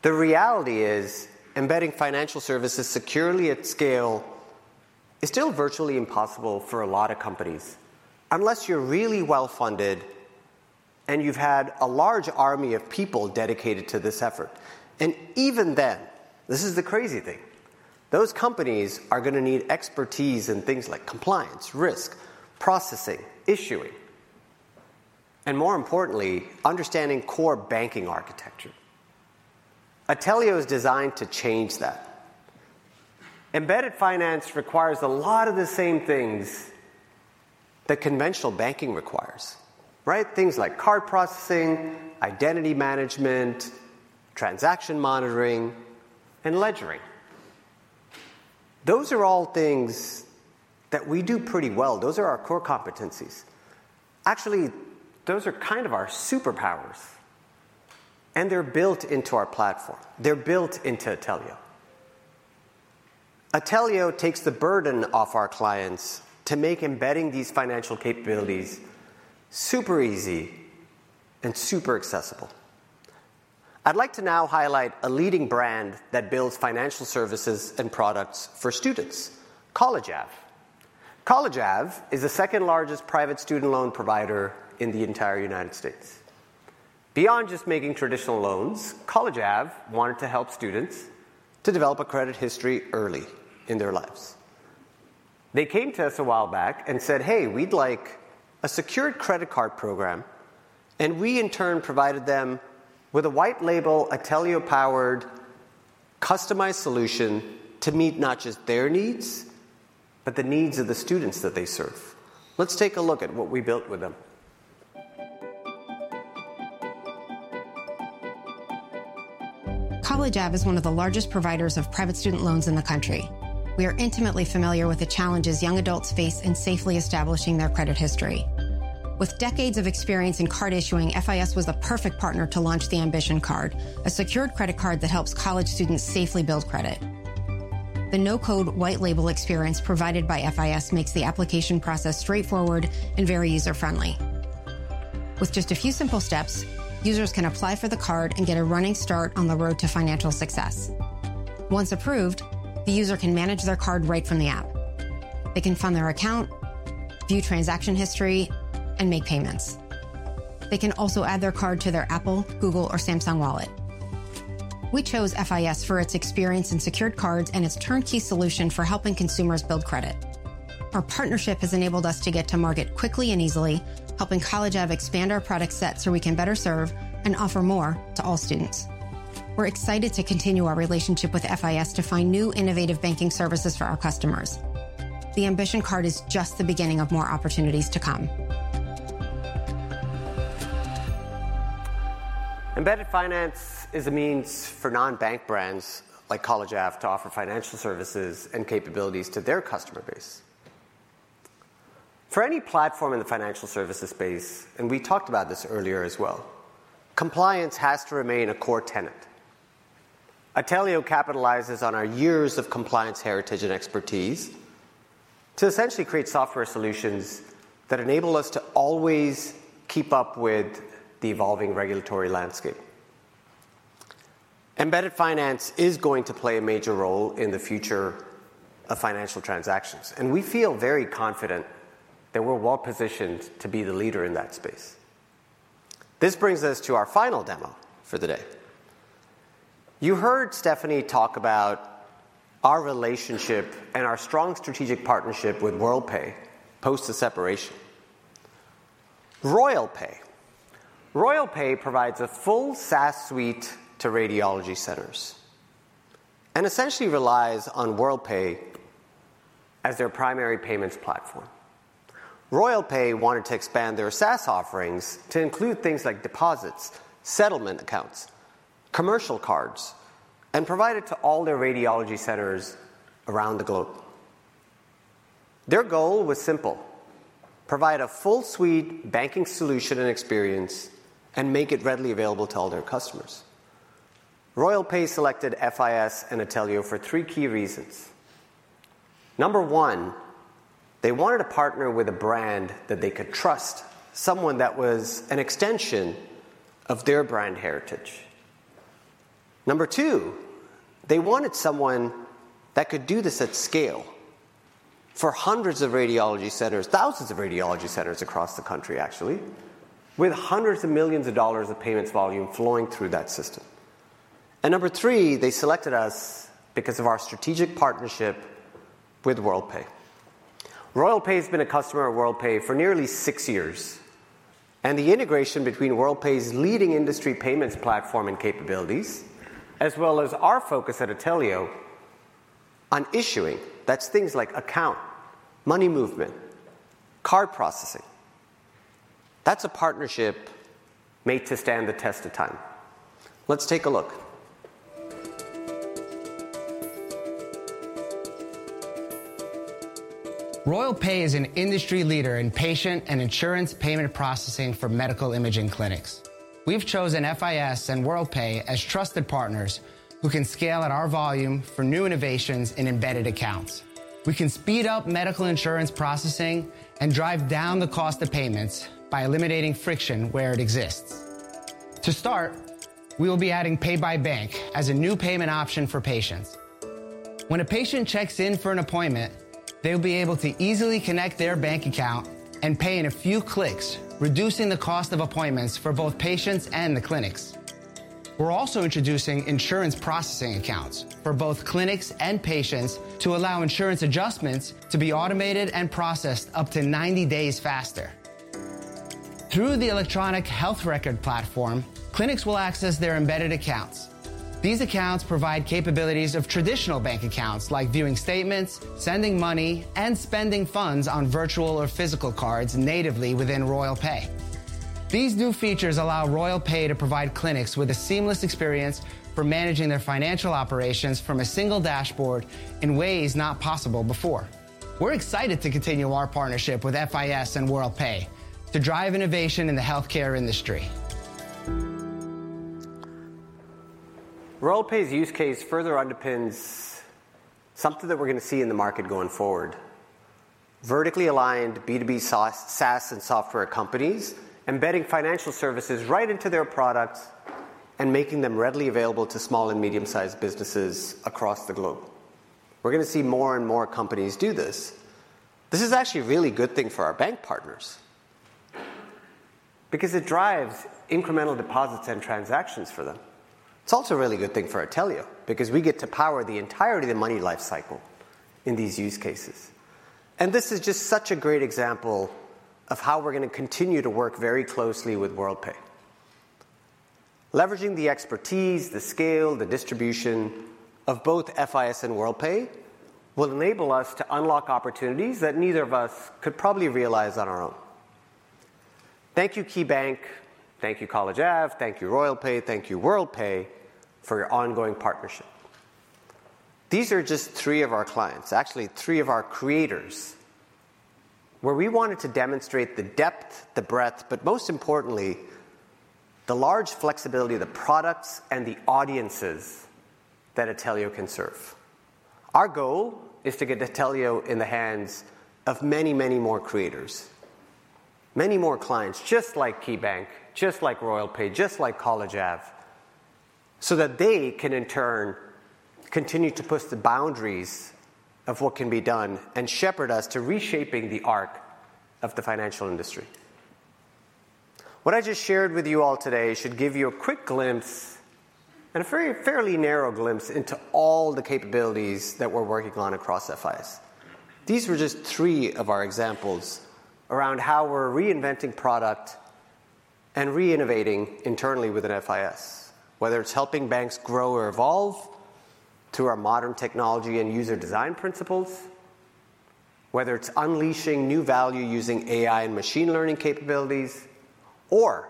The reality is, embedding financial services securely at scale is still virtually impossible for a lot of companies, unless you're really well-funded and you've had a large army of people dedicated to this effort. And even then, this is the crazy thing, those companies are gonna need expertise in things like compliance, risk, processing, issuing, and more importantly, understanding core banking architecture. Atelio is designed to change that. Embedded finance requires a lot of the same things that conventional banking requires, right? Things like card processing, identity management, transaction monitoring, and ledgering. Those are all things that we do pretty well. Those are our core competencies. Actually, those are kind of our superpowers, and they're built into our platform. They're built into Atelio. Atelio takes the burden off our clients to make embedding these financial capabilities super easy and super accessible. I'd like to now highlight a leading brand that builds financial services and products for students, College Ave. College Ave is the second-largest private student loan provider in the entire United States. Beyond just making traditional loans, College Ave wanted to help students to develop a credit history early in their lives. They came to us a while back and said, "Hey, we'd like a secured credit card program," and we in turn provided them with a white label, Atelio-powered, customized solution to meet not just their needs, but the needs of the students that they serve. Let's take a look at what we built with them. College Ave is one of the largest providers of private student loans in the country. We are intimately familiar with the challenges young adults face in safely establishing their credit history. With decades of experience in card issuing, FIS was the perfect partner to launch the Ambition Card, a secured credit card that helps college students safely build credit. The no-code white label experience provided by FIS makes the application process straightforward and very user-friendly. With just a few simple steps, users can apply for the card and get a running start on the road to financial success. Once approved, the user can manage their card right from the app. They can fund their account, view transaction history, and make payments. They can also add their card to their Apple, Google, or Samsung Wallet. We chose FIS for its experience in secured cards and its turnkey solution for helping consumers build credit. Our partnership has enabled us to get to market quickly and easily, helping College Ave expand our product set so we can better serve and offer more to all students. We're excited to continue our relationship with FIS to find new innovative banking services for our customers. The Ambition Card is just the beginning of more opportunities to come. Embedded finance is a means for non-bank brands like College Ave to offer financial services and capabilities to their customer base. For any platform in the financial services space, and we talked about this earlier as well, compliance has to remain a core tenet. Atelio capitalizes on our years of compliance heritage and expertise to essentially create software solutions that enable us to always keep up with the evolving regulatory landscape. Embedded finance is going to play a major role in the future of financial transactions, and we feel very confident that we're well-positioned to be the leader in that space. This brings us to our final demo for the day. You heard Stephanie talk about our relationship and our strong strategic partnership with Worldpay post the separation. RoyalPay. RoyalPay provides a full SaaS suite to radiology centers and essentially relies on Worldpay as their primary payments platform. RoyalPay wanted to expand their SaaS offerings to include things like deposits, settlement accounts, commercial cards, and provide it to all their radiology centers around the globe. Their goal was simple: provide a full suite banking solution and experience and make it readily available to all their customers... RoyalPay selected FIS and Atelio for three key reasons. Number one, they wanted to partner with a brand that they could trust, someone that was an extension of their brand heritage. Number two, they wanted someone that could do this at scale for hundreds of radiology centers, thousands of radiology centers across the country, actually, with $hundreds of millions of payments volume flowing through that system. And number three, they selected us because of our strategic partnership with Worldpay. RoyalPay has been a customer of Worldpay for nearly six years, and the integration between Worldpay's leading industry payments platform and capabilities, as well as our focus at Atelio on issuing, that's things like account, money movement, card processing, that's a partnership made to stand the test of time. Let's take a look. RoyalPay is an industry leader in patient and insurance payment processing for medical imaging clinics. We've chosen FIS and Worldpay as trusted partners who can scale at our volume for new innovations in embedded accounts. We can speed up medical insurance processing and drive down the cost of payments by eliminating friction where it exists. To start, we will be adding Pay by Bank as a new payment option for patients. When a patient checks in for an appointment, they'll be able to easily connect their bank account and pay in a few clicks, reducing the cost of appointments for both patients and the clinics. We're also introducing insurance processing accounts for both clinics and patients to allow insurance adjustments to be automated and processed up to 90 days faster. Through the electronic health record platform, clinics will access their embedded accounts. These accounts provide capabilities of traditional bank accounts, like viewing statements, sending money, and spending funds on virtual or physical cards natively within RoyalPay. These new features allow RoyalPay to provide clinics with a seamless experience for managing their financial operations from a single dashboard in ways not possible before. We're excited to continue our partnership with FIS and Worldpay to drive innovation in the healthcare industry. RoyalPay's use case further underpins something that we're going to see in the market going forward: vertically aligned B2B SaaS and software companies embedding financial services right into their products and making them readily available to small and medium-sized businesses across the globe. We're going to see more and more companies do this. This is actually a really good thing for our bank partners because it drives incremental deposits and transactions for them. It's also a really good thing for Atelio because we get to power the entirety of the money life cycle in these use cases. And this is just such a great example of how we're going to continue to work very closely with Worldpay. Leveraging the expertise, the scale, the distribution of both FIS and Worldpay will enable us to unlock opportunities that neither of us could probably realize on our own. Thank you, KeyBank, thank you, College Ave, thank you, RoyalPay, thank you, Worldpay, for your ongoing partnership. These are just three of our clients, actually, three of our creators, where we wanted to demonstrate the depth, the breadth, but most importantly, the large flexibility of the products and the audiences that Atelio can serve. Our goal is to get Atelio in the hands of many, many more creators, many more clients, just like KeyBank, just like RoyalPay, just like College Ave, so that they can, in turn, continue to push the boundaries of what can be done and shepherd us to reshaping the arc of the financial industry. What I just shared with you all today should give you a quick glimpse and a very fairly narrow glimpse into all the capabilities that we're working on across FIS. These were just three of our examples around how we're reinventing product and re-innovating internally within FIS, whether it's helping banks grow or evolve to our modern technology and user design principles, whether it's unleashing new value using AI and machine learning capabilities, or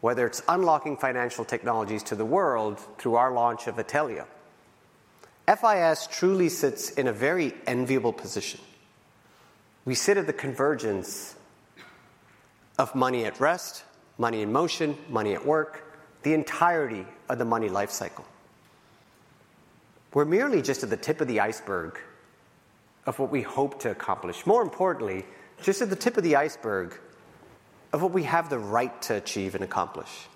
whether it's unlocking financial technologies to the world through our launch of Atelio. FIS truly sits in a very enviable position. We sit at the convergence of money at rest, money in motion, money at work, the entirety of the money life cycle. We're merely just at the tip of the iceberg of what we hope to accomplish, more importantly, just at the tip of the iceberg of what we have the right to achieve and accomplish.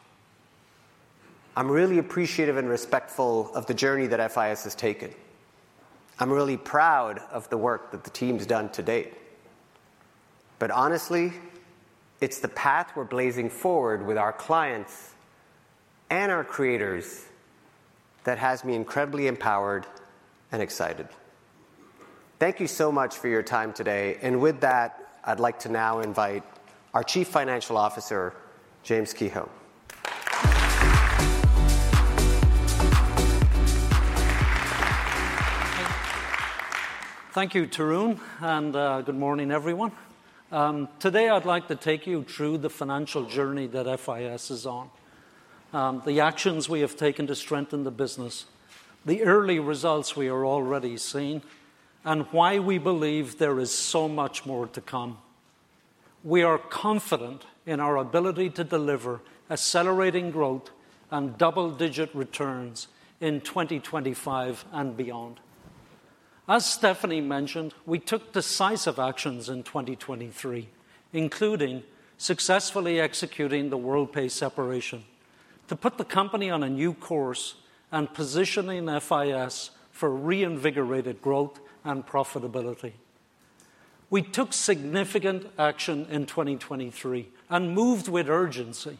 I'm really appreciative and respectful of the journey that FIS has taken. I'm really proud of the work that the team's done to date. But honestly, it's the path we're blazing forward with our clients and our creators that has me incredibly empowered and excited. Thank you so much for your time today. And with that, I'd like to now invite our Chief Financial Officer, James Kehoe. Thank you, Tarun, and good morning, everyone. Today I'd like to take you through the financial journey that FIS is on, the actions we have taken to strengthen the business, the early results we are already seeing, and why we believe there is so much more to come. We are confident in our ability to deliver accelerating growth and double-digit returns in 2025 and beyond. As Stephanie mentioned, we took decisive actions in 2023, including successfully executing the Worldpay separation, to put the company on a new course and positioning FIS for reinvigorated growth and profitability. We took significant action in 2023 and moved with urgency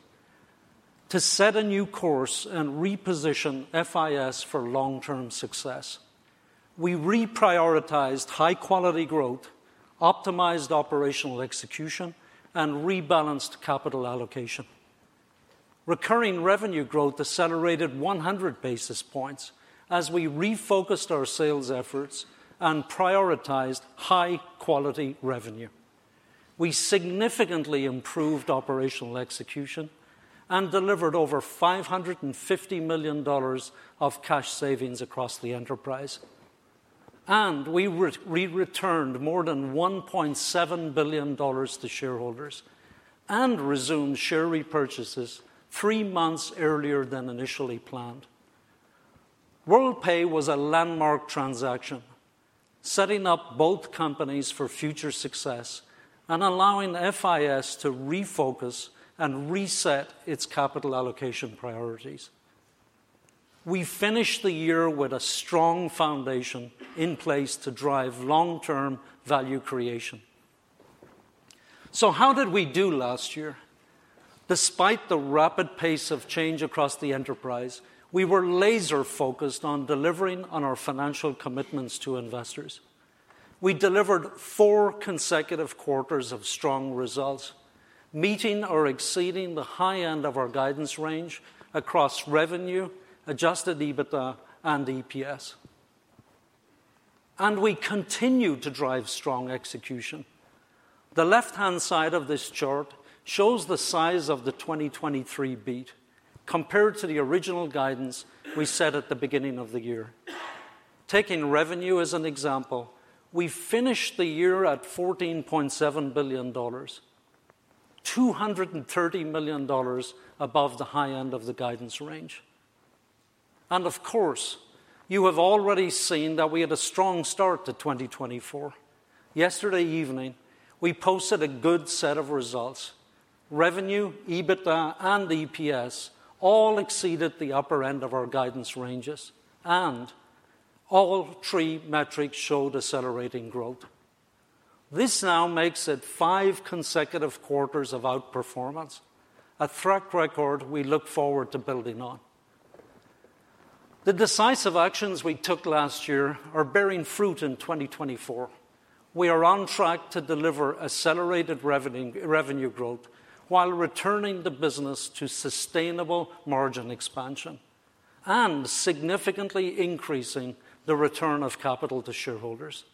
to set a new course and reposition FIS for long-term success. We reprioritized high-quality growth, optimized operational execution, and rebalanced capital allocation. Recurring revenue growth accelerated 100 basis points as we refocused our sales efforts and prioritized high-quality revenue. We significantly improved operational execution and delivered over $550 million of cash savings across the enterprise, and we returned more than $1.7 billion to shareholders and resumed share repurchases 3 months earlier than initially planned. Worldpay was a landmark transaction, setting up both companies for future success and allowing FIS to refocus and reset its capital allocation priorities. We finished the year with a strong foundation in place to drive long-term value creation. So how did we do last year? Despite the rapid pace of change across the enterprise, we were laser-focused on delivering on our financial commitments to investors. We delivered four consecutive quarters of strong results, meeting or exceeding the high end of our guidance range across revenue, adjusted EBITDA, and EPS. We continue to drive strong execution. The left-hand side of this chart shows the size of the 2023 beat compared to the original guidance we set at the beginning of the year. Taking revenue as an example, we finished the year at $14.7 billion, $230 million above the high end of the guidance range. Of course, you have already seen that we had a strong start to 2024. Yesterday evening, we posted a good set of results. Revenue, EBITDA, and EPS all exceeded the upper end of our guidance ranges, and all three metrics showed accelerating growth. This now makes it five consecutive quarters of outperformance, a track record we look forward to building on. The decisive actions we took last year are bearing fruit in 2024. We are on track to deliver accelerated revenue growth while returning the business to sustainable margin expansion and significantly increasing the return of capital to shareholders.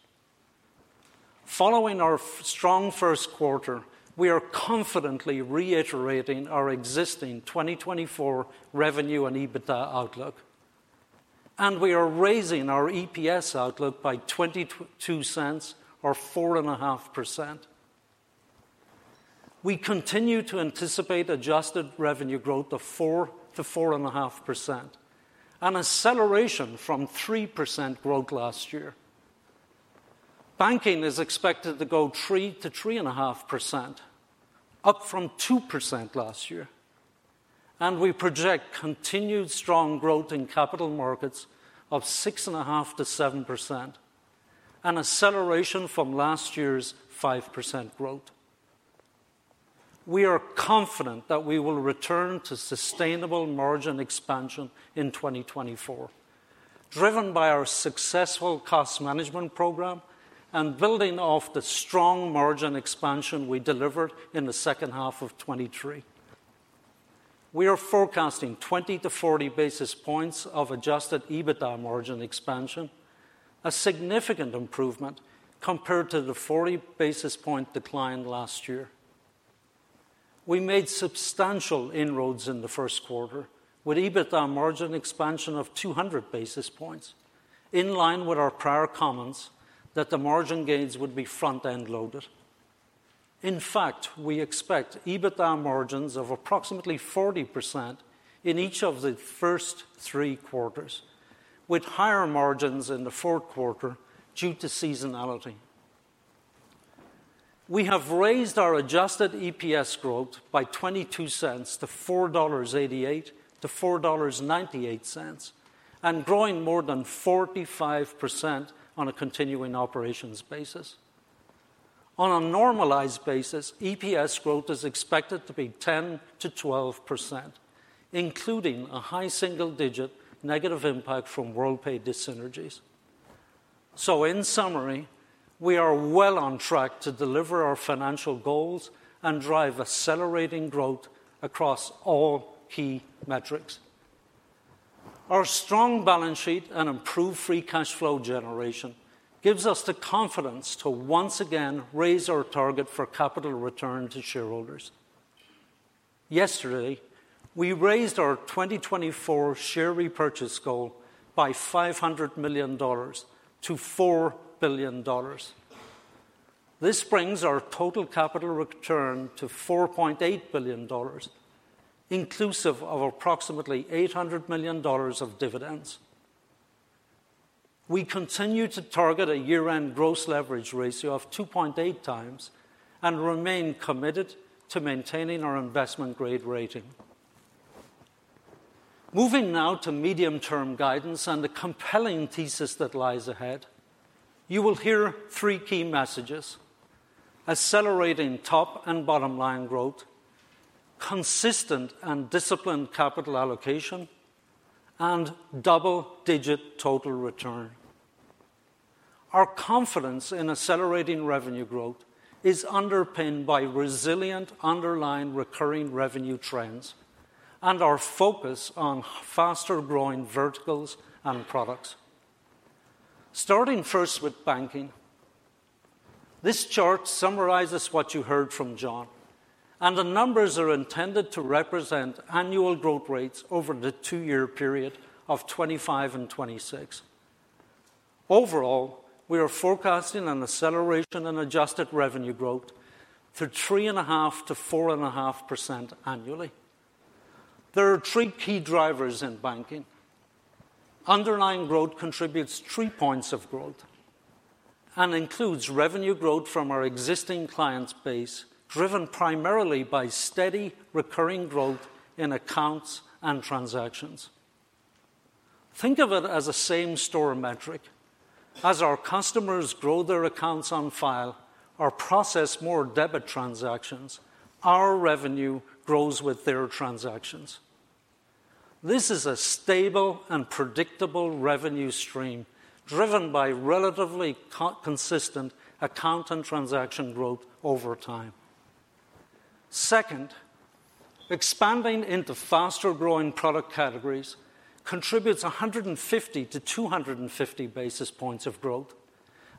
Following our strong first quarter, we are confidently reiterating our existing 2024 revenue and EBITDA outlook, and we are raising our EPS outlook by $0.02 or 4.5%. We continue to anticipate adjusted revenue growth of 4%-4.5%, an acceleration from 3% growth last year. Banking is expected to grow 3%-3.5%, up from 2% last year, and we project continued strong growth in capital markets of 6.5%-7%, an acceleration from last year's 5% growth. We are confident that we will return to sustainable margin expansion in 2024, driven by our successful cost management program and building off the strong margin expansion we delivered in the second half of 2023. We are forecasting 20-40 basis points of adjusted EBITDA margin expansion, a significant improvement compared to the 40 basis point decline last year. We made substantial inroads in the first quarter, with EBITDA margin expansion of 200 basis points, in line with our prior comments that the margin gains would be front-end loaded. In fact, we expect EBITDA margins of approximately 40% in each of the first three quarters, with higher margins in the fourth quarter due to seasonality. We have raised our adjusted EPS growth by$0.22 to $4.88-$4.98, and growing more than 45% on a continuing operations basis. On a normalized basis, EPS growth is expected to be 10%-12%, including a high single-digit negative impact from Worldpay dissynergies. So in summary, we are well on track to deliver our financial goals and drive accelerating growth across all key metrics. Our strong balance sheet and improved free cash flow generation gives us the confidence to once again raise our target for capital return to shareholders. Yesterday, we raised our 2024 share repurchase goal by $500 million - $4 billion. This brings our total capital return to $4.8 billion, inclusive of approximately $800 million of dividends. We continue to target a year-end gross leverage ratio of 2.8x and remain committed to maintaining our investment-grade rating. Moving now to medium-term guidance and the compelling thesis that lies ahead, you will hear three key messages: accelerating top and bottom line growth, consistent and disciplined capital allocation, and double-digit total return. Our confidence in accelerating revenue growth is underpinned by resilient underlying recurring revenue trends and our focus on faster-growing verticals and products. Starting first with banking, this chart summarizes what you heard from John, and the numbers are intended to represent annual growth rates over the two-year period of 2025 and 2026. Overall, we are forecasting an acceleration in adjusted revenue growth to 3.5%-4.5% annually. There are three key drivers in banking. Underlying growth contributes three points of growth and includes revenue growth from our existing client base, driven primarily by steady recurring growth in accounts and transactions. Think of it as a same-store metric. As our customers grow their accounts on file or process more debit transactions, our revenue grows with their transactions. This is a stable and predictable revenue stream, driven by relatively consistent account and transaction growth over time. Second, expanding into faster-growing product categories contributes 150-250 basis points of growth,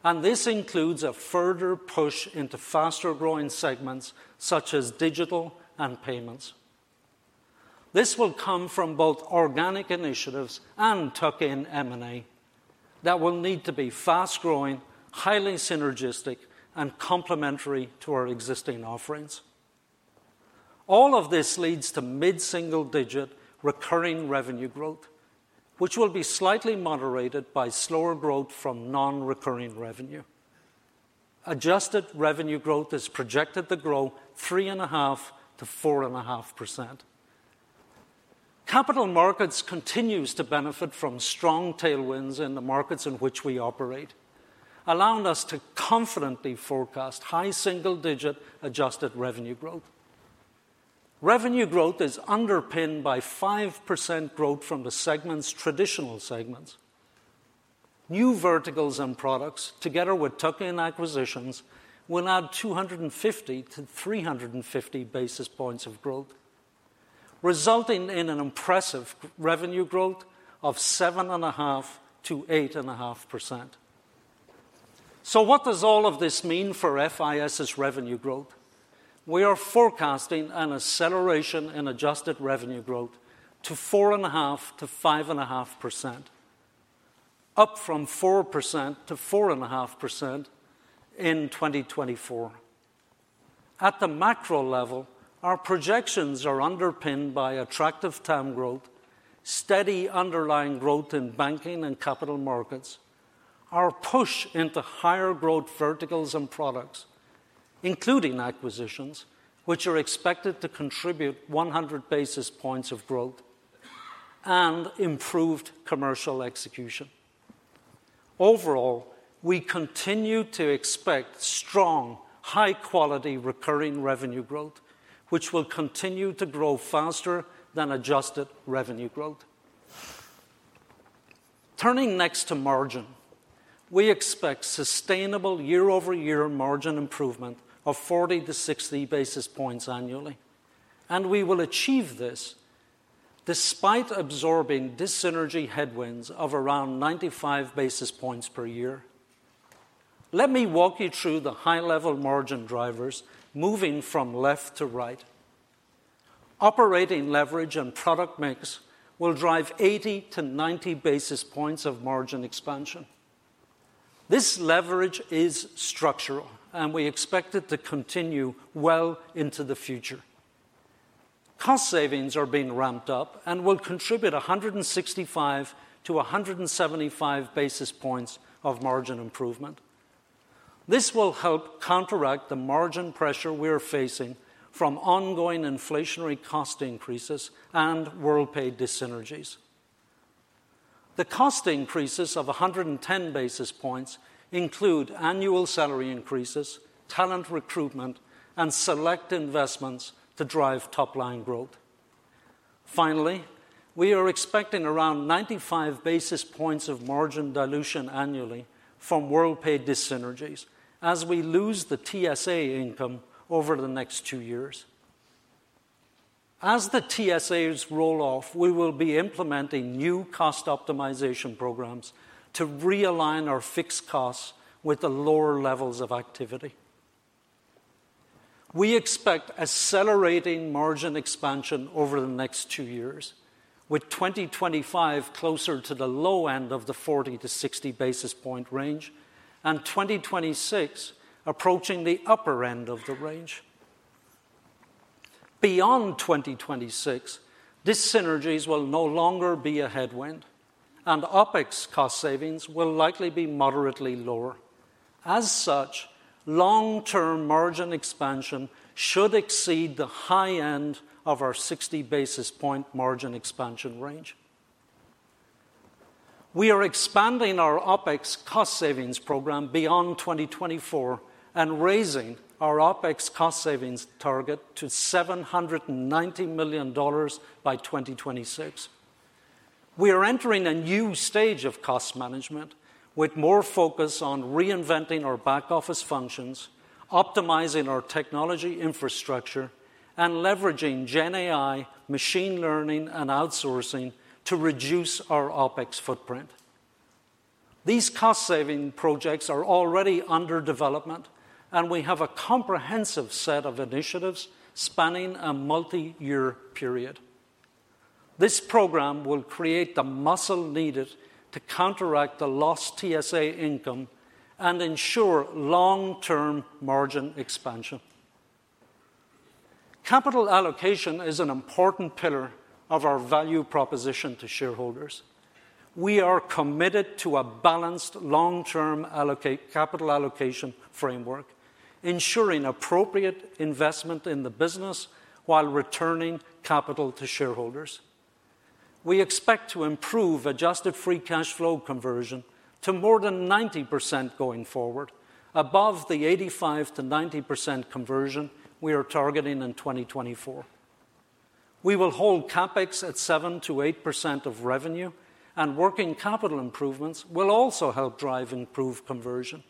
and this includes a further push into faster-growing segments such as digital and payments. This will come from both organic initiatives and tuck-in M&A that will need to be fast-growing, highly synergistic, and complementary to our existing offerings. All of this leads to mid-single-digit recurring revenue growth, which will be slightly moderated by slower growth from non-recurring revenue. Adjusted revenue growth is projected to grow 3.5%-4.5%. Capital Markets continues to benefit from strong tailwinds in the markets in which we operate, allowing us to confidently forecast high single-digit adjusted revenue growth. Revenue growth is underpinned by 5% growth from the segment's traditional segments. New verticals and products, together with tuck-in acquisitions, will add 250-350 basis points of growth, resulting in an impressive revenue growth of 7.5%-8.5%. So what does all of this mean for FIS's revenue growth? We are forecasting an acceleration in adjusted revenue growth to 4.5%-5.5%, up from 4%-4.5% in 2024. At the macro level, our projections are underpinned by attractive TAM growth, steady underlying growth in banking and capital markets, our push into higher growth verticals and products, including acquisitions, which are expected to contribute 100 basis points of growth and improved commercial execution. Overall, we continue to expect strong, high-quality, recurring revenue growth, which will continue to grow faster than adjusted revenue growth. Turning next to margin, we expect sustainable year-over-year margin improvement of 40-60 basis points annually, and we will achieve this despite absorbing dyssynergy headwinds of around 95 basis points per year. Let me walk you through the high-level margin drivers, moving from left to right. Operating leverage and product mix will drive 80-90 basis points of margin expansion. This leverage is structural, and we expect it to continue well into the future. Cost savings are being ramped up and will contribute 165-175 basis points of margin improvement. This will help counteract the margin pressure we are facing from ongoing inflationary cost increases and Worldpay dyssynergies. The cost increases of 110 basis points include annual salary increases, talent recruitment, and select investments to drive top-line growth. Finally, we are expecting around 95 basis points of margin dilution annually from Worldpay dyssynergies as we lose the TSA income over the next two years. As the TSAs roll off, we will be implementing new cost optimization programs to realign our fixed costs with the lower levels of activity. We expect accelerating margin expansion over the next two years, with 2025 closer to the low end of the 40-60 basis point range, and 2026 approaching the upper end of the range. Beyond 2026, these synergies will no longer be a headwind, and OpEx cost savings will likely be moderately lower. As such, long-term margin expansion should exceed the high end of our 60 basis point margin expansion range. We are expanding our OpEx cost savings program beyond 2024 and raising our OpEx cost savings target to $790 million by 2026. We are entering a new stage of cost management with more focus on reinventing our back-office functions, optimizing our technology infrastructure, and leveraging GenAI, machine learning, and outsourcing to reduce our OpEx footprint. These cost-saving projects are already under development, and we have a comprehensive set of initiatives spanning a multi-year period. This program will create the muscle needed to counteract the lost TSA income and ensure long-term margin expansion. Capital allocation is an important pillar of our value proposition to shareholders. We are committed to a balanced long-term capital allocation framework, ensuring appropriate investment in the business while returning capital to shareholders. We expect to improve adjusted free cash flow conversion to more than 90% going forward, above the 85%-90% conversion we are targeting in 2024. We will hold CapEx at 7%-8% of revenue, and working capital improvements will also help drive improved conversion.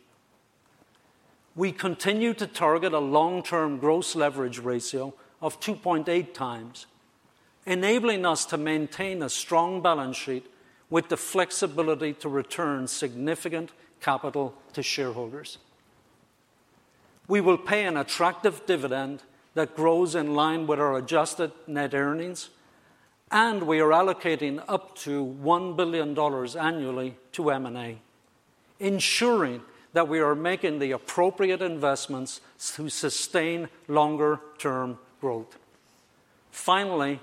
We continue to target a long-term gross leverage ratio of 2.8x, enabling us to maintain a strong balance sheet with the flexibility to return significant capital to shareholders. We will pay an attractive dividend that grows in line with our adjusted net earnings, and we are allocating up to $1 billion annually to M&A, ensuring that we are making the appropriate investments to sustain longer-term growth. Finally,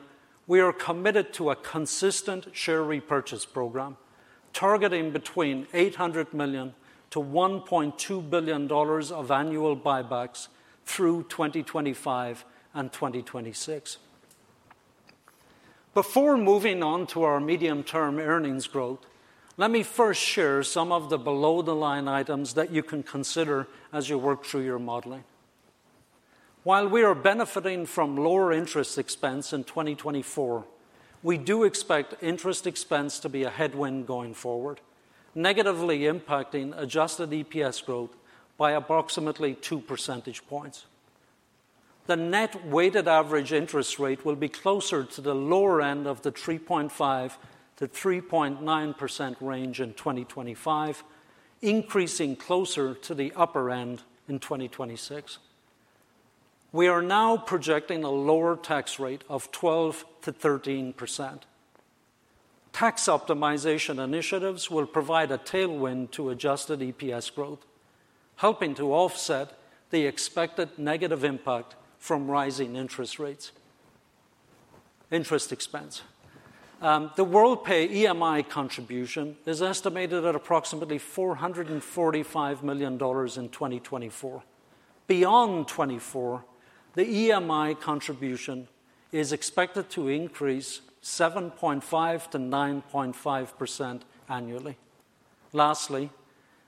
we are committed to a consistent share repurchase program, targeting between $800 million-$1.2 billion of annual buybacks through 2025 and 2026. Before moving on to our medium-term earnings growth, let me first share some of the below-the-line items that you can consider as you work through your modeling. While we are benefiting from lower interest expense in 2024, we do expect interest expense to be a headwind going forward, negatively impacting adjusted EPS growth by approximately 2 percentage points. The net weighted average interest rate will be closer to the lower end of the 3.5%-3.9% range in 2025, increasing closer to the upper end in 2026. We are now projecting a lower tax rate of 12%-13%. Tax optimization initiatives will provide a tailwind to adjusted EPS growth, helping to offset the expected negative impact from rising interest rates, interest expense. The Worldpay EMI contribution is estimated at approximately $445 million in 2024. Beyond 2024, the EMI contribution is expected to increase 7.5%-9.5% annually. Lastly,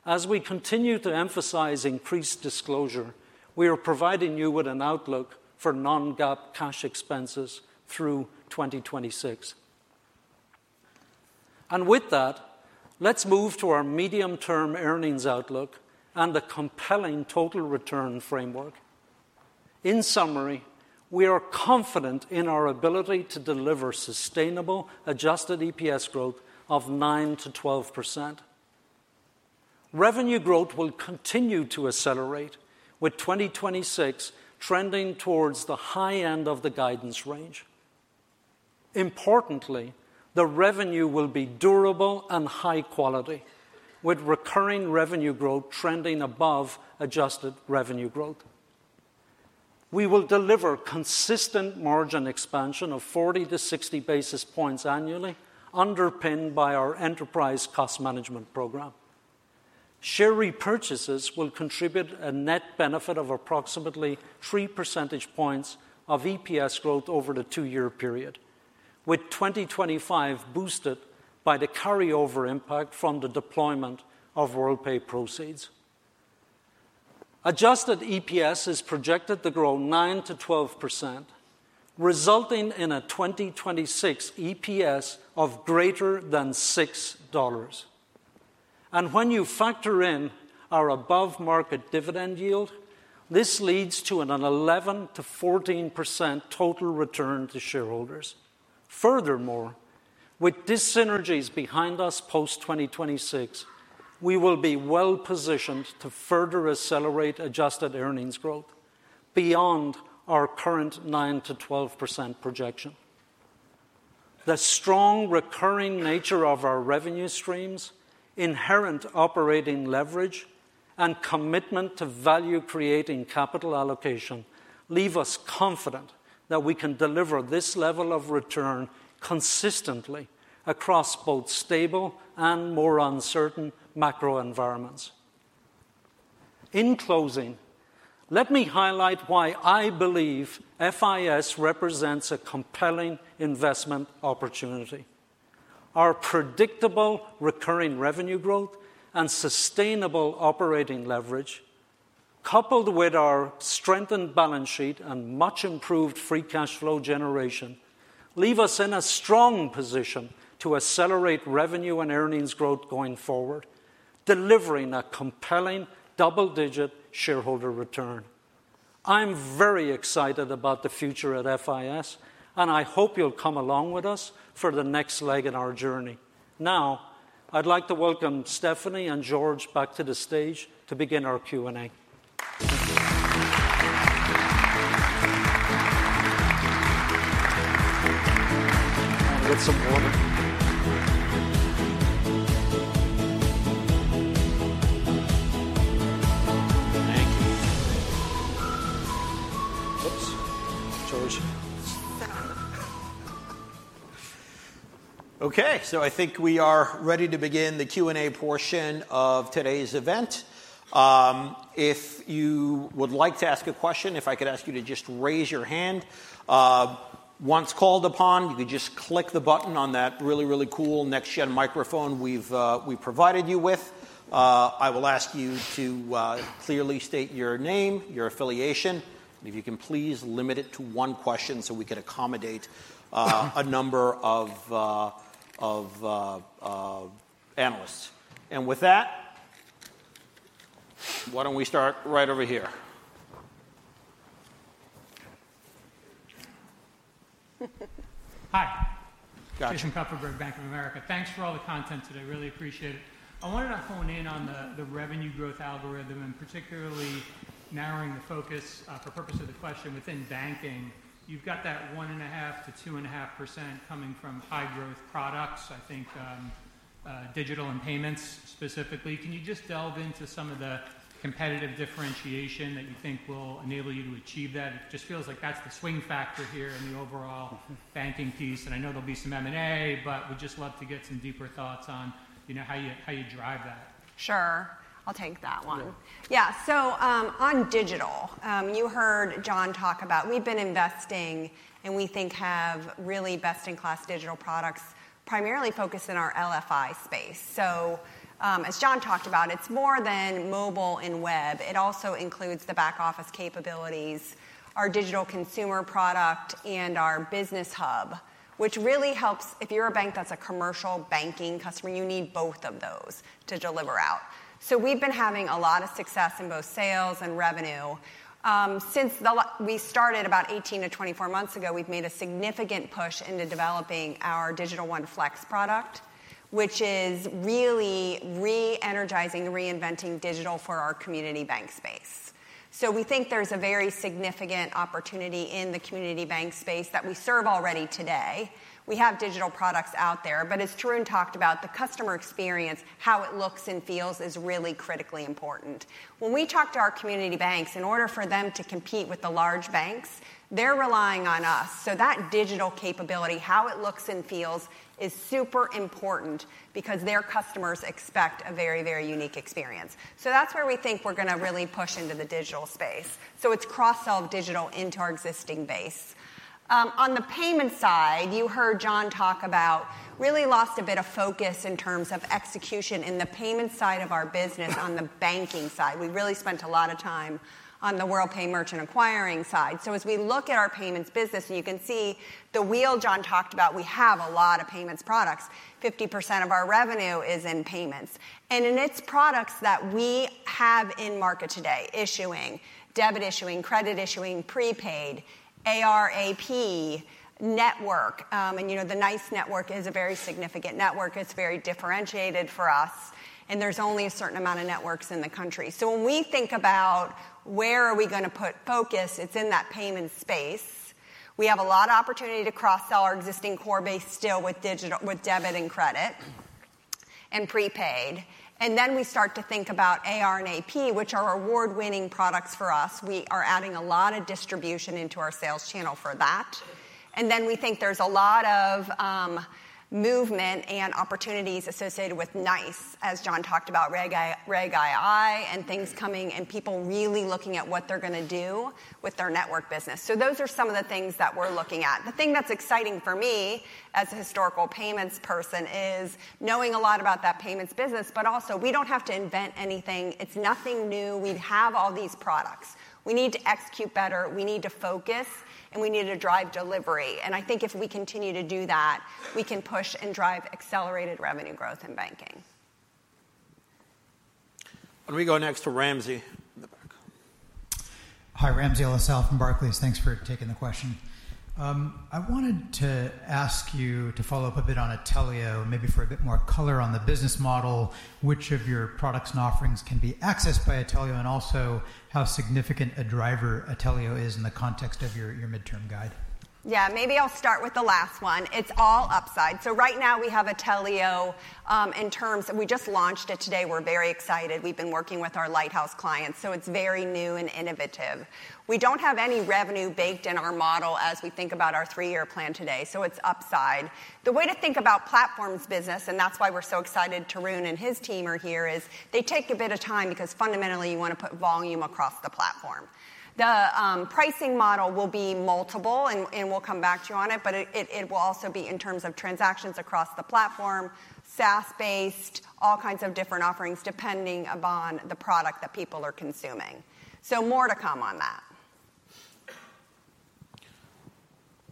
as we continue to emphasize increased disclosure, we are providing you with an outlook for non-GAAP cash expenses through 2026. With that, let's move to our medium-term earnings outlook and the compelling total return framework. In summary, we are confident in our ability to deliver sustainable adjusted EPS growth of 9%-12%. Revenue growth will continue to accelerate, with 2026 trending towards the high end of the guidance range. Importantly, the revenue will be durable and high quality, with recurring revenue growth trending above adjusted revenue growth. We will deliver consistent margin expansion of 40-60 basis points annually, underpinned by our enterprise cost management program. Share repurchases will contribute a net benefit of approximately three percentage points of EPS growth over the two-year period, with 2025 boosted by the carryover impact from the deployment of Worldpay proceeds. Adjusted EPS is projected to grow 9%-12%, resulting in a 2026 EPS of >$6. When you factor in our above-market dividend yield, this leads to an 11%-14% total return to shareholders. With these synergies behind us post-2026, we will be well-positioned to further accelerate adjusted earnings growth beyond our current 9%-12% projection. The strong recurring nature of our revenue streams, inherent operating leverage, and commitment to value-creating capital allocation leave us confident that we can deliver this level of return consistently across both stable and more uncertain macro environments. In closing, let me highlight why I believe FIS represents a compelling investment opportunity. Our predictable recurring revenue growth and sustainable operating leverage, coupled with our strengthened balance sheet and much improved free cash flow generation, leave us in a strong position to accelerate revenue and earnings growth going forward, delivering a compelling double-digit shareholder return. I'm very excited about the future at FIS, and I hope you'll come along with us for the next leg in our journey. Now, I'd like to welcome Stephanie and George back to the stage to begin our Q&A. Get some water. Thank you. Oops, George. Okay, so I think we are ready to begin the Q&A portion of today's event. If you would like to ask a question, if I could ask you to just raise your hand. Once called upon, you could just click the button on that really, really cool next-gen microphone we've, we provided you with. I will ask you to clearly state your name, your affiliation, and if you can, please limit it to one question so we could accommodate a number of analysts. And with that, why don't we start right over here? Hi. Gotcha. Jason Kupferberg, Bank of America. Thanks for all the content today. Really appreciate it. I wanted to hone in on the revenue growth algorithm, and particularly narrowing the focus for purpose of the question within banking. You've got that 1.5%-2.5% coming from high growth products, digital and payments specifically. Can you just delve into some of the competitive differentiation that you think will enable you to achieve that? It just feels like that's the swing factor here in the overall- Mm-hmm. Banking piece, and I know there'll be some M&A, but would just love to get some deeper thoughts on, you know, how you, how you drive that. Sure, I'll take that one. Yeah. So, on digital, you heard John talk about, we've been investing, and we think have really best-in-class digital products, primarily focused in our LFI space. So, as John talked about, it's more than mobile and web. It also includes the back office capabilities, our digital consumer product, and our business hub, which really helps... If you're a bank that's a commercial banking customer, you need both of those to deliver out. So we've been having a lot of success in both sales and revenue. Since we started about 18-24 months ago, we've made a significant push into developing our Digital One Flex product, which is really re-energizing, reinventing digital for our community bank space. So we think there's a very significant opportunity in the community bank space that we serve already today. We have digital products out there, but as Tarun talked about, the customer experience, how it looks and feels, is really critically important. When we talk to our community banks, in order for them to compete with the large banks, they're relying on us. So that digital capability, how it looks and feels, is super important because their customers expect a very, very unique experience. So that's where we think we're gonna really push into the digital space, so it's cross-sell digital into our existing base. On the payment side, you heard John talk about, really lost a bit of focus in terms of execution in the payment side of our business on the banking side. We really spent a lot of time on the Worldpay merchant acquiring side. So as we look at our payments business, and you can see the wheel John talked about, we have a lot of payments products. 50% of our revenue is in payments, and in its products that we have in market today, issuing, debit issuing, credit issuing, prepaid, AR, AP, network, and, you know, the NYCE network is a very significant network. It's very differentiated for us, and there's only a certain amount of networks in the country. So when we think about where are we gonna put focus, it's in that payment space. We have a lot of opportunity to cross-sell our existing core base still with digital- with debit and credit, and prepaid. And then we start to think about AR and AP, which are award-winning products for us. We are adding a lot of distribution into our sales channel for that. And then we think there's a lot of movement and opportunities associated with NYCE, as John talked about, Reg II, and things coming, and people really looking at what they're gonna do with their network business. So those are some of the things that we're looking at. The thing that's exciting for me, as a historical payments person, is knowing a lot about that payments business, but also, we don't have to invent anything. It's nothing new. We have all these products. We need to execute better, we need to focus, and we need to drive delivery, and I think if we continue to do that, we can push and drive accelerated revenue growth in banking. we go next to Ramsey in the back. Hi, Ramsey El-Assal from Barclays. Thanks for taking the question. I wanted to ask you to follow up a bit on Atelio, maybe for a bit more color on the business model, which of your products and offerings can be accessed by Atelio, and also how significant a driver Atelio is in the context of your, your midterm guide? Yeah, maybe I'll start with the last one. It's all upside. So right now, we have Atelio in terms—we just launched it today. We're very excited. We've been working with our Lighthouse clients, so it's very new and innovative. We don't have any revenue baked in our model as we think about our three-year plan today, so it's upside. The way to think about platforms business, and that's why we're so excited Tarun and his team are here, is they take a bit of time because fundamentally you want to put volume across the platform. The pricing model will be multiple, and we'll come back to you on it, but it will also be in terms of transactions across the platform, SaaS-based, all kinds of different offerings, depending upon the product that people are consuming. So more to come on that.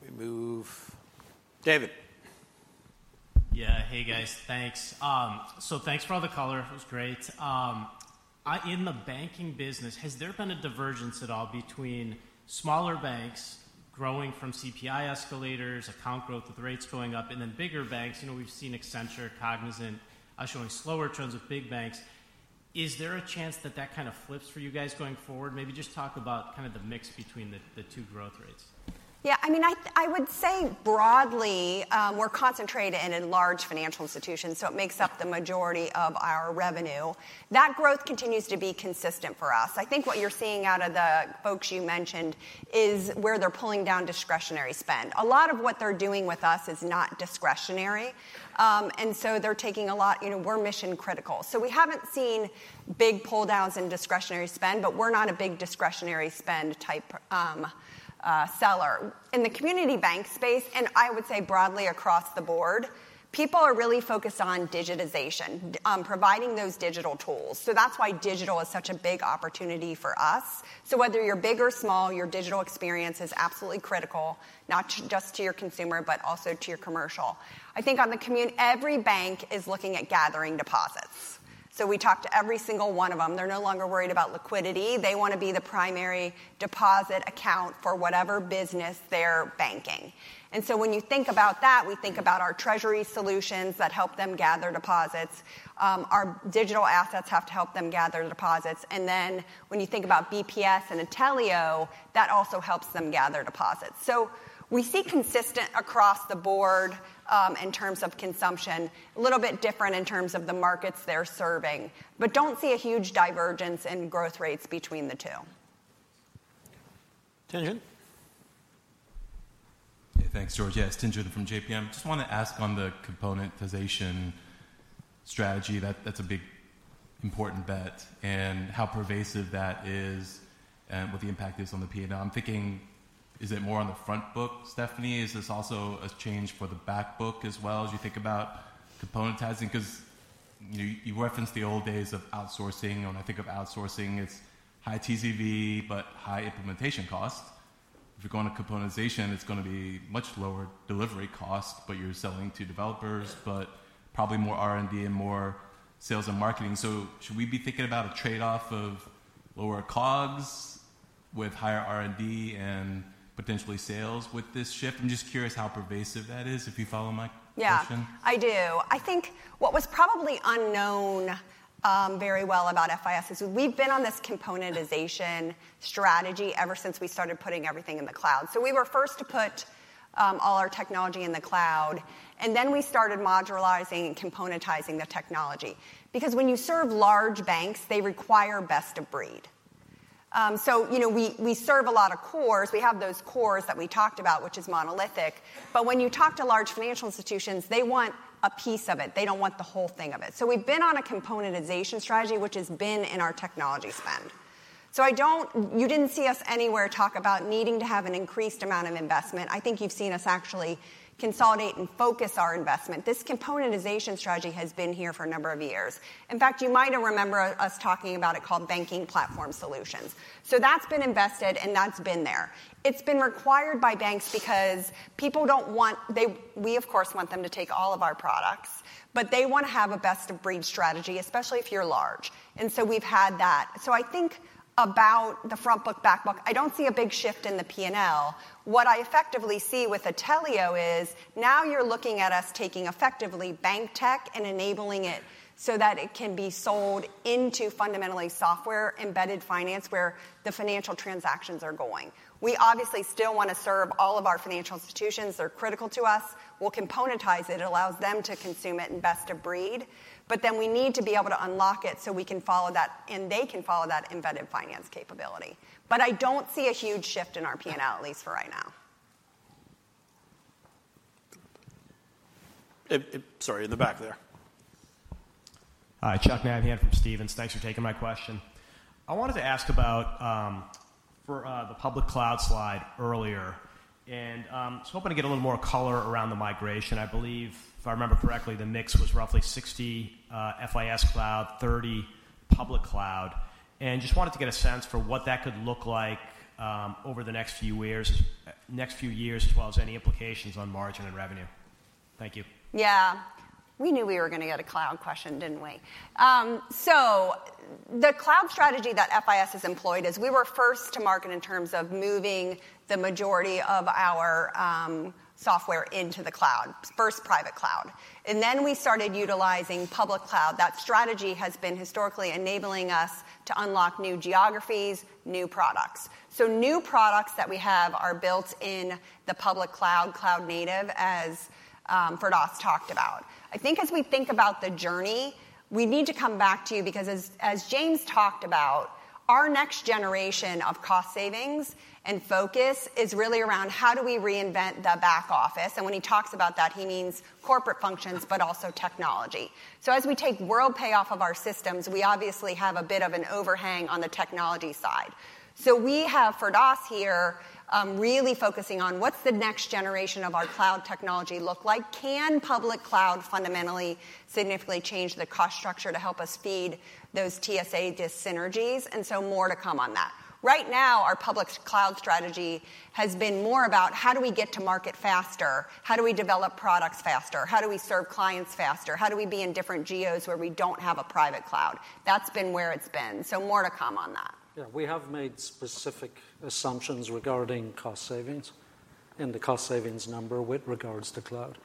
We move... David. Yeah. Hey, guys. Thanks. So thanks for all the color. It was great. In the banking business, has there been a divergence at all between smaller banks growing from CPI escalators, account growth with rates going up, and then bigger banks? You know, we've seen Accenture, Cognizant, showing slower trends with big banks. Is there a chance that that kind of flips for you guys going forward? Maybe just talk about kind of the mix between the two growth rates. Yeah, I mean, I, I would say broadly, we're concentrated in large financial institutions, so it makes up the majority of our revenue. That growth continues to be consistent for us. I think what you're seeing out of the folks you mentioned is where they're pulling down discretionary spend. A lot of what they're doing with us is not discretionary, and so they're taking a lot... You know, we're mission critical. So we haven't seen big pull downs in discretionary spend, but we're not a big discretionary spend type, seller. In the community bank space, and I would say broadly across the board, people are really focused on digitization, providing those digital tools. So that's why digital is such a big opportunity for us. So whether you're big or small, your digital experience is absolutely critical, not just to your consumer, but also to your commercial. I think every bank is looking at gathering deposits. So we talk to every single one of them. They're no longer worried about liquidity. They want to be the primary deposit account for whatever business they're banking. And so when you think about that, we think about our treasury solutions that help them gather deposits. Our digital assets have to help them gather deposits. And then, when you think about BPS and Atelio, that also helps them gather deposits. So we see consistent across the board, in terms of consumption, a little bit different in terms of the markets they're serving, but don't see a huge divergence in growth rates between the two. Tein Tsin? Hey, thanks, George. Yes, Tien-Tsin from JPM. Just want to ask on the componentization strategy, that's a big, important bet, and how pervasive that is and what the impact is on the P&L. I'm thinking, is it more on the front book, Stephanie? Is this also a change for the back book as well, as you think about componentizing? 'Cause you referenced the old days of outsourcing, when I think of outsourcing, it's high TCV, but high implementation cost. If you're going to componentization, it's gonna be much lower delivery cost, but you're selling to developers, but probably more R&D and more sales and marketing. So should we be thinking about a trade-off of lower COGS with higher R&D and potentially sales with this shift? I'm just curious how pervasive that is, if you follow my question. Yeah, I do. I think what was probably unknown very well about FIS is we've been on this componentization strategy ever since we started putting everything in the cloud. So we were first to put all our technology in the cloud, and then we started modularizing and componentizing the technology. Because when you serve large banks, they require best of breed. So, you know, we serve a lot of cores. We have those cores that we talked about, which is monolithic, but when you talk to large financial institutions, they want a piece of it. They don't want the whole thing of it. So we've been on a componentization strategy, which has been in our technology spend. So I don't—you didn't see us anywhere talk about needing to have an increased amount of investment. I think you've seen us actually consolidate and focus our investment. This componentization strategy has been here for a number of years. In fact, you might remember us talking about it called Banking Platform Solutions. That's been invested, and that's been there. It's been required by banks because people don't want... They—we, of course, want them to take all of our products, but they want to have a best of breed strategy, especially if you're large, and so we've had that. I think about the front book, back book, I don't see a big shift in the P&L. What I effectively see with Atelio is, now you're looking at us taking effectively bank tech and enabling it so that it can be sold into fundamentally software-embedded finance, where the financial transactions are going. We obviously still want to serve all of our financial institutions. They're critical to us. We'll componentize it. It allows them to consume it in best of breed, but then we need to be able to unlock it so we can follow that, and they can follow that embedded finance capability. But I don't see a huge shift in our P&L, at least for right now. Sorry, in the back there. Hi, Chuck Nabhan from Stephens. Thanks for taking my question. I wanted to ask about the public cloud slide earlier, and just hoping to get a little more color around the migration. I believe, if I remember correctly, the mix was roughly 60 FIS Cloud, 30 public cloud, and just wanted to get a sense for what that could look like over the next few years, next few years, as well as any implications on margin and revenue. Thank you. Yeah, we knew we were going to get a cloud question, didn't we? So the cloud strategy that FIS has employed is we were first to market in terms of moving the majority of our software into the cloud, first private cloud, and then we started utilizing public cloud. That strategy has been historically enabling us to unlock new geographies, new products. So new products that we have are built in the public cloud, cloud native, as Firdaus talked about. I think as we think about the journey, we need to come back to you because as James talked about, our next generation of cost savings and focus is really around how do we reinvent the back office? And when he talks about that, he means corporate functions, but also technology. So as we take Worldpay off of our systems, we obviously have a bit of an overhang on the technology side. So we have Firdaus here, really focusing on what's the next generation of our cloud technology look like? Can public cloud fundamentally, significantly change the cost structure to help us feed those TSA dysynergies? And so more to come on that. Right now, our public cloud strategy has been more about how do we get to market faster? How do we develop products faster? How do we serve clients faster? How do we be in different geos where we don't have a private cloud? That's been where it's been. So more to come on that. Yeah, we have made specific assumptions regarding cost savings and the cost savings number with regards to cloud.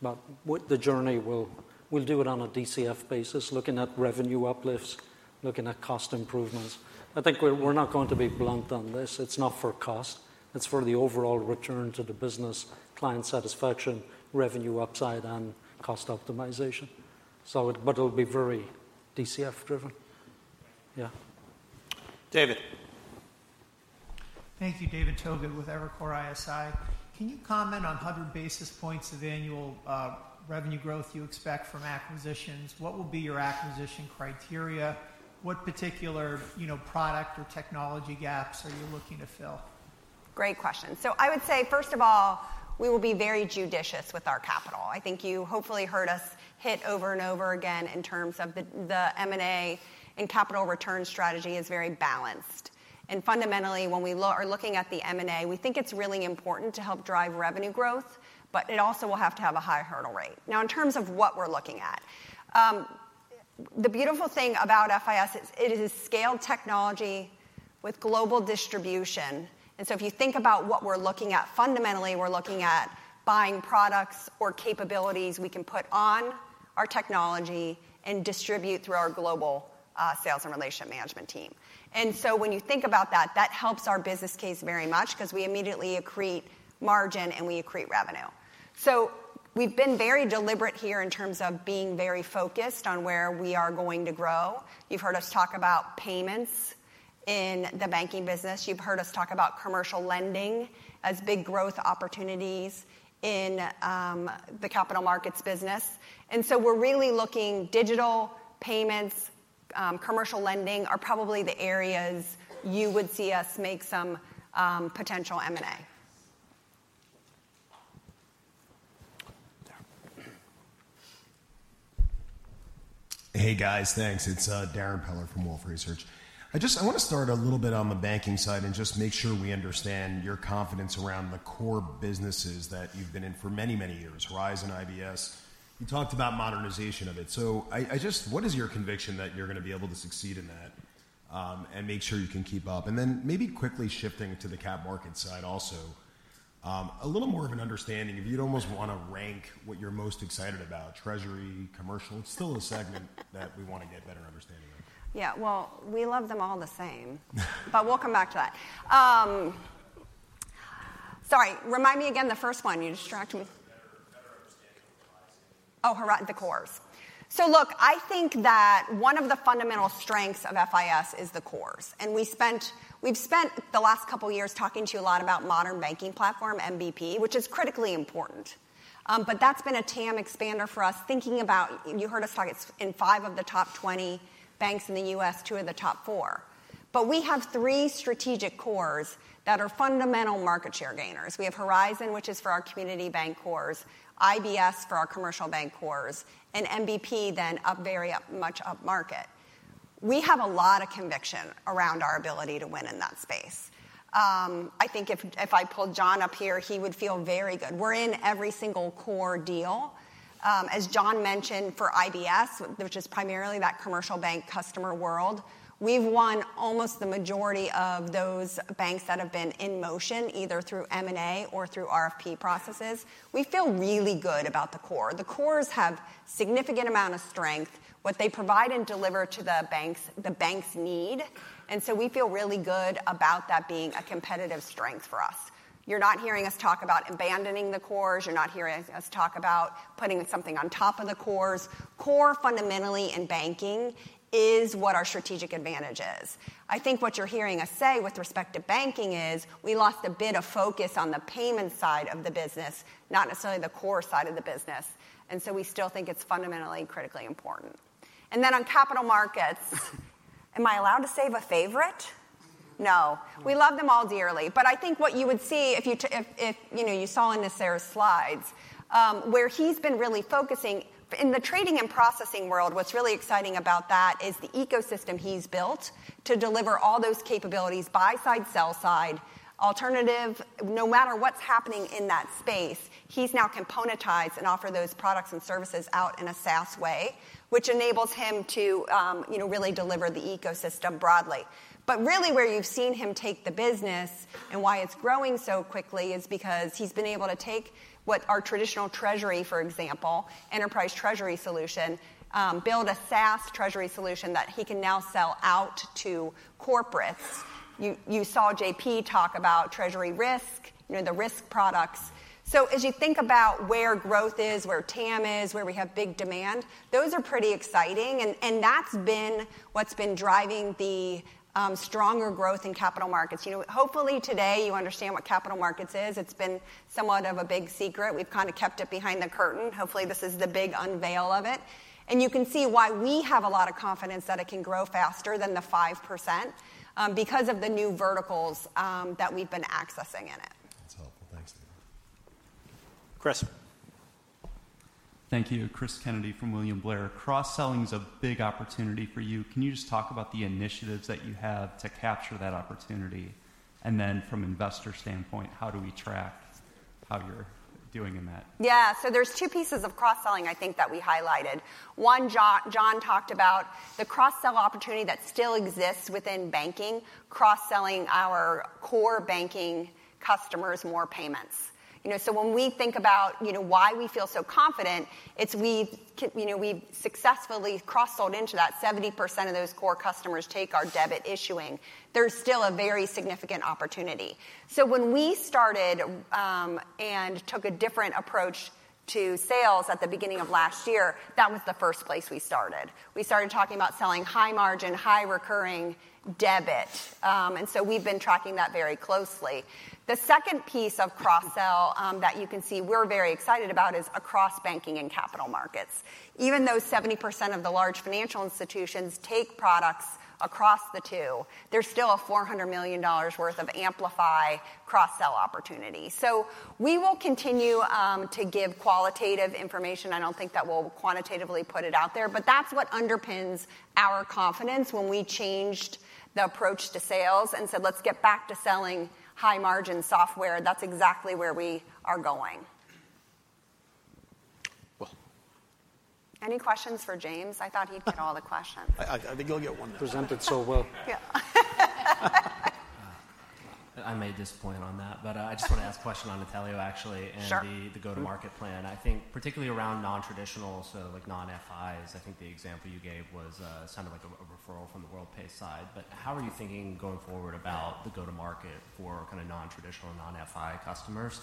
But with the journey, we'll, we'll do it on a DCF basis, looking at revenue uplifts, looking at cost improvements. I think we're, we're not going to be blunt on this. It's not for cost; it's for the overall return to the business, client satisfaction, revenue upside, and cost optimization. So it—but it'll be very DCF driven. Yeah. David. Thank you, David Togut with Evercore ISI. Can you comment on 100 basis points of annual revenue growth you expect from acquisitions? What will be your acquisition criteria? What particular, you know, product or technology gaps are you looking to fill? Great question. So I would say, first of all, we will be very judicious with our capital. I think you hopefully heard us hit over and over again in terms of the M&A and capital return strategy is very balanced. And fundamentally, when we are looking at the M&A, we think it's really important to help drive revenue growth, but it also will have to have a high hurdle rate. Now, in terms of what we're looking at, the beautiful thing about FIS is it is a scaled technology with global distribution. And so if you think about what we're looking at, fundamentally, we're looking at buying products or capabilities we can put on our technology and distribute through our global sales and relationship management team. And so when you think about that, that helps our business case very much because we immediately accrete margin, and we accrete revenue. So we've been very deliberate here in terms of being very focused on where we are going to grow. You've heard us talk about payments in the banking business. You've heard us talk about commercial lending as big growth opportunities in the capital markets business. And so we're really looking digital payments, commercial lending are probably the areas you would see us make some potential M&A. Yeah. Hey, guys. Thanks. It's Darren Peller from Wolfe Research. I just... I want to start a little bit on the banking side and just make sure we understand your confidence around the core businesses that you've been in for many, many years, Horizon, IBS. You talked about modernization of it. So I just-- what is your conviction that you're going to be able to succeed in that, and make sure you can keep up? And then maybe quickly shifting to the cap market side also, a little more of an understanding, if you'd almost want to rank what you're most excited about, treasury, commercial, it's still a segment that we want to get a better understanding of. Yeah. Well, we love them all the same. But we'll come back to that. Sorry, remind me again the first one. You distracted me. Better, better understanding of the cores. Oh, Horizon—the cores. So look, I think that one of the fundamental strengths of FIS is the cores, and we've spent the last couple of years talking to you a lot about Modern Banking Platform, MBP, which is critically important. But that's been a TAM expander for us, thinking about, you heard us talk, it's in 5 of the top 20 banks in the U.S., two of the top four. But we have 3 strategic cores that are fundamental market share gainers. We have Horizon, which is for our community bank cores, IBS for our commercial bank cores, and MBP, then up very up, much upmarket. We have a lot of conviction around our ability to win in that space. I think if I pulled John up here, he would feel very good. We're in every single core deal. As John mentioned, for IBS, which is primarily that commercial bank customer world, we've won almost the majority of those banks that have been in motion, either through M&A or through RFP processes. We feel really good about the core. The cores have significant amount of strength, what they provide and deliver to the banks, the banks need, and so we feel really good about that being a competitive strength for us. You're not hearing us talk about abandoning the cores. You're not hearing us talk about putting something on top of the cores. Core, fundamentally in banking, is what our strategic advantage is. I think what you're hearing us say with respect to banking is, we lost a bit of focus on the payment side of the business, not necessarily the core side of the business, and so we still think it's fundamentally critically important. Then on capital markets, am I allowed to save a favorite? No. We love them all dearly, but I think what you would see if you know, you saw in Nasser's slides, where he's been really focusing. In the trading and processing world, what's really exciting about that is the ecosystem he's built to deliver all those capabilities, buy side, sell side, alternative, no matter what's happening in that space, he's now componentized and offer those products and services out in a SaaS way, which enables him to, you know, really deliver the ecosystem broadly. But really, where you've seen him take the business and why it's growing so quickly is because he's been able to take what our traditional treasury, for example, enterprise treasury solution, build a SaaS treasury solution that he can now sell out to corporates. You saw JP talk about treasury risk, you know, the risk products. So as you think about where growth is, where TAM is, where we have big demand, those are pretty exciting, and that's what's been driving the stronger growth in capital markets. You know, hopefully today, you understand what capital markets is. It's been somewhat of a big secret. We've kind of kept it behind the curtain. Hopefully, this is the big unveil of it, and you can see why we have a lot of confidence that it can grow faster than the 5%, because of the new verticals that we've been accessing in it. That's helpful. Thanks, Dana. Chris. Thank you. Chris Kennedy from William Blair. Cross-selling is a big opportunity for you. Can you just talk about the initiatives that you have to capture that opportunity? And then from an investor standpoint, how do we track how you're doing in that? Yeah, so there's two pieces of cross-selling I think that we highlighted. One, John talked about the cross-sell opportunity that still exists within banking, cross-selling our core banking customers more payments. You know, so when we think about, you know, why we feel so confident, it's we've you know, we've successfully cross-sold into that. 70% of those core customers take our debit issuing. There's still a very significant opportunity. So when we started and took a different approach to sales at the beginning of last year, that was the first place we started. We started talking about selling high margin, high recurring debit, and so we've been tracking that very closely. The second piece of cross-sell that you can see we're very excited about is across banking and capital markets. Even though 70% of the large financial institutions take products across the two, there's still a $400 million worth of amplify cross-sell opportunity. So we will continue to give qualitative information. I don't think that we'll quantitatively put it out there, but that's what underpins our confidence when we changed the approach to sales and said, "Let's get back to selling high-margin software," that's exactly where we are going. Well- Any questions for James? I thought he'd get all the questions. I think you'll get one now. Presented so well. Yeah. I may disappoint on that, but I just want to ask a question on Atelio, actually- Sure and the go-to-market plan. I think particularly around non-traditional, so like non-FIs, I think the example you gave was sounded like a referral from the Worldpay side. But how are you thinking going forward about the go-to-market for kind of non-traditional, non-FI customers,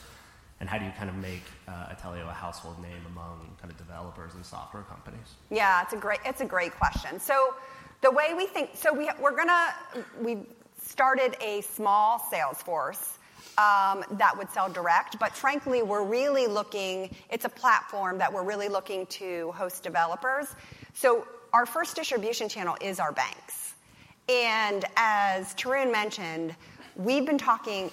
and how do you kind of make Atelio a household name among kind of developers and software companies? Yeah, it's a great, it's a great question. So we're gonna, we've started a small sales force that would sell direct, but frankly, we're really looking, it's a platform that we're really looking to host developers. So our first distribution channel is our banks. And as Tarun mentioned, we've been talking,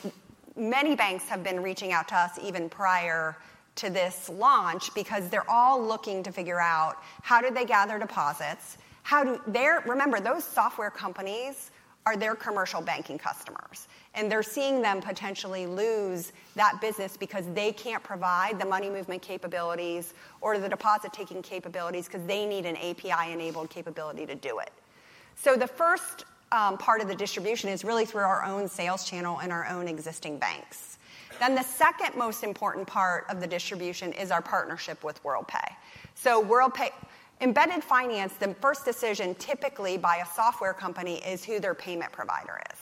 many banks have been reaching out to us even prior to this launch because they're all looking to figure out how do they gather deposits, how do their commercial banking customers, remember, those software companies are their commercial banking customers, and they're seeing them potentially lose that business because they can't provide the money movement capabilities or the deposit-taking capabilities because they need an API-enabled capability to do it. So the first part of the distribution is really through our own sales channel and our own existing banks. Then the second most important part of the distribution is our partnership with Worldpay. So Worldpay – embedded finance, the first decision typically by a software company is who their payment provider is.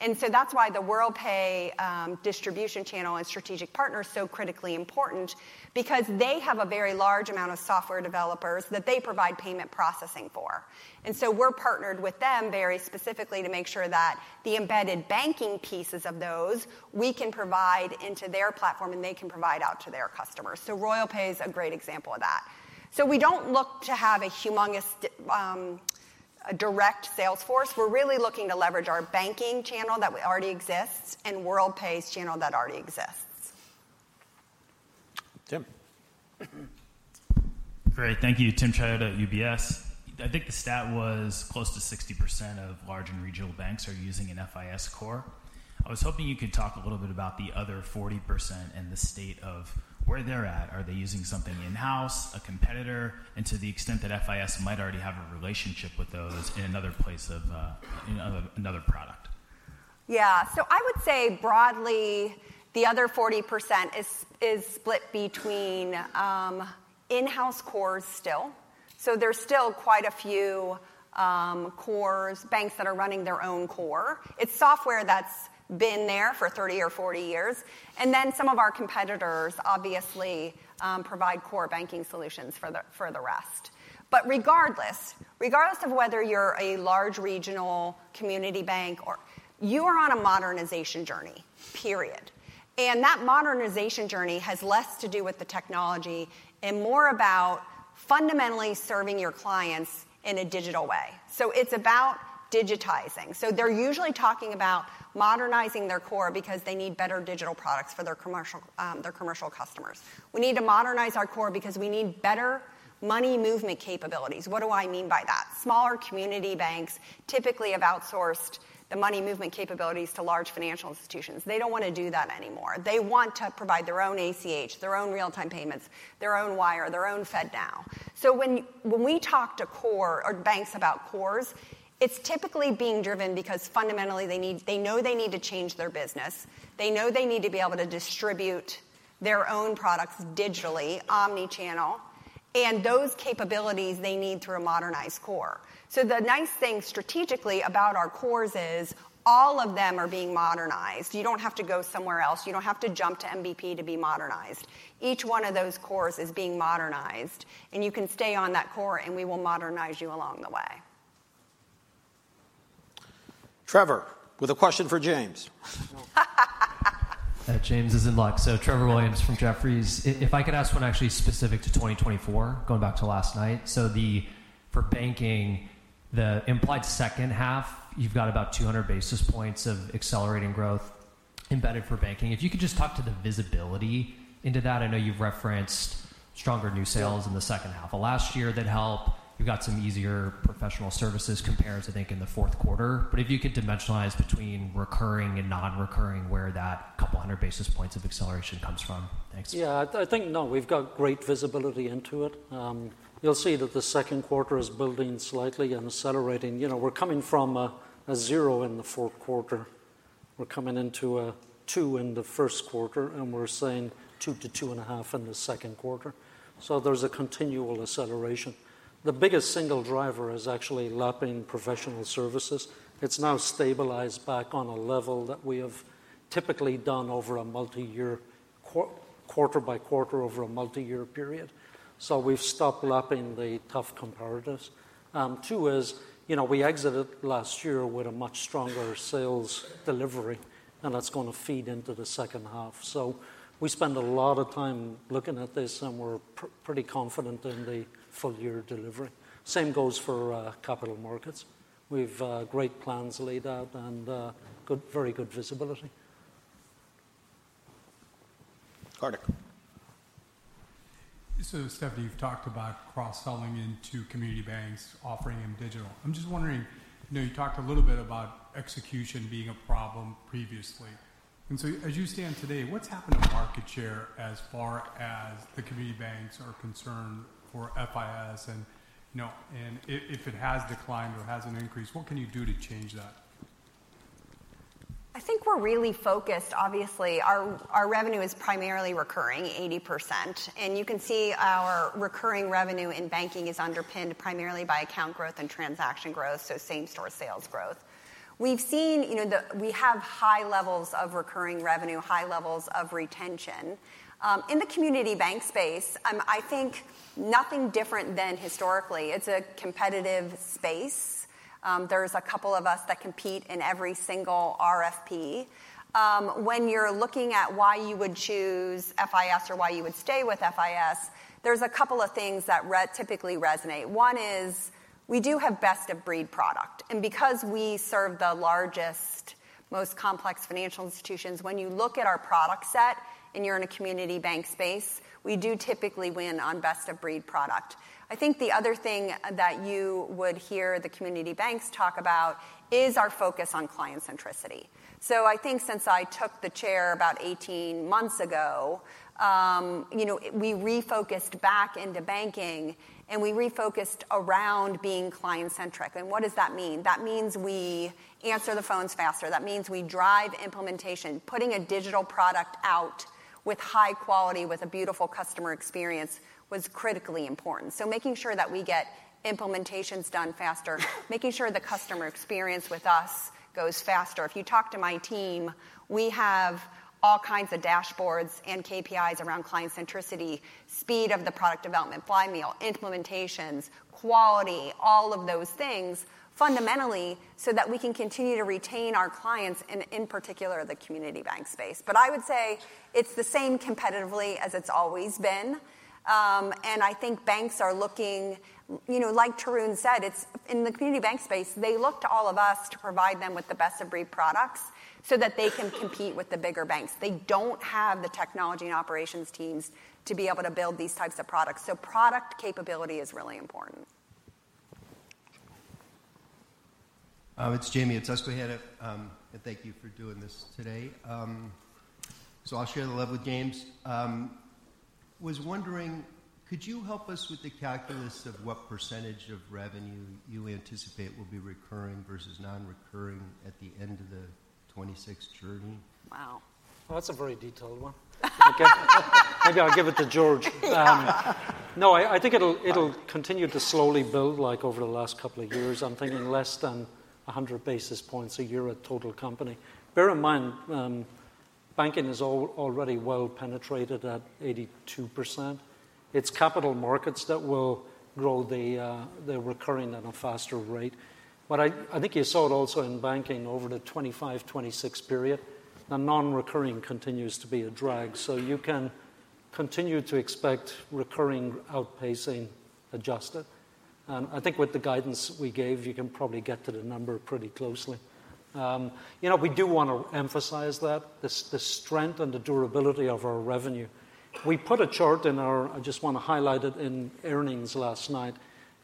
And so that's why the Worldpay distribution channel and strategic partner is so critically important because they have a very large amount of software developers that they provide payment processing for. And so we're partnered with them very specifically to make sure that the embedded banking pieces of those, we can provide into their platform, and they can provide out to their customers. So RoyalPay is a great example of that. So we don't look to have a humongous, a direct sales force. We're really looking to leverage our banking channel that already exists and Worldpay's channel that already exists. Tim. Great. Thank you. Tim Choid, UBS. I think the stat was close to 60% of large and regional banks are using an FIS core. I was hoping you could talk a little bit about the other 40% and the state of where they're at. Are they using something in-house, a competitor, and to the extent that FIS might already have a relationship with those in another product? Yeah. So I would say broadly, the other 40% is split between in-house cores still. So there's still quite a few cores, banks that are running their own core. It's software that's been there for 30 or 40 years, and then some of our competitors, obviously, provide core banking solutions for the rest. But regardless of whether you're a large regional community bank or... You are on a modernization journey, period. And that modernization journey has less to do with the technology and more about fundamentally serving your clients in a digital way. So it's about digitizing. So they're usually talking about modernizing their core because they need better digital products for their commercial, their commercial customers. We need to modernize our core because we need better money movement capabilities. What do I mean by that? Smaller community banks typically have outsourced the money movement capabilities to large financial institutions. They don't want to do that anymore. They want to provide their own ACH, their own real-time payments, their own wire, their own FedNow. So when we talk to core or banks about cores, it's typically being driven because fundamentally they know they need to change their business. They know they need to be able to distribute their own products digitally, omni-channel, and those capabilities they need through a modernized core. So the nice thing strategically about our cores is all of them are being modernized. You don't have to go somewhere else. You don't have to jump to MBP to be modernized. Each one of those cores is being modernized, and you can stay on that core, and we will modernize you along the way. Trevor, with a question for James. James is in luck. So Trevor Williams from Jefferies. If I could ask one actually specific to 2024, going back to last night. So the, for banking, the implied second half, you've got about 200 basis points of accelerating growth embedded for banking. If you could just talk to the visibility into that. I know you've referenced stronger new sales in the second half of last year that help. You've got some easier professional services compares, I think, in the fourth quarter. But if you could dimensionalize between recurring and non-recurring, where that couple hundred basis points of acceleration comes from. Thanks. Yeah, I think, no, we've got great visibility into it. You'll see that the second quarter is building slightly and accelerating. You know, we're coming from a zero in the fourth quarter. We're coming into a 2 in the first quarter, and we're saying 2-2.5 in the second quarter, so there's a continual acceleration. The biggest single driver is actually lapping professional services. It's now stabilized back on a level that we have typically done over a multi-year quarter by quarter over a multi-year period. So we've stopped lapping the tough comparatives. Two is, you know, we exited last year with a much stronger sales delivery, and that's going to feed into the second half. So we spend a lot of time looking at this, and we're pretty confident in the full year delivery. Same goes for capital markets. We've great plans laid out and good, very good visibility. Carter. So, Stephanie, you've talked about cross-selling into community banks, offering them digital. I'm just wondering, you know, you talked a little bit about execution being a problem previously. And so as you stand today, what's happened to market share as far as the community banks are concerned for FIS? And, you know, if it has declined or hasn't increased, what can you do to change that? I think we're really focused. Obviously, our, our revenue is primarily recurring, 80%, and you can see our recurring revenue in banking is underpinned primarily by account growth and transaction growth, so same-store sales growth. We've seen, you know, we have high levels of recurring revenue, high levels of retention. In the community bank space, I think nothing different than historically. It's a competitive space. There's a couple of us that compete in every single RFP. When you're looking at why you would choose FIS or why you would stay with FIS, there's a couple of things that typically resonate. One is we do have best-of-breed product, and because we serve the largest, most complex financial institutions, when you look at our product set and you're in a community bank space, we do typically win on best-of-breed product. I think the other thing that you would hear the community banks talk about is our focus on client centricity. So I think since I took the chair about 18 months ago, you know, we refocused back into banking, and we refocused around being client-centric. And what does that mean? That means we answer the phones faster. That means we drive implementation. Putting a digital product out with high quality, with a beautiful customer experience was critically important. So making sure that we get implementations done faster, making sure the customer experience with us goes faster. If you talk to my team, we have all kinds of dashboards and KPIs around client centricity, speed of the product development flywheel, implementations, quality, all of those things, fundamentally, so that we can continue to retain our clients and in particular, the community bank space. But I would say it's the same competitively as it's always been. I think banks are looking, you know, like Tarun said, it's in the community bank space, they look to all of us to provide them with the best-of-breed products so that they can compete with the bigger banks. They don't have the technology and operations teams to be able to build these types of products, so product capability is really important. It's Jamie at Susquehanna. And thank you for doing this today. So I'll share the love with James. Was wondering, could you help us with the calculus of what percentage of revenue you anticipate will be recurring versus non-recurring at the end of the 2026 journey? Wow! Well, that's a very detailed one. Maybe I'll give it to George. No, I think it'll continue to slowly build, like over the last couple of years. I'm thinking less than 100 basis points a year at total company. Bear in mind, banking is already well penetrated at 82%. It's capital markets that will grow the recurring at a faster rate. But I think you saw it also in banking over the 2025, 2026 period, the non-recurring continues to be a drag. So you can continue to expect recurring outpacing adjusted. I think with the guidance we gave, you can probably get to the number pretty closely. You know, we do want to emphasize that, the strength and the durability of our revenue. We put a chart in our... I just want to highlight it in earnings last night.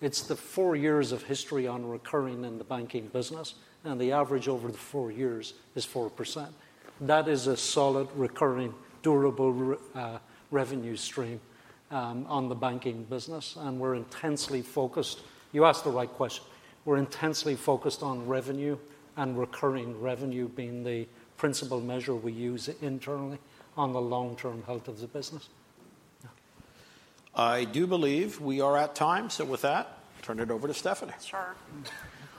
It's the four years of history on recurring in the banking business, and the average over the four years is 4%. That is a solid, recurring, durable revenue stream on the banking business, and we're intensely focused. You asked the right question. We're intensely focused on revenue and recurring revenue being the principal measure we use internally on the long-term health of the business. Yeah. I do believe we are at time. With that, turn it over to Stephanie. Sure.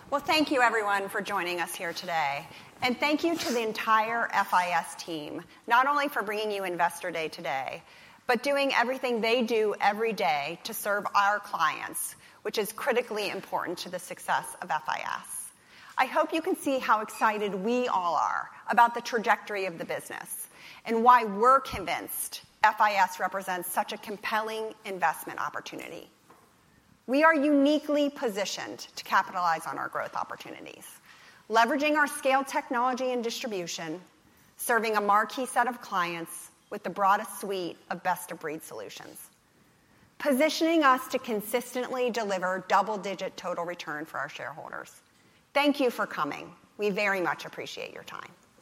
Well, thank you everyone for joining us here today. Thank you to the entire FIS team, not only for bringing you Investor Day today, but doing everything they do every day to serve our clients, which is critically important to the success of FIS. I hope you can see how excited we all are about the trajectory of the business and why we're convinced FIS represents such a compelling investment opportunity. We are uniquely positioned to capitalize on our growth opportunities, leveraging our scale, technology, and distribution, serving a marquee set of clients with the broadest suite of best-of-breed solutions, positioning us to consistently deliver double-digit total return for our shareholders. Thank you for coming. We very much appreciate your time.